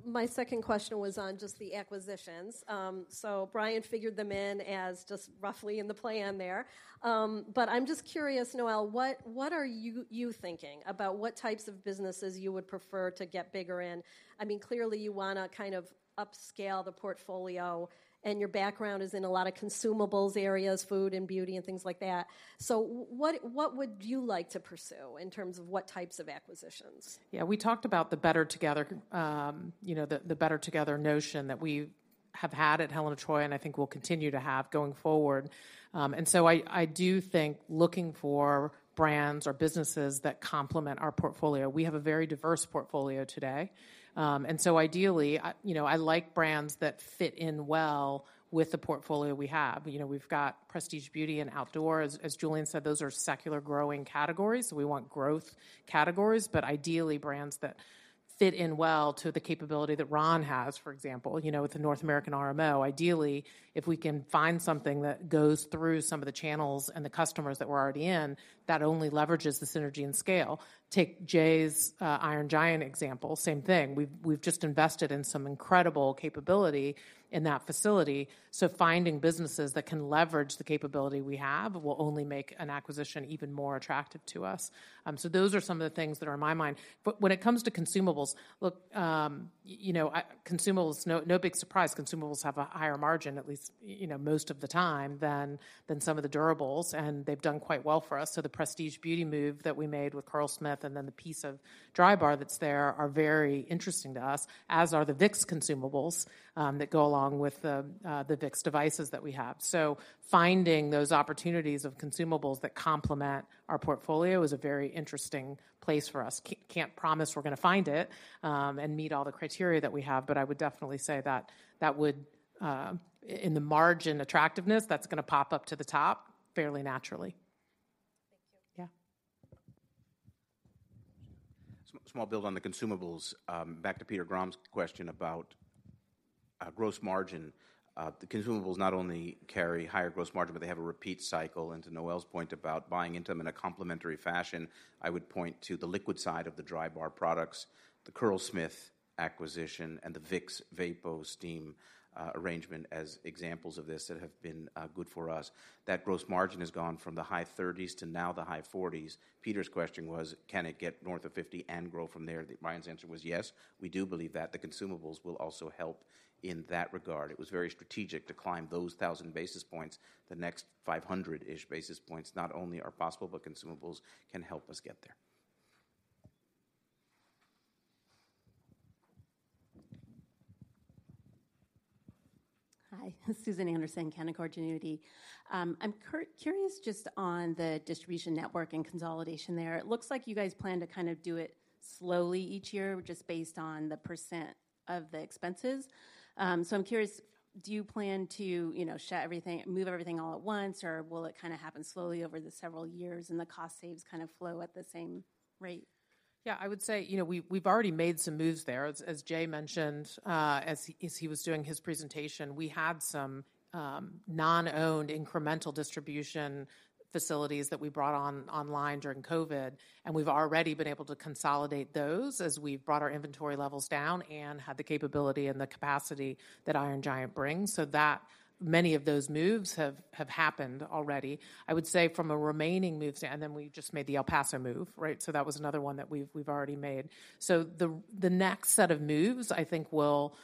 my second question was on just the acquisitions. So Brian figured them in as just roughly in the plan there. But I'm just curious, Noel, what, what are you, you thinking about what types of businesses you would prefer to get bigger in? I mean, clearly, you wanna kind of upscale the portfolio, and your background is in a lot of consumables areas, food and beauty, and things like that. So what, what would you like to pursue in terms of what types of acquisitions? Yeah, we talked about the better together, you know, the better together notion that we have had at Helen of Troy, and I think we'll continue to have going forward. And so I do think looking for brands or businesses that complement our portfolio. We have a very diverse portfolio today. And so ideally, I—you know, I like brands that fit in well with the portfolio we have. You know, we've got prestige beauty and outdoor. As Julien said, those are secular growing categories, so we want growth categories, but ideally, brands that fit in well to the capability that Ron has, for example, you know, with the North American RMO. Ideally, if we can find something that goes through some of the channels and the customers that we're already in, that only leverages the synergy and scale. Take Jay's Iron Giant example, same thing. We've just invested in some incredible capability in that facility, so finding businesses that can leverage the capability we have will only make an acquisition even more attractive to us. So those are some of the things that are in my mind. But when it comes to consumables, look, consumables, no big surprise, consumables have a higher margin, at least, you know, most of the time, than some of the durables, and they've done quite well for us. So the prestige beauty move that we made with Curlsmith and then the piece of Drybar that's there are very interesting to us, as are the Vicks consumables that go along with the Vicks devices that we have. So finding those opportunities of consumables that complement our portfolio is a very interesting place for us. Can't promise we're gonna find it, and meet all the criteria that we have, but I would definitely say that that would, in the margin attractiveness, that's gonna pop up to the top fairly naturally. Thank you. Yeah. Small build on the consumables. Back to Peter Grom's question about gross margin. The consumables not only carry higher gross margin, but they have a repeat cycle, and to Noel's point about buying into them in a complementary fashion, I would point to the liquid side of the Drybar products, the Curlsmith acquisition, and the Vicks VapoSteam arrangement as examples of this that have been good for us. That gross margin has gone from the high 30s to now the high 40s. Peter's question was: Can it get north of 50 and grow from there? Brian's answer was yes. We do believe that. The consumables will also help in that regard. It was very strategic to climb those 1,000 basis points. The next 500-ish basis points not only are possible, but consumables can help us get there. Hi, Susan Anderson, Canaccord Genuity. I'm curious just on the distribution network and consolidation there. It looks like you guys plan to kind of do it slowly each year, just based on the percent of the expenses. So I'm curious, do you plan to, you know, move everything all at once, or will it kinda happen slowly over the several years, and the cost saves kinda flow at the same rate? Yeah, I would say, you know, we, we've already made some moves there. As Jay mentioned, as he was doing his presentation, we had some non-owned incremental distribution facilities that we brought online during COVID, and we've already been able to consolidate those as we've brought our inventory levels down and had the capability and the capacity that Iron Giant brings. So that... Many of those moves have happened already. I would say from a remaining moves... And then we just made the El Paso move, right? So that was another one that we've already made. So the next set of moves, I think, will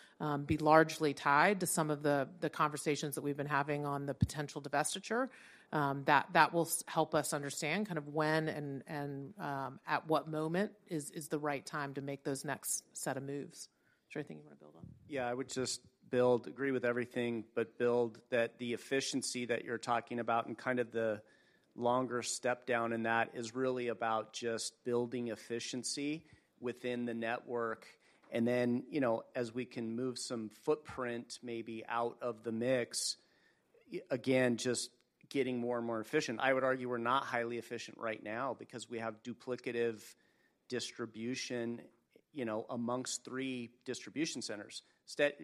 be largely tied to some of the conversations that we've been having on the potential divestiture. That will help us understand kind of when and at what moment is the right time to make those next set of moves. Is there anything you wanna build on? Yeah, I would just build. I agree with everything, but build that the efficiency that you're talking about and kind of the longer step down in that is really about just building efficiency within the network, and then, you know, as we can move some footprint maybe out of the mix, again, just getting more and more efficient. I would argue we're not highly efficient right now because we have duplicative distribution, you know, amongst three distribution centers.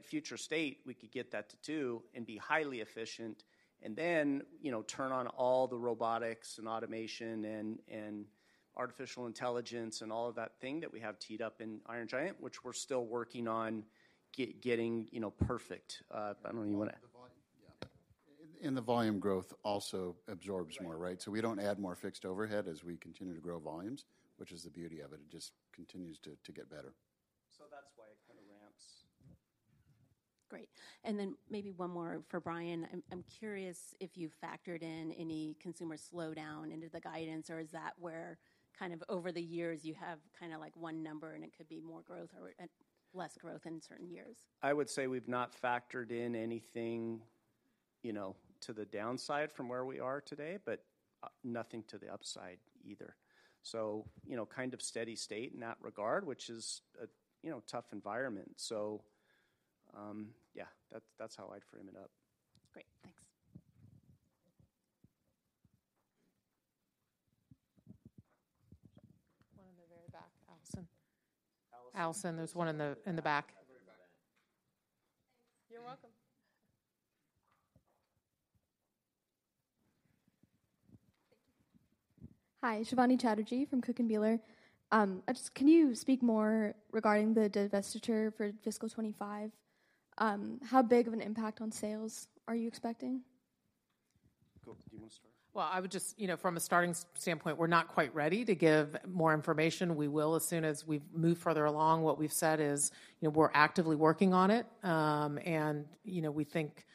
Future state, we could get that to two and be highly efficient, and then, you know, turn on all the robotics and automation and artificial intelligence and all of that thing that we have teed up in Iron Giant, which we're still working on getting, you know, perfect. I don't know you wanna- The volume, yeah. And the volume growth also absorbs more- Right... right? So we don't add more fixed overhead as we continue to grow volumes, which is the beauty of it. It just continues to get better. So that's why it kind of ramps. Great. And then maybe one more for Brian. I'm curious if you factored in any consumer slowdown into the guidance, or is that where kind of over the years you have kinda like one number, and it could be more growth or less growth in certain years? I would say we've not factored in anything, you know, to the downside from where we are today, but, nothing to the upside either. So, you know, kind of steady state in that regard, which is a, you know, tough environment. So, yeah, that's, that's how I'd frame it up. Great, thanks. One in the very back. Allison. Allison- Allison, there's one in the, in the back. Hi, Shivani Chatterjee from Cook & Bieler. Can you speak more regarding the divestiture for fiscal 2025? How big of an impact on sales are you expecting? Cool. Do you wanna start? Well, I would just— You know, from a starting standpoint, we're not quite ready to give more information. We will, as soon as we've moved further along. What we've said is, you know, we're actively working on it, and, you know, we think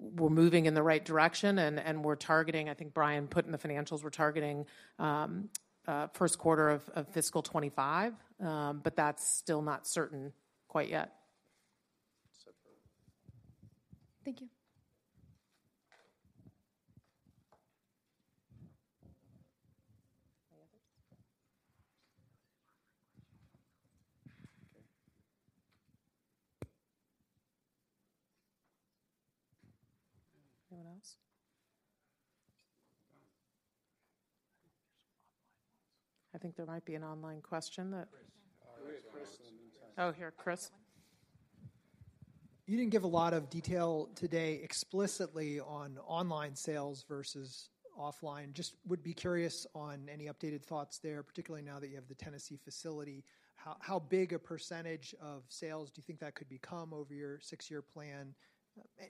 we're moving in the right direction, and we're targeting... I think Brian put in the financials, we're targeting Q1 of fiscal 2025, but that's still not certain quite yet. So true. Thank you. Any others? Anyone else? Online ones. I think there might be an online question that- Chris. We have Chris in the meantime. Oh, here, Chris. You didn't give a lot of detail today explicitly on online sales versus offline. Just would be curious on any updated thoughts there, particularly now that you have the Tennessee facility. How big a percentage of sales do you think that could become over your six-year plan?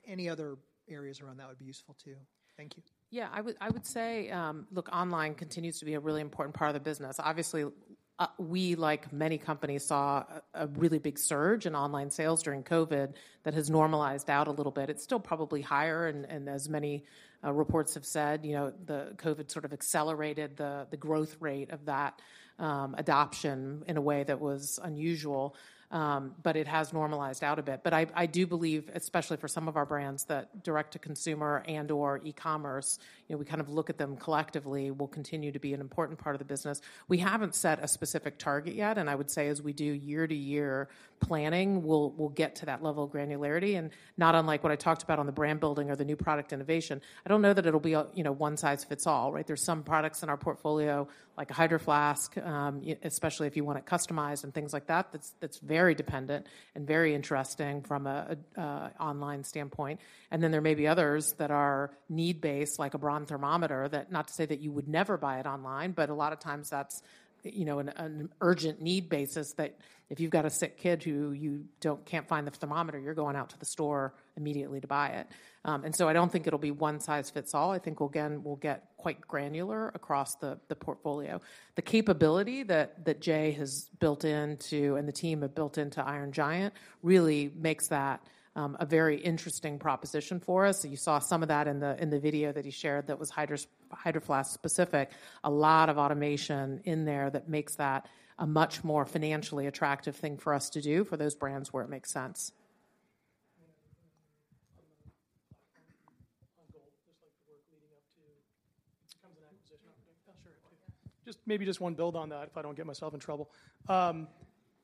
Any other areas around that would be useful, too. Thank you. Yeah, I would, I would say, look, online continues to be a really important part of the business. Obviously, we, like many companies, saw a really big surge in online sales during COVID that has normalized out a little bit. It's still probably higher, and as many reports have said, you know, the COVID sort of accelerated the growth rate of that adoption in a way that was unusual, but it has normalized out a bit. But I do believe, especially for some of our brands, that direct-to-consumer and/or e-commerce, you know, we kind of look at them collectively, will continue to be an important part of the business. We haven't set a specific target yet, and I would say, as we do year-to-year planning, we'll get to that level of granularity, and not unlike what I talked about on the brand building or the new product innovation. I don't know that it'll be a, you know, one size fits all, right? There's some products in our portfolio, like a Hydro Flask, especially if you want it customized and things like that, that's very dependent and very interesting from an online standpoint. And then there may be others that are need-based, like a Braun thermometer, that not to say that you would never buy it online, but a lot of times that's, you know, an urgent need basis that if you've got a sick kid who you don't-- can't find the thermometer, you're going out to the store immediately to buy it. and so I don't think it'll be one size fits all. I think, again, we'll get quite granular across the, the portfolio. The capability that, that Jay has built into, and the team have built into Iron Giant, really makes that a very interesting proposition for us. So you saw some of that in the, in the video that he shared that was Hydro Flask specific. A lot of automation in there that makes that a much more financially attractive thing for us to do for those brands where it makes sense.... Just like the work leading up to becomes an acquisition opportunity. Sure. Just, maybe just want to build on that, if I don't get myself in trouble.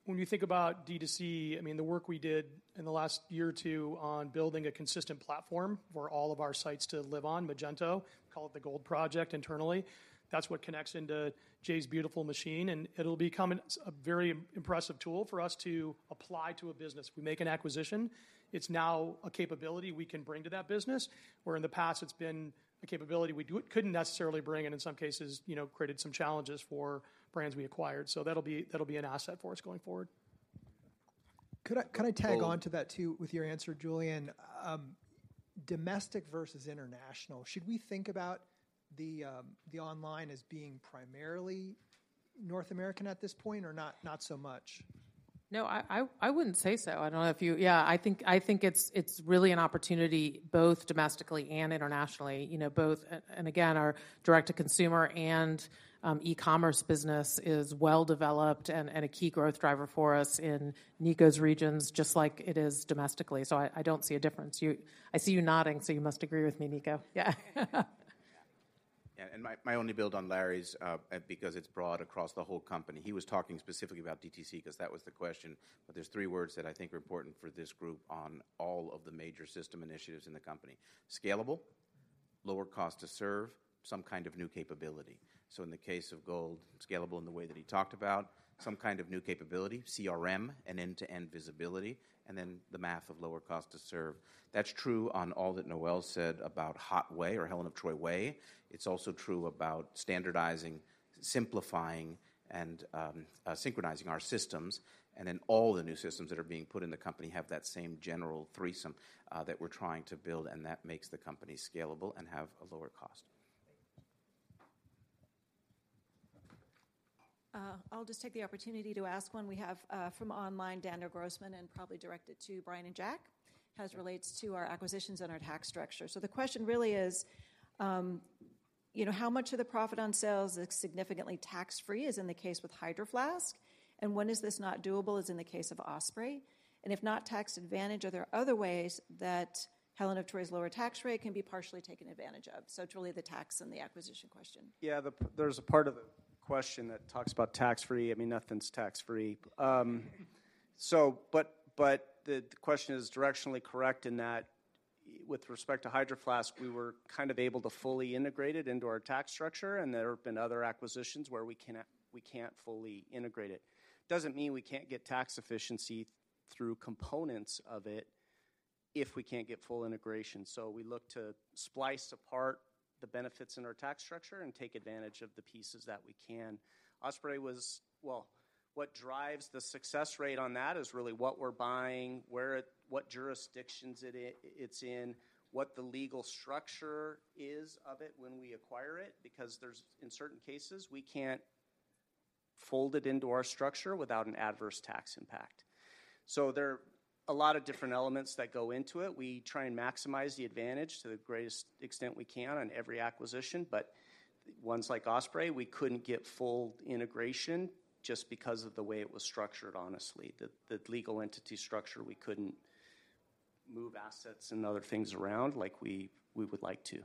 When you think about D2C, I mean, the work we did in the last year or two on building a consistent platform for all of our sites to live on, Magento, call it the Gold Project internally. That's what connects into Jay's beautiful machine, and it'll become a very impressive tool for us to apply to a business. We make an acquisition, it's now a capability we can bring to that business, where in the past it's been a capability we couldn't necessarily bring in, in some cases, you know, created some challenges for brands we acquired. So that'll be an asset for us going forward. Could I tag on to that too, with your answer, Julien? Domestic versus international, should we think about the online as being primarily North American at this point, or not so much? No, I wouldn't say so. I don't know if you... Yeah, I think it's really an opportunity, both domestically and internationally, you know, both... And again, our direct-to-consumer and e-commerce business is well-developed and a key growth driver for us in Noel's regions, just like it is domestically. So I don't see a difference. You—I see you nodding, so you must agree with me, Noel. Yeah. Yeah, and my, my only build on Larry's, because it's broad across the whole company. He was talking specifically about DTC, 'cause that was the question, but there's three words that I think are important for this group on all of the major system initiatives in the company: scalable, lower cost to serve, some kind of new capability. So in the case of Gold, scalable in the way that he talked about, some kind of new capability, CRM and end-to-end visibility, and then the math of lower cost to serve. That's true on all that Noel said about HOT Way or Helen of Troy Way. It's also true about standardizing, simplifying, and synchronizing our systems, and then all the new systems that are being put in the company have that same general threesome that we're trying to build, and that makes the company scalable and have a lower cost. Thank you. I'll just take the opportunity to ask one we have from online, Daniel Grossman, and probably direct it to Brian and Jack, as it relates to our acquisitions and our tax structure. So the question really is, you know, how much of the profit on sales is significantly tax-free, as in the case with Hydro Flask? And when is this not doable, as in the case of Osprey? And if not tax advantage, are there other ways that Helen of Troy's lower tax rate can be partially taken advantage of? So truly, the tax and the acquisition question. There's a part of the question that talks about tax-free. I mean, nothing's tax-free. But the question is directionally correct in that with respect to Hydro Flask, we were kind of able to fully integrate it into our tax structure, and there have been other acquisitions where we can't fully integrate it. Doesn't mean we can't get tax efficiency.... through components of it, if we can't get full integration. So we look to splice apart the benefits in our tax structure and take advantage of the pieces that we can. Osprey was. Well, what drives the success rate on that is really what we're buying, what jurisdictions it's in, what the legal structure is of it when we acquire it, because there's in certain cases, we can't fold it into our structure without an adverse tax impact. So there are a lot of different elements that go into it. We try and maximize the advantage to the greatest extent we can on every acquisition, but ones like Osprey, we couldn't get full integration just because of the way it was structured, honestly. The legal entity structure, we couldn't move assets and other things around like we would like to.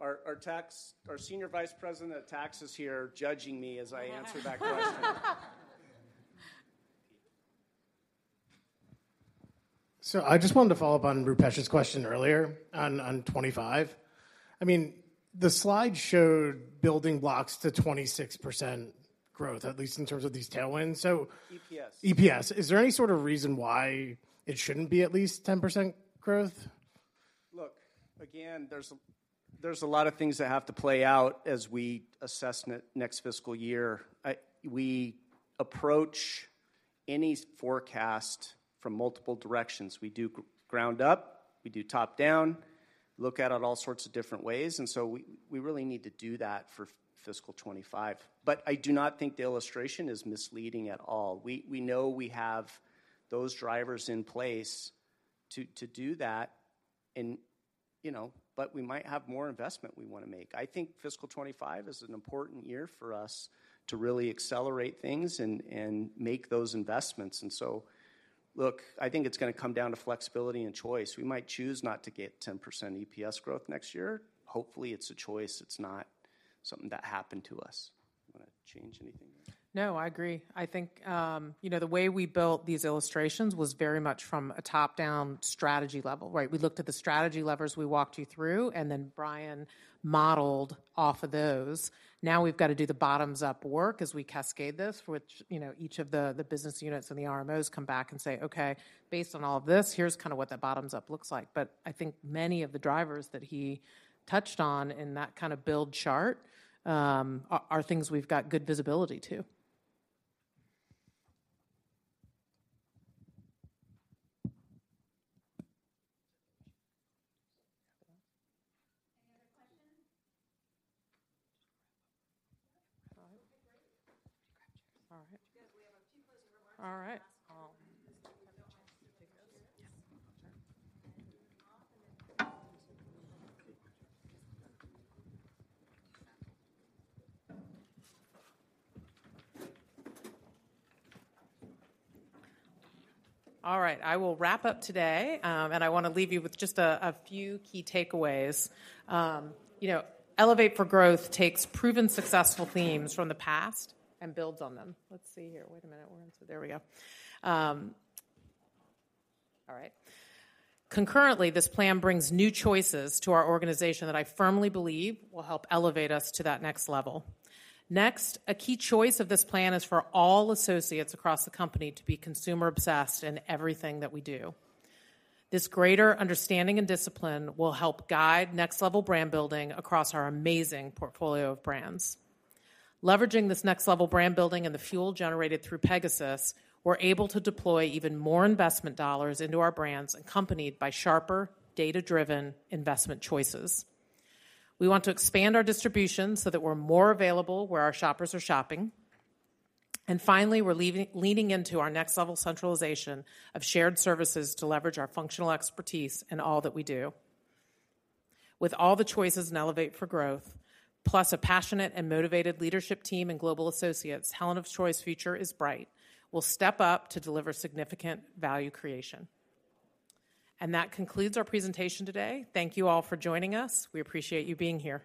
Our Senior Vice President of Tax is here judging me as I answer that question. So, I just wanted to follow up on Rupesh's question earlier on 25. I mean, the slide showed building blocks to 26% growth, at least in terms of these tailwinds. So- EPS. EPS. Is there any sort of reason why it shouldn't be at least 10% growth? Look, again, there's a lot of things that have to play out as we assess next fiscal year. We approach any forecast from multiple directions. We do ground up, we do top-down, look at it all sorts of different ways, and so we really need to do that for fiscal 25. But I do not think the illustration is misleading at all. We know we have those drivers in place to do that and, you know, but we might have more investment we wanna make. I think fiscal 25 is an important year for us to really accelerate things and make those investments. So, look, I think it's gonna come down to flexibility and choice. We might choose not to get 10% EPS growth next year. Hopefully, it's a choice, it's not something that happened to us. You wanna change anything there? No, I agree. I think, you know, the way we built these illustrations was very much from a top-down strategy level, right? We looked at the strategy levers we walked you through, and then Brian modeled off of those. Now we've got to do the bottoms-up work as we cascade this, which, you know, each of the, the business units and the RMOs come back and say, "Okay, based on all of this, here's kind of what that bottoms-up looks like." But I think many of the drivers that he touched on in that kind of build chart, are things we've got good visibility to. Any other questions? All right. Good. We have a few closing remarks- All right. I'll- Take those? Yes. Sure. All right, I will wrap up today, and I wanna leave you with just a few key takeaways. You know, Elevate for Growth takes proven successful themes from the past and builds on them. All right. Concurrently, this plan brings new choices to our organization that I firmly believe will help elevate us to that next level. Next, a key choice of this plan is for all associates across the company to be consumer-obsessed in everything that we do. This greater understanding and discipline will help guide next-level brand building across our amazing portfolio of brands. Leveraging this next-level brand building and the fuel generated through Pegasus, we're able to deploy even more investment dollars into our brands, accompanied by sharper, data-driven investment choices. We want to expand our distribution so that we're more available where our shoppers are shopping. And finally, we're leaning into our next level centralization of shared services to leverage our functional expertise in all that we do. With all the choices in Elevate for Growth, plus a passionate and motivated leadership team and global associates, Helen of Troy's future is bright. We'll step up to deliver significant value creation. And that concludes our presentation today. Thank you all for joining us. We appreciate you being here.